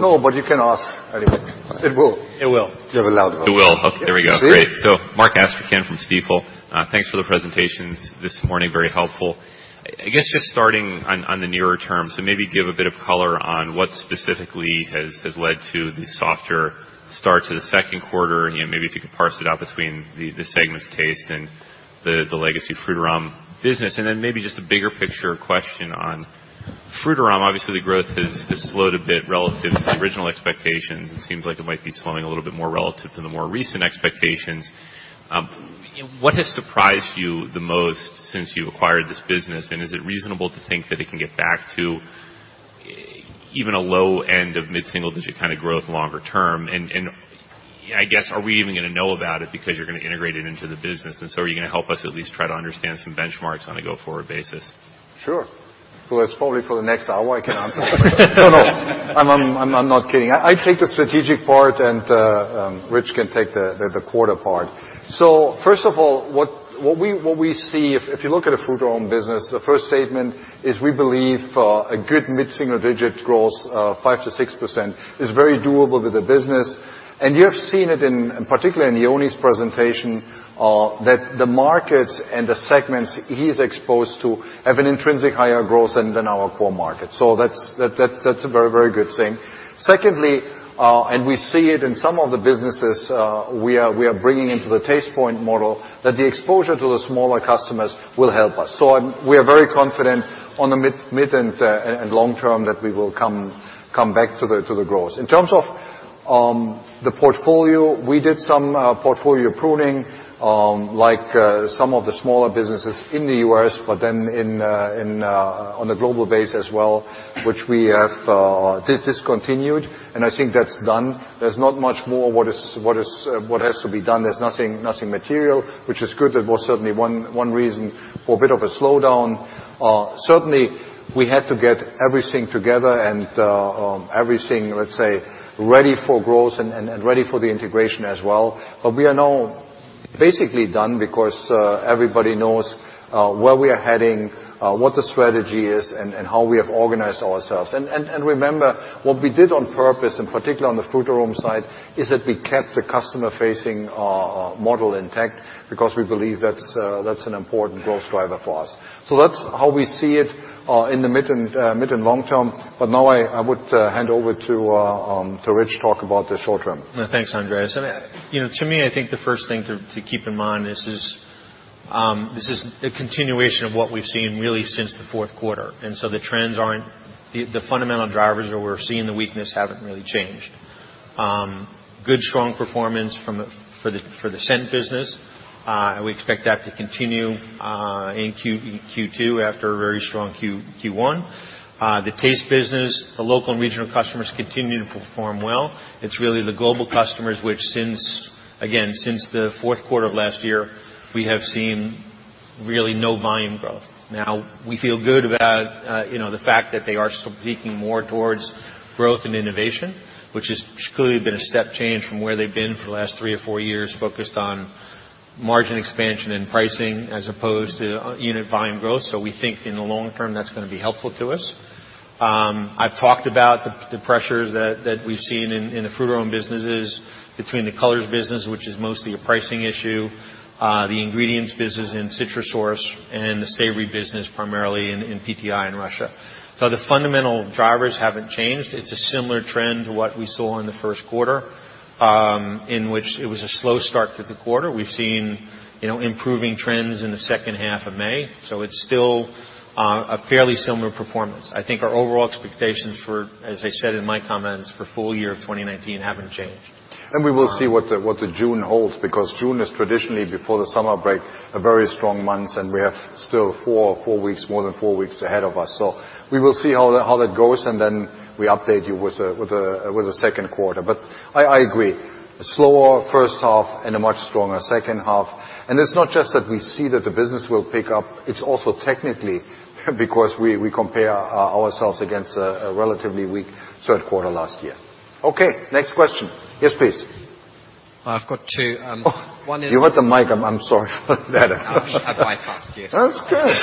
No, but you can ask anyway. It will. It will. You have a loud voice. It will. Okay, there we go. You see? Great. Mark Astrachan from Stifel. Thanks for the presentations this morning. Very helpful. I guess just starting on the nearer terms, maybe give a bit of color on what specifically has led to the softer start to the second quarter, and maybe if you could parse it out between the segments taste and the legacy Frutarom business. Then maybe just a bigger picture question on Frutarom. Obviously, the growth has slowed a bit relative to the original expectations. It seems like it might be slowing a little bit more relative to the more recent expectations. What has surprised you the most since you acquired this business, and is it reasonable to think that it can get back to even a low end of mid-single-digit kind of growth longer term? I guess, are we even going to know about it because you're going to integrate it into the business? Are you going to help us at least try to understand some benchmarks on a go-forward basis? Sure. That's probably for the next hour, I can answer. No, I'm not kidding. I take the strategic part, and Rich can take the quarter part. First of all, what we see, if you look at the Frutarom business, the first statement is we believe a good mid-single-digit growth, 5%-6%, is very doable to the business. You have seen it in particular in Yoni's presentation, that the markets and the segments he's exposed to have an intrinsic higher growth than our core market. That's a very good thing. Secondly, we see it in some of the businesses we are bringing into the Tastepoint model, that the exposure to the smaller customers will help us. We are very confident on the mid- and long-term that we will come back to the growth. In terms of the portfolio, we did some portfolio pruning, like some of the smaller businesses in the U.S., on a global base as well, which we have discontinued, I think that's done. There's not much more what has to be done. There's nothing material, which is good. That was certainly one reason for a bit of a slowdown. Certainly, we had to get everything together and everything, let's say, ready for growth and ready for the integration as well. We are now basically done because everybody knows where we are heading, what the strategy is, and how we have organized ourselves. Remember, what we did on purpose, in particular on the Frutarom side, is that we kept the customer-facing model intact because we believe that's an important growth driver for us. That's how we see it in the mid- and long-term. I would hand over to Rich to talk about the short term. Thanks, Andreas Fibig. To me, I think the first thing to keep in mind, this is the continuation of what we've seen really since the fourth quarter. The fundamental drivers where we're seeing the weakness haven't really changed. Good, strong performance for the scent business. We expect that to continue in Q2 after a very strong Q1. The taste business, the local and regional customers continue to perform well. It's really the global customers which since, again, since the fourth quarter of last year, we have seen really no volume growth. Now, we feel good about the fact that they are sneaking more towards growth and innovation, which has clearly been a step change from where they've been for the last three or four years, focused on margin expansion and pricing as opposed to unit volume growth. We think in the long term, that's going to be helpful to us. I've talked about the pressures that we've seen in the Frutarom businesses between the colors business, which is mostly a pricing issue, the ingredients business in CitruSource, and the savory business, primarily in PTI in Russia. The fundamental drivers haven't changed. It's a similar trend to what we saw in the first quarter, in which it was a slow start to the quarter. We've seen improving trends in the second half of May, it's still a fairly similar performance. I think our overall expectations for, as I said in my comments, for full year of 2019 haven't changed. We will see what June holds, because June is traditionally, before the summer break, a very strong month, and we have still more than four weeks ahead of us. We will see how that goes, then we update you with the second quarter. I agree, a slower first half and a much stronger second half. It's not just that we see that the business will pick up. It's also technically because we compare ourselves against a relatively weak third quarter last year. Okay, next question. Yes, please. I've got two. One is- You had the mic. I'm sorry for that. I bypassed you. That's good.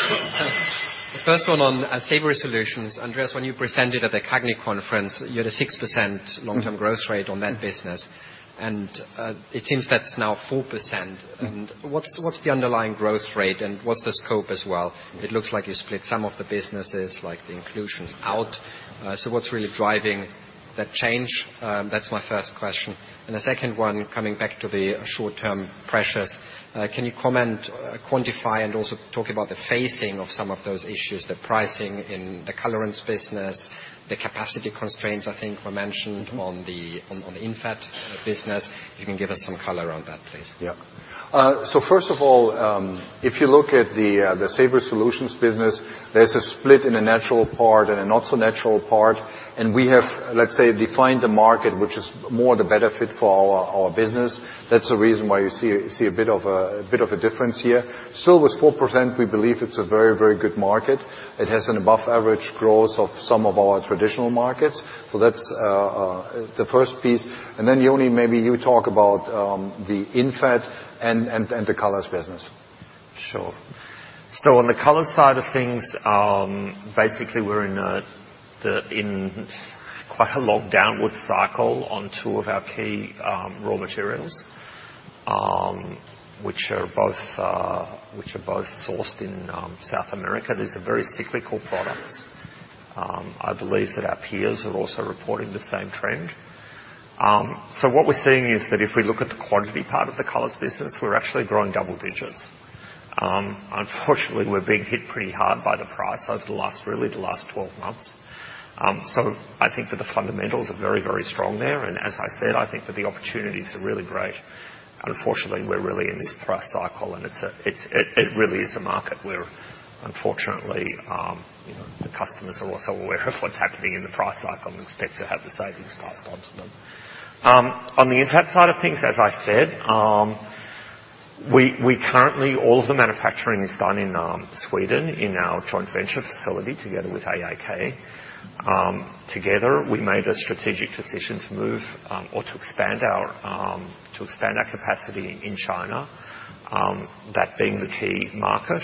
The first one on Savory Solutions. Andreas, when you presented at the CAGNY Conference, you had a 6% long-term growth rate on that business. It seems that's now 4%. What's the underlying growth rate and what's the scope as well? It looks like you split some of the businesses, like the inclusions out. What's really driving that change? That's my first question. The second one, coming back to the short-term pressures, can you comment, quantify, and also talk about the phasing of some of those issues, the pricing in the colorants business, the capacity constraints, I think were mentioned- on the INFAT business. If you can give us some color on that, please. Yeah. First of all, if you look at the Savory Solutions business, there's a split in a natural part and a not-so-natural part. We have, let's say, defined the market, which is more the benefit for our business. That's the reason why you see a bit of a difference here. Still with 4%, we believe it's a very, very good market. It has an above-average growth of some of our traditional markets. That's the first piece. Yoni, maybe you talk about the INFAT and the colors business. Sure. On the color side of things, basically, we're in quite a long downward cycle on two of our key raw materials, which are both sourced in South America. These are very cyclical products. I believe that our peers are also reporting the same trend. What we're seeing is that if we look at the quantity part of the colors business, we're actually growing double digits. Unfortunately, we're being hit pretty hard by the price over really the last 12 months. I think that the fundamentals are very, very strong there. As I said, I think that the opportunities are really great. Unfortunately, we're really in this price cycle, and it really is a market where, unfortunately, the customers are also aware of what's happening in the price cycle and expect to have the savings passed on to them. On the INFAT side of things, as I said, currently, all of the manufacturing is done in Sweden in our joint venture facility together with AAK. Together, we made a strategic decision to expand our capacity in China, that being the key market.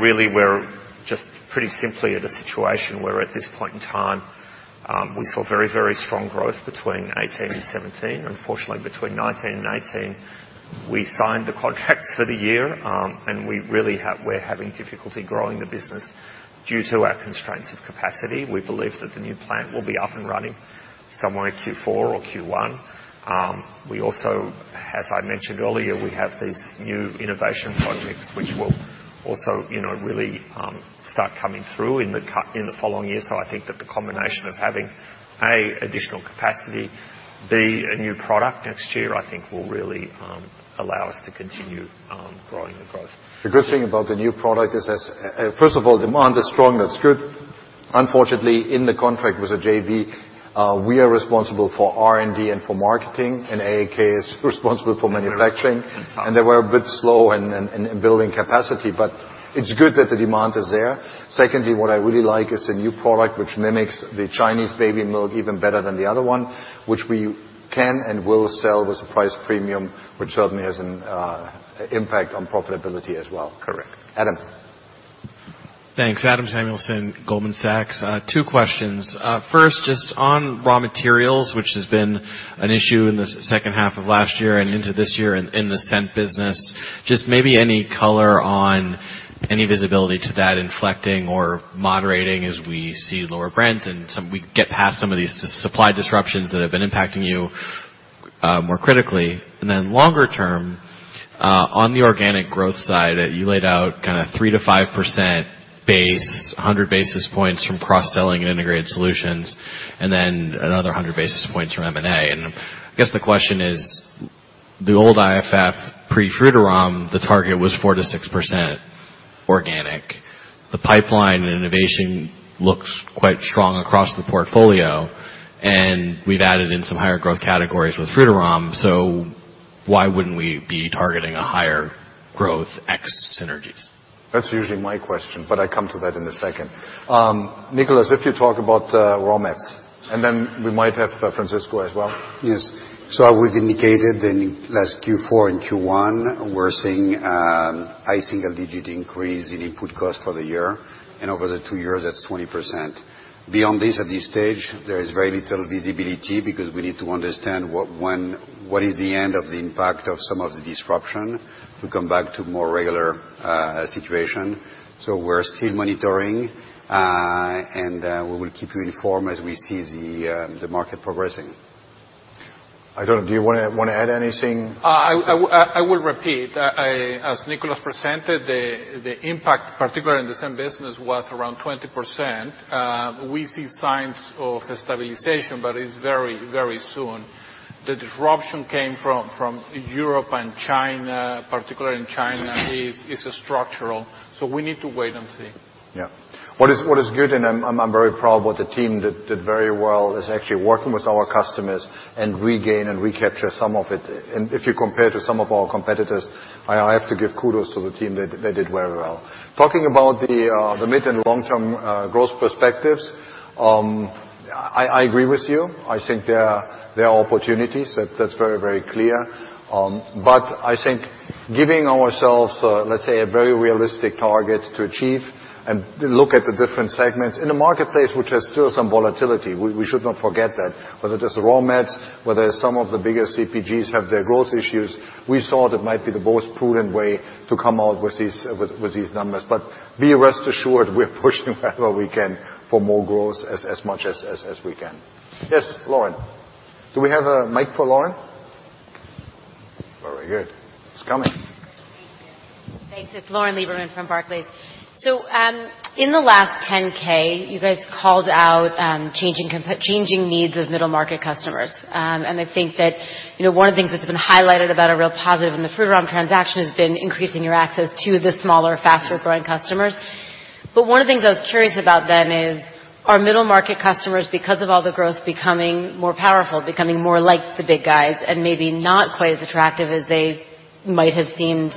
Really, we're just pretty simply at a situation where at this point in time, we saw very, very strong growth between 2018 and 2017. Unfortunately, between 2019 and 2018, we signed the contracts for the year, and we're having difficulty growing the business due to our constraints of capacity. We believe that the new plant will be up and running somewhere in Q4 or Q1. Also, as I mentioned earlier, we have these new innovation projects which will also really start coming through in the following year. I think that the combination of having, A, additional capacity, B, a new product next year, I think will really allow us to continue growing the growth. The good thing about the new product is, first of all, demand is strong. That's good. Unfortunately, in the contract with the JV, we are responsible for R&D and for marketing, and AAK is responsible for manufacturing. Some. They were a bit slow in building capacity. It's good that the demand is there. Secondly, what I really like is a new product which mimics the Chinese baby milk even better than the other one, which we can and will sell with a price premium, which certainly has an impact on profitability as well. Correct. Adam. Thanks. Adam Samuelson, Goldman Sachs. Two questions. First, just on raw materials, which has been an issue in the second half of last year and into this year in the scent business. Just maybe any color on any visibility to that inflecting or moderating as we see lower Brent and we get past some of these supply disruptions that have been impacting you more critically. Longer term, on the organic growth side, you laid out kind of 3%-5% base, 100 basis points from cross-selling and integrated solutions, then another 100 basis points from M&A. I guess the question is, the old IFF pre-Frutarom, the target was 4%-6% organic. The pipeline and innovation looks quite strong across the portfolio, and we've added in some higher growth categories with Frutarom. Why wouldn't we be targeting a higher growth X synergies? That's usually my question, but I come to that in a second. Nicolas, if you talk about raw mats. Then we might have Francisco as well. Yes. I would indicated in last Q4 and Q1, we're seeing high single-digit increase in input cost for the year, and over the two years, that's 20%. Beyond this, at this stage, there is very little visibility because we need to understand what is the end of the impact of some of the disruption to come back to more regular situation. We're still monitoring, and we will keep you informed as we see the market progressing. I don't know, do you want to add anything? I will repeat. As Nicolas presented, the impact, particularly in the same business, was around 20%. It's very soon. The disruption came from Europe and China, particularly in China. It's structural, we need to wait and see. What is good, and I'm very proud what the team did very well, is actually working with our customers and regain and recapture some of it. If you compare to some of our competitors, I have to give kudos to the team. They did very well. Talking about the mid- and long-term growth perspectives, I agree with you. I think there are opportunities. That's very clear. I think giving ourselves, let's say, a very realistic target to achieve and look at the different segments in a marketplace which has still some volatility, we should not forget that. Whether it is raw materials, whether some of the bigger CPGs have their growth issues, we thought it might be the most prudent way to come out with these numbers. Be rest assured, we're pushing wherever we can for more growth as much as we can. Yes, Lauren. Do we have a mic for Lauren? Very good. It's coming. Thank you. Thanks. It's Lauren Lieberman from Barclays. In the last 10-K, you guys called out changing needs of middle-market customers. I think that one of the things that's been highlighted about a real positive in the Frutarom transaction has been increasing your access to the smaller, faster-growing customers. One of the things I was curious about then is, are middle-market customers, because of all the growth, becoming more powerful, becoming more like the big guys and maybe not quite as attractive as they might have seemed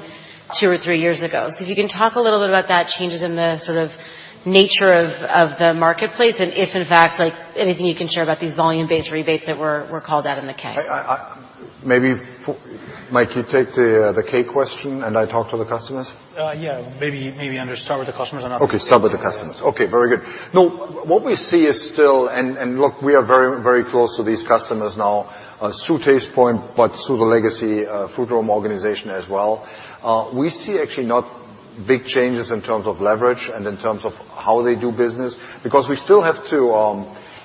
two or three years ago? If you can talk a little bit about that, changes in the sort of nature of the marketplace and if in fact, anything you can share about these volume-based rebates that were called out in the K. Maybe, Mike, you take the K question, I talk to the customers? Maybe start with the customers. Okay. Start with the customers. Okay, very good. No, what we see is still, look, we are very close to these customers now, through Tastepoint but through the legacy Frutarom organization as well. We see actually not big changes in terms of leverage and in terms of how they do business, because we still have to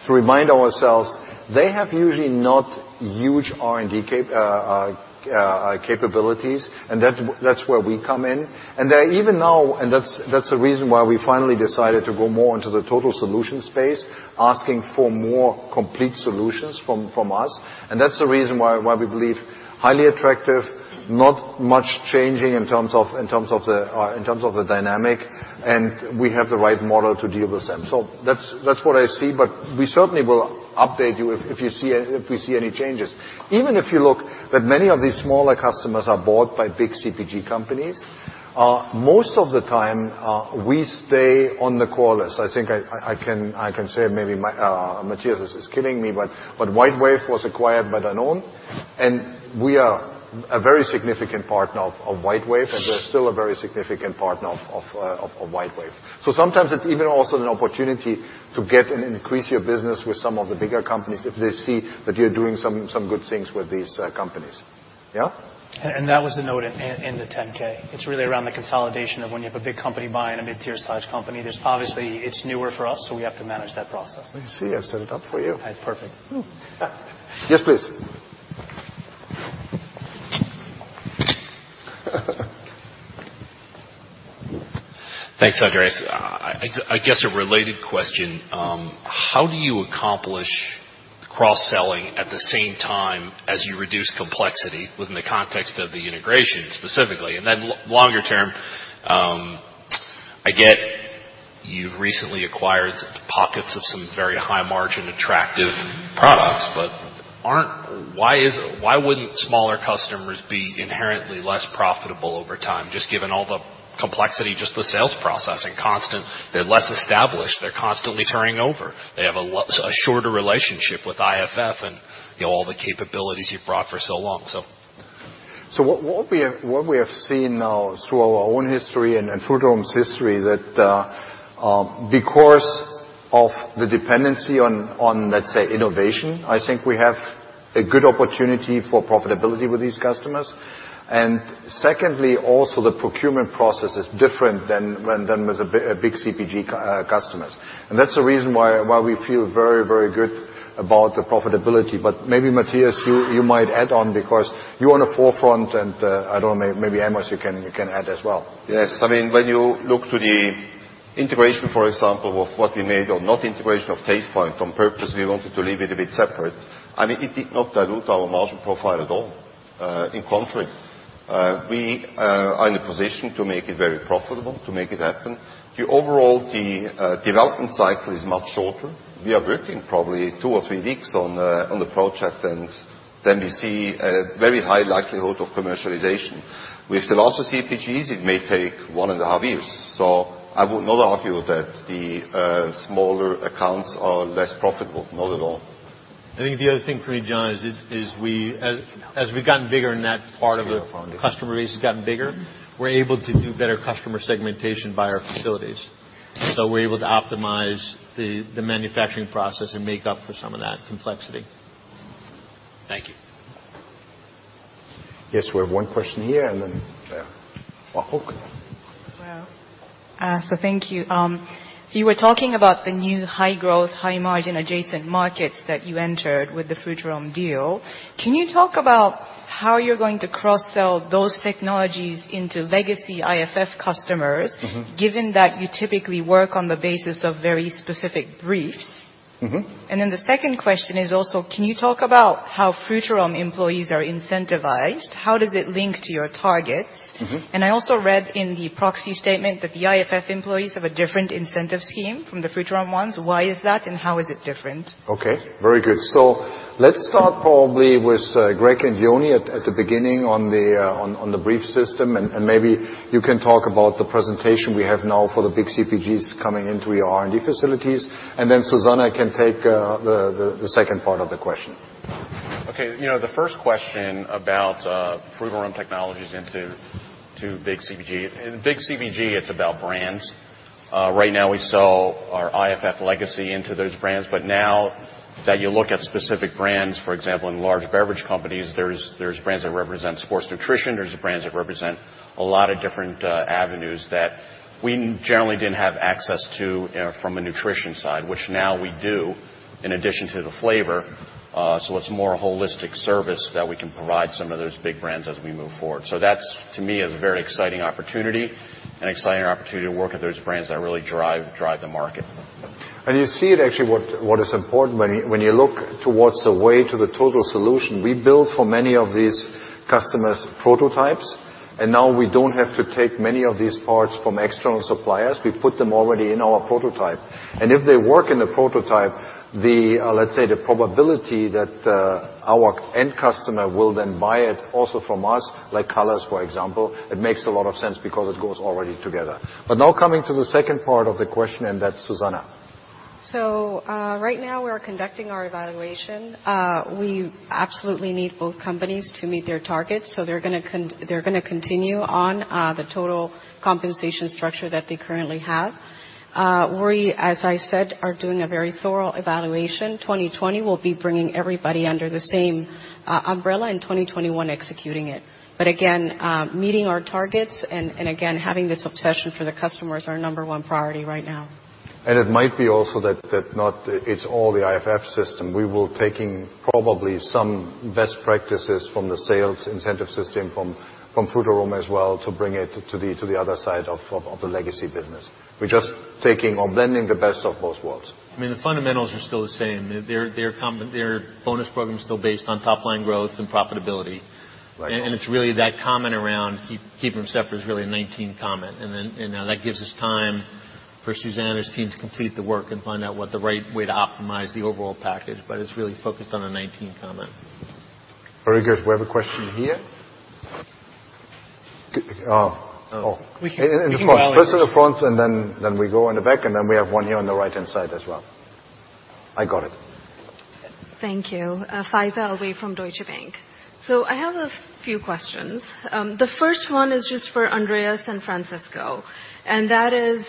remind ourselves they have usually not huge R&D capabilities, and that's where we come in. They're even now, and that's the reason why we finally decided to go more into the total solution space, asking for more complete solutions from us. That's the reason why we believe highly attractive, not much changing in terms of the dynamic, and we have the right model to deal with them. That's what I see, but we certainly will update you if we see any changes. Even if you look that many of these smaller customers are bought by big CPG companies, most of the time, we stay on the call list. I think I can say maybe Matthias is killing me, but WhiteWave was acquired by Danone, and we are a very significant partner of WhiteWave, and we're still a very significant partner of WhiteWave. Sometimes it's even also an opportunity to get and increase your business with some of the bigger companies if they see that you're doing some good things with these companies. Yeah? That was the note in the 10-K. It's really around the consolidation of when you have a big company buying a mid-tier size company. There's obviously, it's newer for us, we have to manage that process. You see, I set it up for you. That's perfect. Yes, please. Thanks, Andreas. I guess a related question. How do you accomplish cross-selling at the same time as you reduce complexity within the context of the integration specifically? Longer term, I get you've recently acquired pockets of some very high margin attractive products. Why wouldn't smaller customers be inherently less profitable over time, given all the complexity, the sales process? They're less established. They're constantly turning over. They have a shorter relationship with IFF and all the capabilities you've brought for so long. What we have seen now through our own history and Frutarom's history that because of the dependency on, let's say, innovation, I think we have a good opportunity for profitability with these customers. Secondly, also the procurement process is different than with a big CPG customers. That's the reason why we feel very good about the profitability. Maybe Matthias, you might add on because you are on the forefront and I don't know, maybe Nicolas, you can add as well. Yes. When you look to the integration, for example, of what we made or not integration of Tastepoint, on purpose, we wanted to leave it a bit separate, and it did not dilute our margin profile at all. In contrary, we are in a position to make it very profitable, to make it happen. The overall development cycle is much shorter. We are working probably two or three weeks on the project, and then we see a very high likelihood of commercialization. With the larger CPGs, it may take one and a half years. I would not argue that the smaller accounts are less profitable. Not at all. I think the other thing for me, John, is as we've gotten bigger and that part of the customer base has gotten bigger, we're able to do better customer segmentation by our facilities. We're able to optimize the manufacturing process and make up for some of that complexity. Thank you. Yes, we have one question here, then there. Oh, okay. Thank you. You were talking about the new high growth, high margin adjacent markets that you entered with the Frutarom deal. Can you talk about how you're going to cross-sell those technologies into legacy IFF customers? Given that you typically work on the basis of very specific briefs? Then the second question is also, can you talk about how Frutarom employees are incentivized? How does it link to your targets? I also read in the proxy statement that the IFF employees have a different incentive scheme from the Frutarom ones. Why is that, and how is it different? Let's start probably with Greg and Yoni at the beginning on the brief system, maybe you can talk about the presentation we have now for the big CPGs coming into your R&D facilities. Susana can take the second part of the question. The first question about Frutarom technologies into big CPG. In big CPG, it's about brands. Right now we sell our IFF legacy into those brands. Now that you look at specific brands, for example, in large beverage companies, there's brands that represent sports nutrition, there's brands that represent a lot of different avenues that we generally didn't have access to from a nutrition side, which now we do, in addition to the flavor. It's more a holistic service that we can provide some of those big brands as we move forward. That, to me, is a very exciting opportunity, an exciting opportunity to work with those brands that really drive the market. You see it actually what is important when you look towards the way to the total solution. We build for many of these customers prototypes, and now we don't have to take many of these parts from external suppliers. We put them already in our prototype. If they work in the prototype, let's say, the probability that our end customer will then buy it also from us, like colors, for example, it makes a lot of sense because it goes already together. Now coming to the second part of the question, and that's Susana. Right now we are conducting our evaluation. We absolutely need both companies to meet their targets, so they're going to continue on the total compensation structure that they currently have. We, as I said, are doing a very thorough evaluation. 2020, we'll be bringing everybody under the same umbrella, in 2021 executing it. Again, meeting our targets and, again, having this obsession for the customer is our number one priority right now. It might be also that it's not all the IFF system. We will be taking probably some best practices from the sales incentive system from Frutarom as well to bring it to the other side of the legacy business. We're just taking or blending the best of both worlds. The fundamentals are still the same. Their bonus program's still based on top line growth and profitability. Right. It's really that comment around keep them separate is really a 2019 comment. Then that gives us time for Susana's team to complete the work and find out what the right way to optimize the overall package, but it's really focused on a 2019 comment. Very good. We have a question here. Oh. Oh. We can go all the way to the front. First to the front, and then we go in the back, and then we have one here on the right-hand side as well. I got it. Thank you. Faiza Alwy from Deutsche Bank. I have a few questions. The first one is just for Andreas and Francisco, and that is,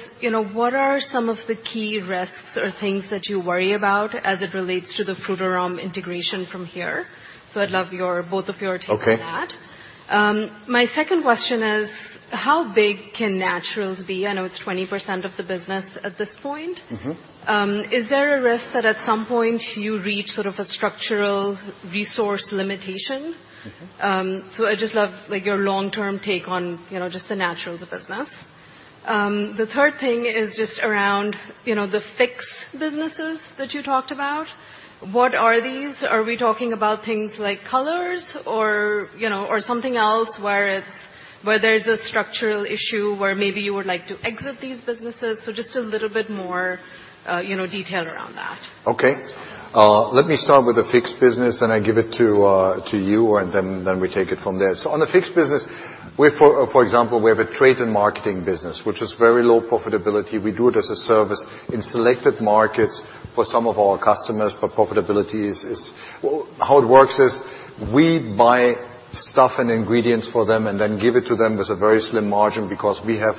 what are some of the key risks or things that you worry about as it relates to the Frutarom integration from here? I'd love both of your take on that. Okay. My second question is, how big can naturals be? I know it's 20% of the business at this point. Is there a risk that at some point you reach sort of a structural resource limitation? I'd just love your long-term take on just the naturals business. The third thing is just around the fixed businesses that you talked about. What are these? Are we talking about things like colors or something else where there's a structural issue where maybe you would like to exit these businesses? Just a little bit more detail around that. Okay. Let me start with the fixed business, and I give it to you, and then we take it from there. On the fixed business, for example, we have a trade and marketing business, which is very low profitability. How it works is we buy stuff and ingredients for them and then give it to them with a very slim margin because we have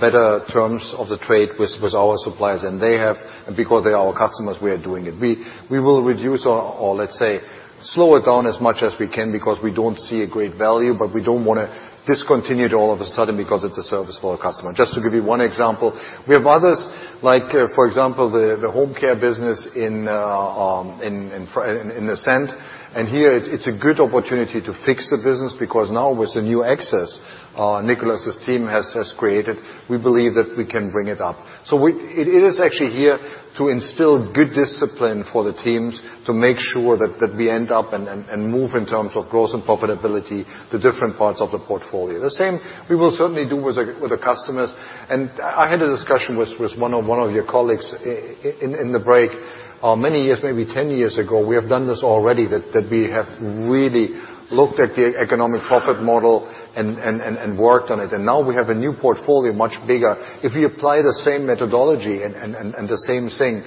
better terms of the trade with our suppliers than they have. Because they are our customers, we are doing it. We will reduce or let's say slow it down as much as we can because we don't see a great value, but we don't want to discontinue it all of a sudden because it's a service for our customer. Just to give you one example. We have others, like for example, the home care business in the scent. Here, it's a good opportunity to fix the business because now with the new access Nicolas' team has created, we believe that we can bring it up. It is actually here to instill good discipline for the teams to make sure that we end up and move in terms of growth and profitability, the different parts of the portfolio. The same we will certainly do with the customers. I had a discussion with one of your colleagues in the break. Many years, maybe 10 years ago, we have done this already, that we have really looked at the economic profit model and worked on it. Now we have a new portfolio, much bigger. If we apply the same methodology and the same thing.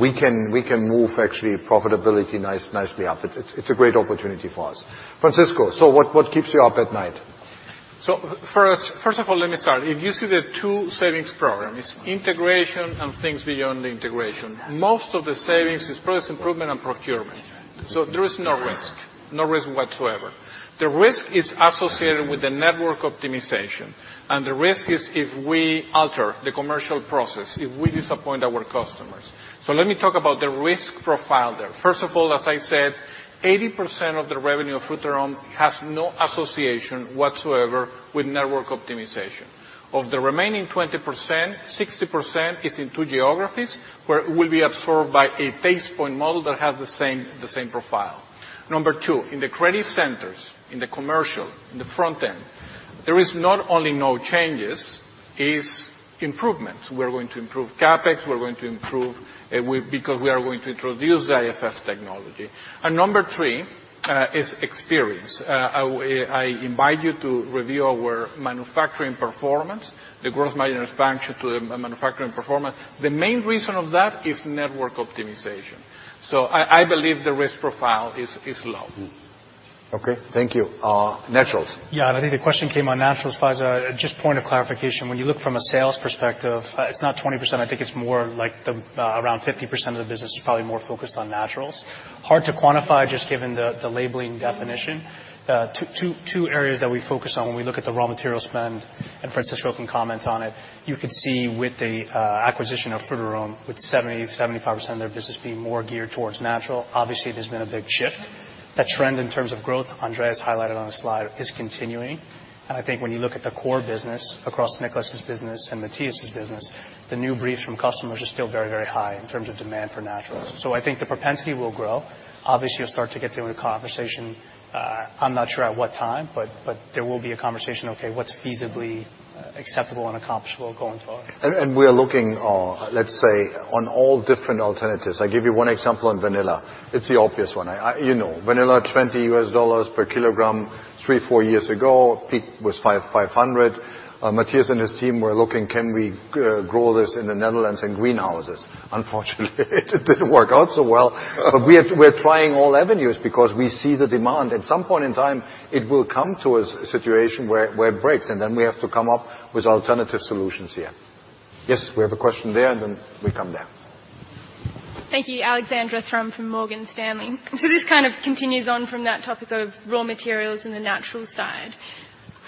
We can move profitability nicely up. It's a great opportunity for us. Francisco, what keeps you up at night? First of all, let me start. If you see the two savings programs, integration and things beyond the integration, most of the savings is price improvement and procurement. That's right. There is no risk. No risk whatsoever. The risk is associated with the network optimization. The risk is if we alter the commercial process, if we disappoint our customers. Let me talk about the risk profile there. First of all, as I said, 80% of the revenue of Frutarom has no association whatsoever with network optimization. Of the remaining 20%, 60% is in two geographies, where it will be absorbed by a Tastepoint model that have the same profile. Number two, in the credit centers, in the commercial, in the front end, there is not only no changes, is improvements. We're going to improve CapEx, we're going to improve because we are going to introduce the IFF technology. Number three, is experience. I invite you to review our manufacturing performance, the gross margin expansion to the manufacturing performance. The main reason of that is network optimization. I believe the risk profile is low. Okay. Thank you. Naturals. I think the question came on naturals, Faiza. Just point of clarification. When you look from a sales perspective, it's not 20%, I think it's more like around 50% of the business is probably more focused on naturals. Hard to quantify, just given the labeling definition. Two areas that we focus on when we look at the raw material spend, Francisco can comment on it. You could see with the acquisition of Frutarom, with 70%-75% of their business being more geared towards natural, obviously there's been a big shift. That trend in terms of growth, Andreas highlighted on the slide, is continuing. I think when you look at the core business across Nicolas' business and Matthias' business, the new briefs from customers are still very, very high in terms of demand for naturals. I think the propensity will grow. Obviously, you'll start to get to a conversation, I'm not sure at what time, but there will be a conversation, "Okay, what's feasibly acceptable and accomplishable going forward? We're looking, let's say, on all different alternatives. I give you one example on vanilla. It's the obvious one. Vanilla, $20 US per kilogram three, four years ago. Peak was $500. Matthias and his team were looking, can we grow this in the Netherlands in greenhouses? Unfortunately, it didn't work out so well. We're trying all avenues because we see the demand. At some point in time, it will come to a situation where it breaks, then we have to come up with alternative solutions here. Yes, we have a question there, then we come there. Thank you. Alexandra Thrum from Morgan Stanley. This kind of continues on from that topic of raw materials in the natural side.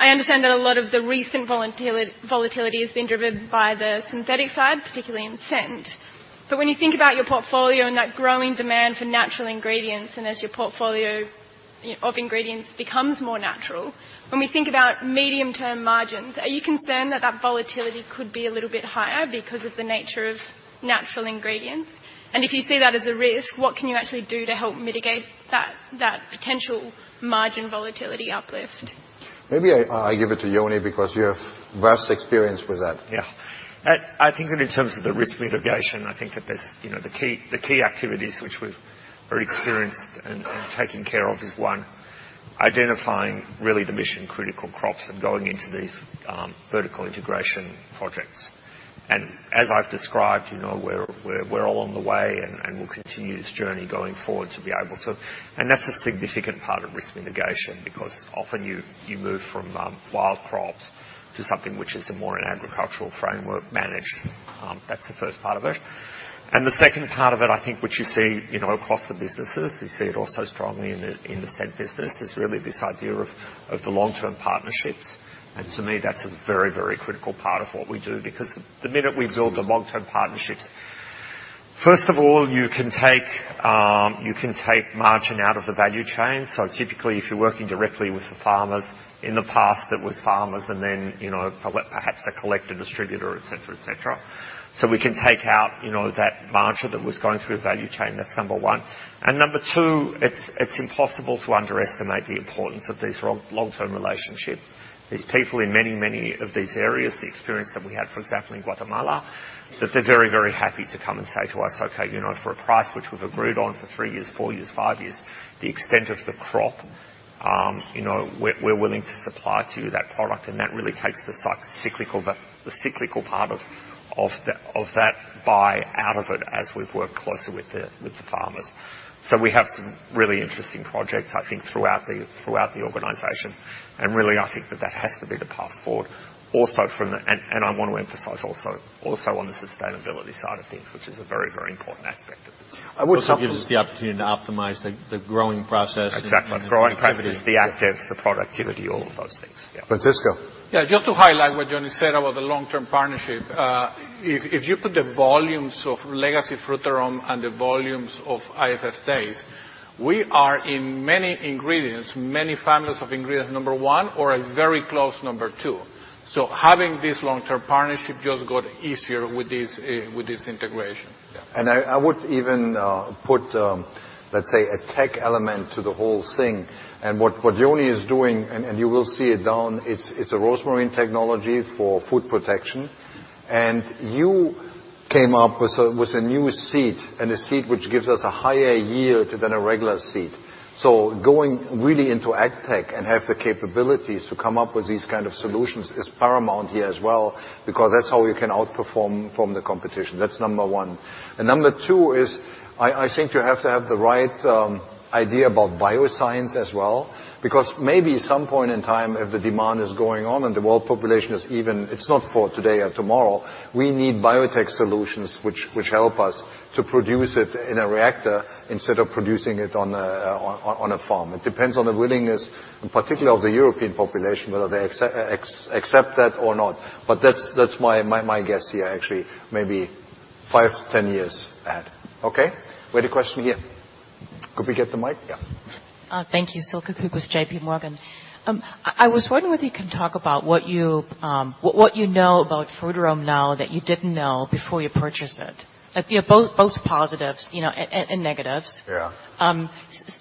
I understand that a lot of the recent volatility has been driven by the synthetic side, particularly in scent. When you think about your portfolio and that growing demand for natural ingredients, and as your portfolio of ingredients becomes more natural, when we think about medium term margins, are you concerned that that volatility could be a little bit higher because of the nature of natural ingredients? If you see that as a risk, what can you actually do to help mitigate that potential margin volatility uplift? Maybe I give it to Yoni because you have vast experience with that. I think that in terms of the risk mitigation, I think that the key activities which we've already experienced and taken care of is, one, identifying really the mission-critical crops and going into these vertical integration projects. As I've described, we're along the way, and we'll continue this journey going forward. That's a significant part of risk mitigation, because often you move from wild crops to something which is a more agricultural framework managed. That's the first part of it. The second part of it, I think, which you see across the businesses, you see it also strongly in the Scent business, is really this idea of the long-term partnerships. To me, that's a very critical part of what we do because the minute we build the long-term partnerships, first of all, you can take margin out of the value chain. Typically, if you're working directly with the farmers, in the past it was farmers and then perhaps a collector, distributor, et cetera. We can take out that margin that was going through a value chain. That's number one. Number two, it's impossible to underestimate the importance of these long-term relationship. These people in many of these areas, the experience that we had, for example, in Guatemala, that they're very happy to come and say to us, "Okay, for a price which we've agreed on for three years, four years, five years, the extent of the crop, we're willing to supply to you that product." That really takes the cyclical part of that buy out of it as we've worked closely with the farmers. We have some really interesting projects, I think, throughout the organization. Really, I think that that has to be the path forward. I want to emphasize also on the sustainability side of things, which is a very important aspect of this. I would also- It also gives us the opportunity to optimize the growing process and the productivity. Exactly. The growing process, the actives, the productivity, all of those things. Yeah. Francisco. Yeah, just to highlight what Yoni said about the long-term partnership. If you put the volumes of legacy Frutarom and the volumes of IFF's base, we are in many ingredients, many families of ingredients, number 1 or a very close number 2. Having this long-term partnership just got easier with this integration. I would even put, let's say, a tech element to the whole thing. What Yoni is doing, and you will see it down, it's a rosemary technology for food protection. You came up with a new seed, and a seed which gives us a higher yield than a regular seed. So going really into ag tech and have the capabilities to come up with these kind of solutions is paramount here as well, because that's how we can outperform from the competition. That's number 1. Number 2 is, I think you have to have the right idea about bioscience as well, because maybe at some point in time, if the demand is going on and the world population is even, it's not for today or tomorrow. We need biotech solutions which help us to produce it in a reactor instead of producing it on a farm. It depends on the willingness, in particular of the European population, whether they accept that or not. That's my guess here, actually, maybe 5 to 10 years ahead. Okay? We have a question here. Could we get the mic? Yeah. Thank you. Silke Kuk with J.P. Morgan. I was wondering whether you can talk about what you know about Frutarom now that you didn't know before you purchased it. Both positives and negatives. Yeah.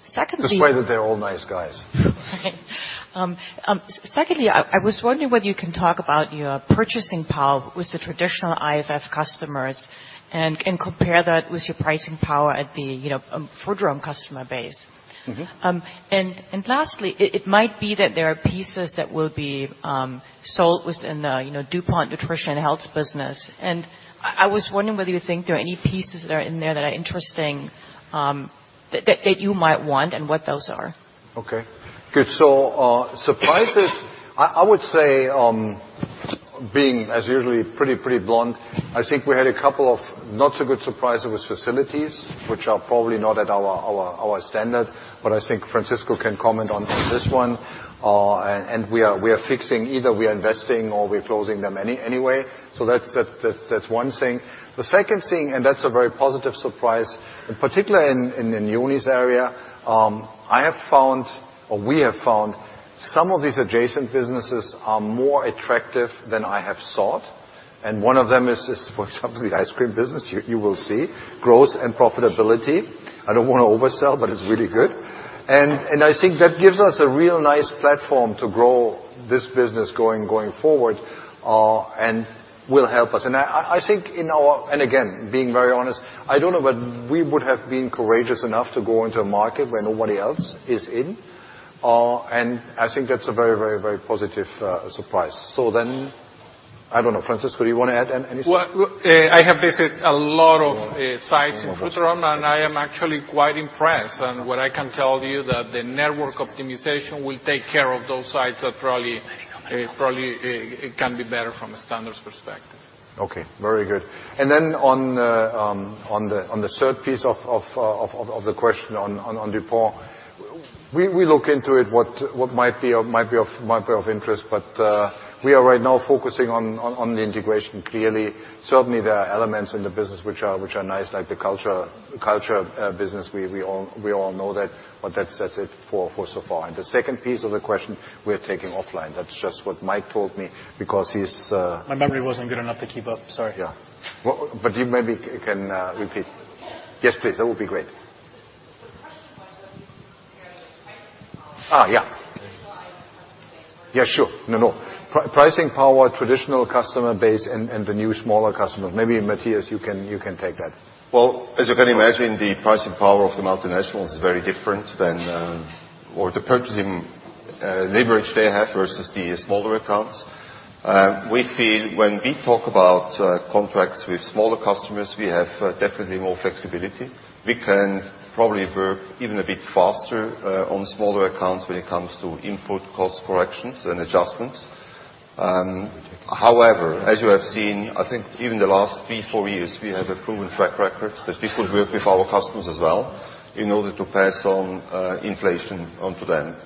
Secondly- Despite that they're all nice guys. Okay. Secondly, I was wondering whether you can talk about your purchasing power with the traditional IFF customers, and compare that with your pricing power at the Frutarom customer base. Lastly, it might be that there are pieces that will be sold within the DuPont Nutrition & Biosciences business, and I was wondering whether you think there are any pieces that are in there that are interesting that you might want, and what those are. Okay, good. Surprises, I would say, being, as usually, pretty blunt, I think we had a couple of not so good surprises with facilities, which are probably not at our standard, but I think Francisco can comment on this one. We are fixing, either we are investing or we're closing them anyway. That's one thing. The second thing, that's a very positive surprise, in particular in Yoni's area, I have found, or we have found some of these adjacent businesses are more attractive than I have sought, and one of them is, for example, the ice cream business. You will see growth and profitability. I don't want to oversell, but it's really good. I think that gives us a real nice platform to grow this business going forward, and will help us. I think, again, being very honest, I don't know whether we would have been courageous enough to go into a market where nobody else is in. I think that's a very positive surprise. I don't know. Francisco, do you want to add anything? Well, I have visited a lot of sites in Frutarom, and I am actually quite impressed. What I can tell you that the network optimization will take care of those sites that probably it can be better from a standards perspective. Okay, very good. On the third piece of the question on DuPont, we look into it, what might be of interest, but we are right now focusing on the integration clearly. Certainly there are elements in the business which are nice, like the culture business. We all know that, but that's it for so far. The second piece of the question we're taking offline. That's just what Mike told me because My memory wasn't good enough to keep up. Sorry. Yeah. You maybe can repeat. Yes, please. That would be great. The question was when you compare the pricing power Yeah. of the traditional IFF customer base. Yeah, sure. No, no. Pricing power, traditional customer base, and the new smaller customer. Maybe Matthias, you can take that. Well, as you can imagine, the pricing power of the multinationals is very different than, or the purchasing leverage they have versus the smaller accounts. We feel when we talk about contracts with smaller customers, we have definitely more flexibility. We can probably work even a bit faster on smaller accounts when it comes to input cost corrections and adjustments. However, as you have seen, I think even the last three, four years, we have a proven track record that this would work with our customers as well in order to pass on inflation onto them.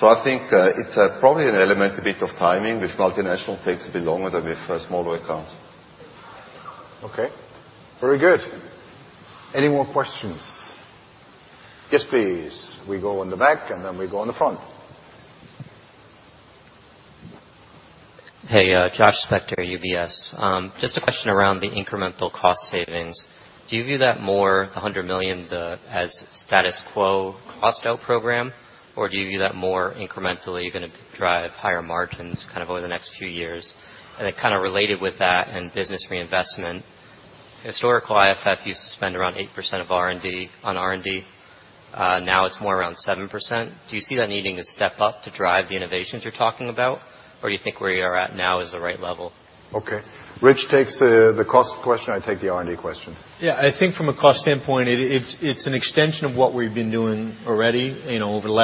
I think it's probably an element, a bit of timing. With multinational takes a bit longer than with smaller accounts. Okay. Very good. Any more questions? Yes, please. We go in the back and then we go in the front. Hey, Joshua Spector, UBS. Just a question around the incremental cost savings. Do you view that more, the $100 million, as status quo cost out program, or do you view that more incrementally you're going to drive higher margins over the next few years? Related with that and business reinvestment, historical IFF used to spend around 8% on R&D. Now it's more around 7%. Do you see that needing to step up to drive the innovations you're talking about, or do you think where you are at now is the right level? Okay. Rich takes the cost question, I take the R&D question. Yeah, I think from a cost standpoint, it's an extension of what we've been doing already. Over the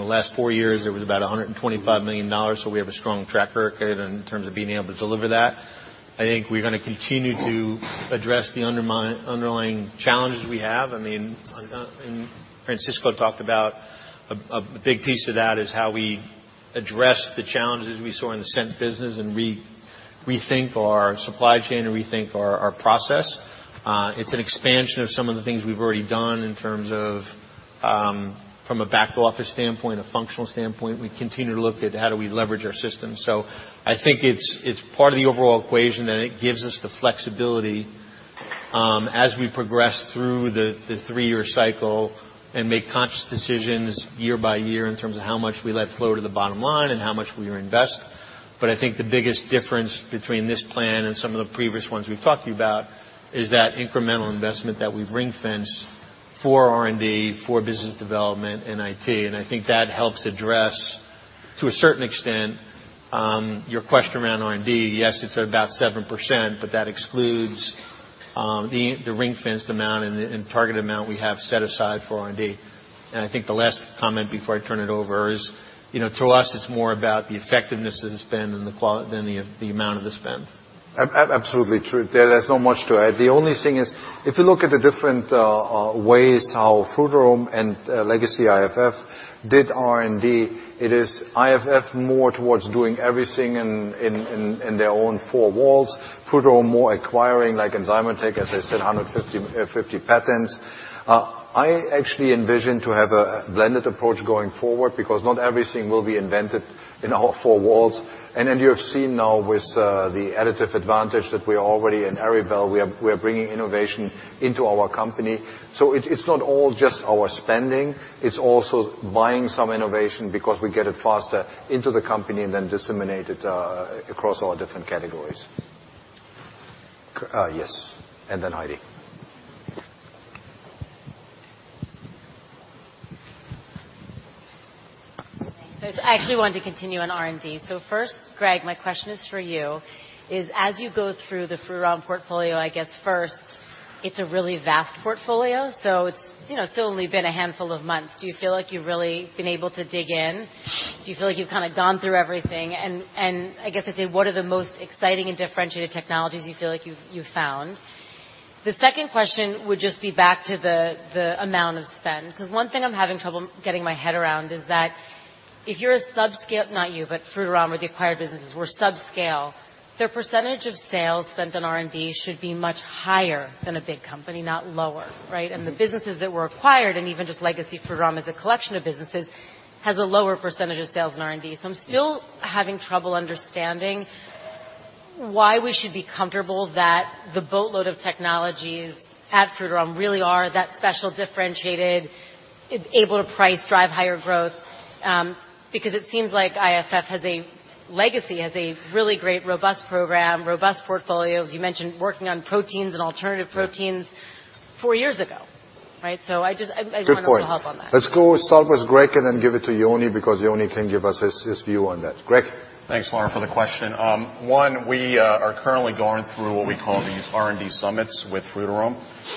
last four years, it was about $125 million. We have a strong track record in terms of being able to deliver that. Francisco talked about a big piece of that is how we address the challenges we saw in the scent business and rethink our supply chain and rethink our process. It's an expansion of some of the things we've already done in terms of, from a back office standpoint, a functional standpoint. We continue to look at how do we leverage our systems. I think it's part of the overall equation, and it gives us the flexibility as we progress through the three-year cycle and make conscious decisions year by year in terms of how much we let flow to the bottom line and how much we invest I think the biggest difference between this plan and some of the previous ones we've talked to you about is that incremental investment that we've ring-fenced for R&D, for business development, and IT. I think that helps address, to a certain extent, your question around R&D. Yes, it's about 7%, but that excludes the ring-fenced amount and target amount we have set aside for R&D. I think the last comment before I turn it over is, to us, it's more about the effectiveness of the spend than the amount of the spend. Absolutely true. There's not much to add. The only thing is, if you look at the different ways how Frutarom and legacy IFF did R&D, it is IFF more towards doing everything in their own four walls, Frutarom more acquiring, like Enzymotec, as I said, 150 patents. I actually envision to have a blended approach going forward, because not everything will be invented in our four walls. Then you have seen now with The Additive Advantage that we are already in Aryballe. We are bringing innovation into our company. It's not all just our spending, it's also buying some innovation because we get it faster into the company and then disseminate it across all different categories. Yes, and then Heidi. Thanks. I actually wanted to continue on R&D. First, Greg, my question is for you, is as you go through the Frutarom portfolio, I guess first, it's a really vast portfolio, so it's only been a handful of months. Do you feel like you've really been able to dig in? Do you feel like you've gone through everything? And, I guess I'd say, what are the most exciting and differentiated technologies you feel like you've found? The second question would just be back to the amount of spend. One thing I'm having trouble getting my head around is that if you're a subscale— not you, but Frutarom or the acquired businesses, were subscale, their percentage of sales spent on R&D should be much higher than a big company, not lower, right? The businesses that were acquired, and even just legacy Frutarom as a collection of businesses, has a lower percentage of sales in R&D. I'm still having trouble understanding why we should be comfortable that the boatload of technologies at Frutarom really are that special, differentiated, able to price, drive higher growth. It seems like IFF has a legacy, has a really great, robust program, robust portfolios. You mentioned working on proteins and alternative proteins. Yeah four years ago. Right? I just, I want Good point a little help on that. Let's go start with Greg and then give it to Yoni because Yoni can give us his view on that. Greg? Thanks, Lauren, for the question. We are currently going through what we call these R&D summits with Frutarom.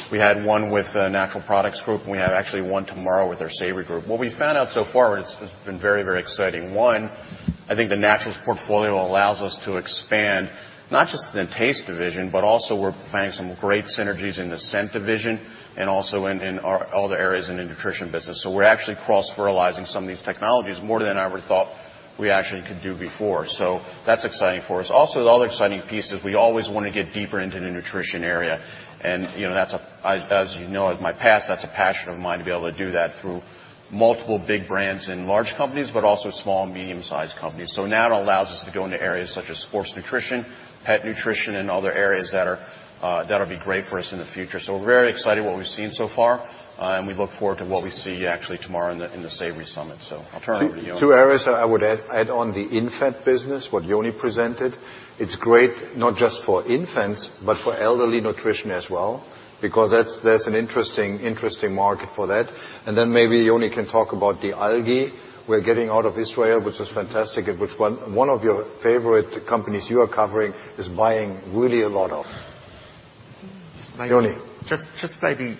We had one with Natural Products group, and we have actually one tomorrow with our Savory Solutions group. What we found out so far, it's been very exciting. I think the Naturals portfolio allows us to expand not just in taste division, but also we're finding some great synergies in the scent division and also in all the areas in the nutrition business. We're actually cross-fertilizing some of these technologies more than I ever thought we actually could do before. That's exciting for us. The other exciting piece is we always want to get deeper into the nutrition area. As you know of my past, that's a passion of mine to be able to do that through multiple big brands and large companies, but also small and medium-sized companies. Now it allows us to go into areas such as sports nutrition, pet nutrition, and other areas that'll be great for us in the future. We're very excited what we've seen so far. We look forward to what we see actually tomorrow in the Savory Solutions summit. I'll turn over to Yoni. Two areas I would add on the infant business, what Yoni presented. It's great not just for infants, but for elderly nutrition as well, because that's an interesting market for that. Then maybe Yoni can talk about the microalgae we're getting out of Israel, which is fantastic, and which one of your favorite companies you are covering is buying really a lot of. Yoni. Just maybe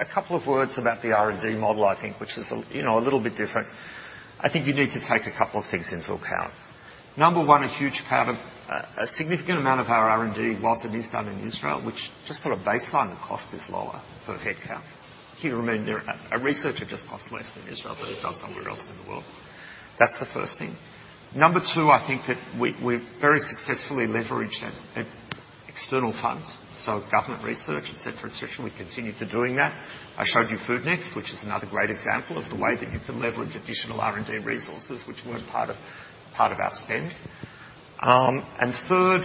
a couple of words about the R&D model, I think, which is a little bit different. I think you need to take a couple of things into account. Number 1, a significant amount of our R&D, whilst it is done in Israel, which just sort of baseline the cost is lower per headcount. Here, a researcher just costs less in Israel than it does somewhere else in the world. That's the first thing. Number 2, I think that we've very successfully leveraged external funds. Government research, et cetera. We continue to doing that. I showed you Food Next, which is another great example of the way that you can leverage additional R&D resources which weren't part of our spend. Third,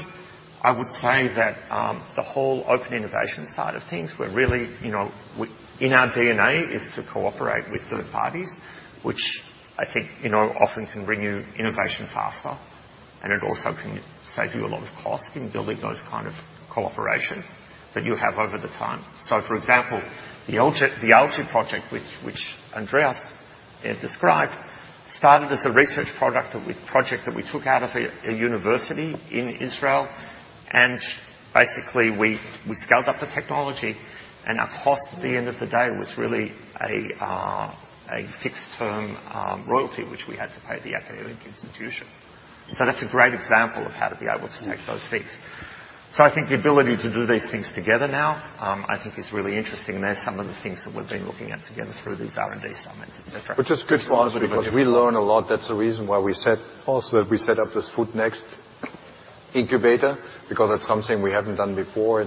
I would say that the whole open innovation side of things, in our DNA is to cooperate with third parties, which I think often can bring you innovation faster. It also can save you a lot of cost in building those kind of cooperations that you have over the time. For example, the algae project, which Andreas described, started as a research project that we took out of a university in Israel, and basically, we scaled up the technology, and our cost at the end of the day was really a fixed-term royalty, which we had to pay the academic institution. That's a great example of how to be able to take those things. I think the ability to do these things together now, I think is really interesting. They're some of the things that we've been looking at together through these R&D summits, et cetera. Which is good for us because we learn a lot. That's the reason why we said also that we set up this Food Next incubator because that's something we haven't done before.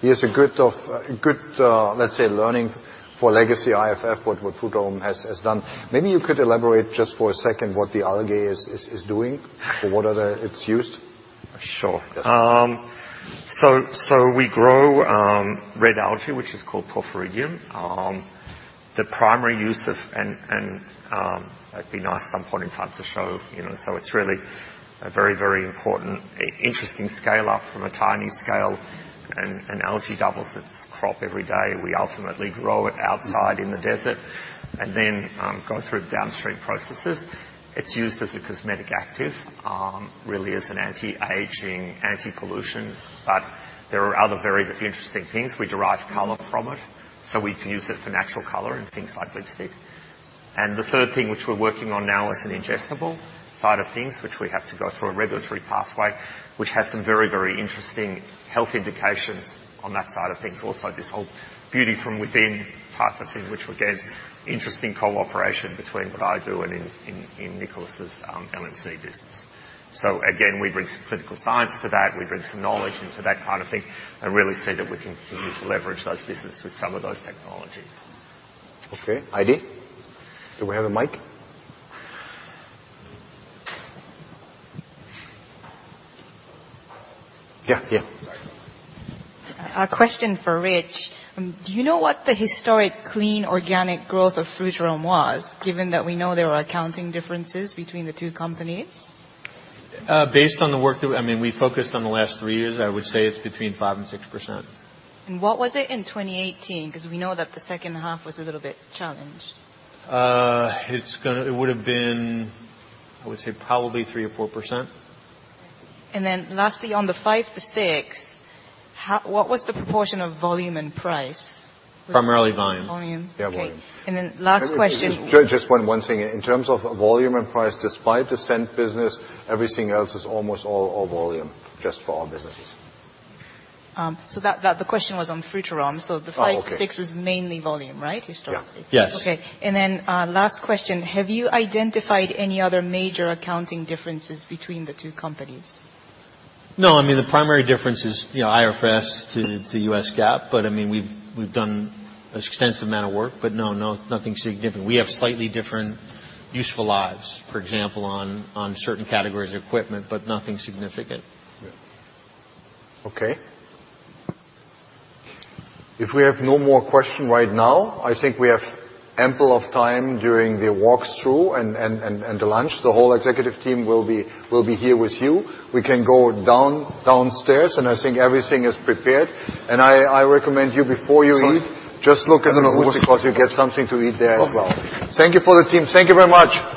He has a good, let's say, learning for legacy IFF, what Frutarom has done. Maybe you could elaborate just for a second what the algae is doing or what are its uses. Sure. Yes. We grow red algae, which is called Porphyridium. It'd be nice at some point in time to show. It's really a very important, interesting scale-up from a tiny scale. Algae doubles its crop every day. We ultimately grow it outside in the desert, then go through downstream processes. It's used as a cosmetic active, really as an anti-aging, anti-pollution. There are other very interesting things. We derive color from it, so we can use it for natural color in things like lipstick. The third thing, which we're working on now, is an ingestible side of things, which we have to go through a regulatory pathway, which has some very interesting health indications on that side of things. Also, this whole beauty from within type of thing, which again, interesting cooperation between what I do and in Nicolas's LMC business. Again, we bring some clinical science to that. We bring some knowledge into that kind of thing, and really see that we can continue to leverage those businesses with some of those technologies. Okay. Heidi? Do we have a mic? Yeah. Sorry. A question for Rich. Do you know what the historic clean, organic growth of Frutarom was, given that we know there were accounting differences between the two companies? Based on the work that we focused on the last three years, I would say it's between 5% and 6%. What was it in 2018? We know that the second half was a little bit challenged. It would've been, I would say, probably 3% or 4%. Lastly, on the 5%-6%, what was the proportion of volume and price? Primarily volume. Volume. Yeah, volume. Okay. Last question. Just one thing. In terms of volume and price, this 5% business, everything else is almost all volume, just for our businesses. The question was on Frutarom. Okay. The 5%-6% was mainly volume, right? Historically. Yeah. Yes. Okay. Last question. Have you identified any other major accounting differences between the two companies? No. The primary difference is IFRS to US GAAP. We've done extensive amount of work. No, nothing significant. We have slightly different useful lives, for example, on certain categories of equipment, but nothing significant. Yeah. Okay. If we have no more question right now, I think we have ample of time during the walks through and the lunch. The whole executive team will be here with you. We can go downstairs, and I think everything is prepared. I recommend you, before you eat- Sorry just look at the booth- I don't know who- because you get something to eat there as well. Okay. Thank you for the team. Thank you very much.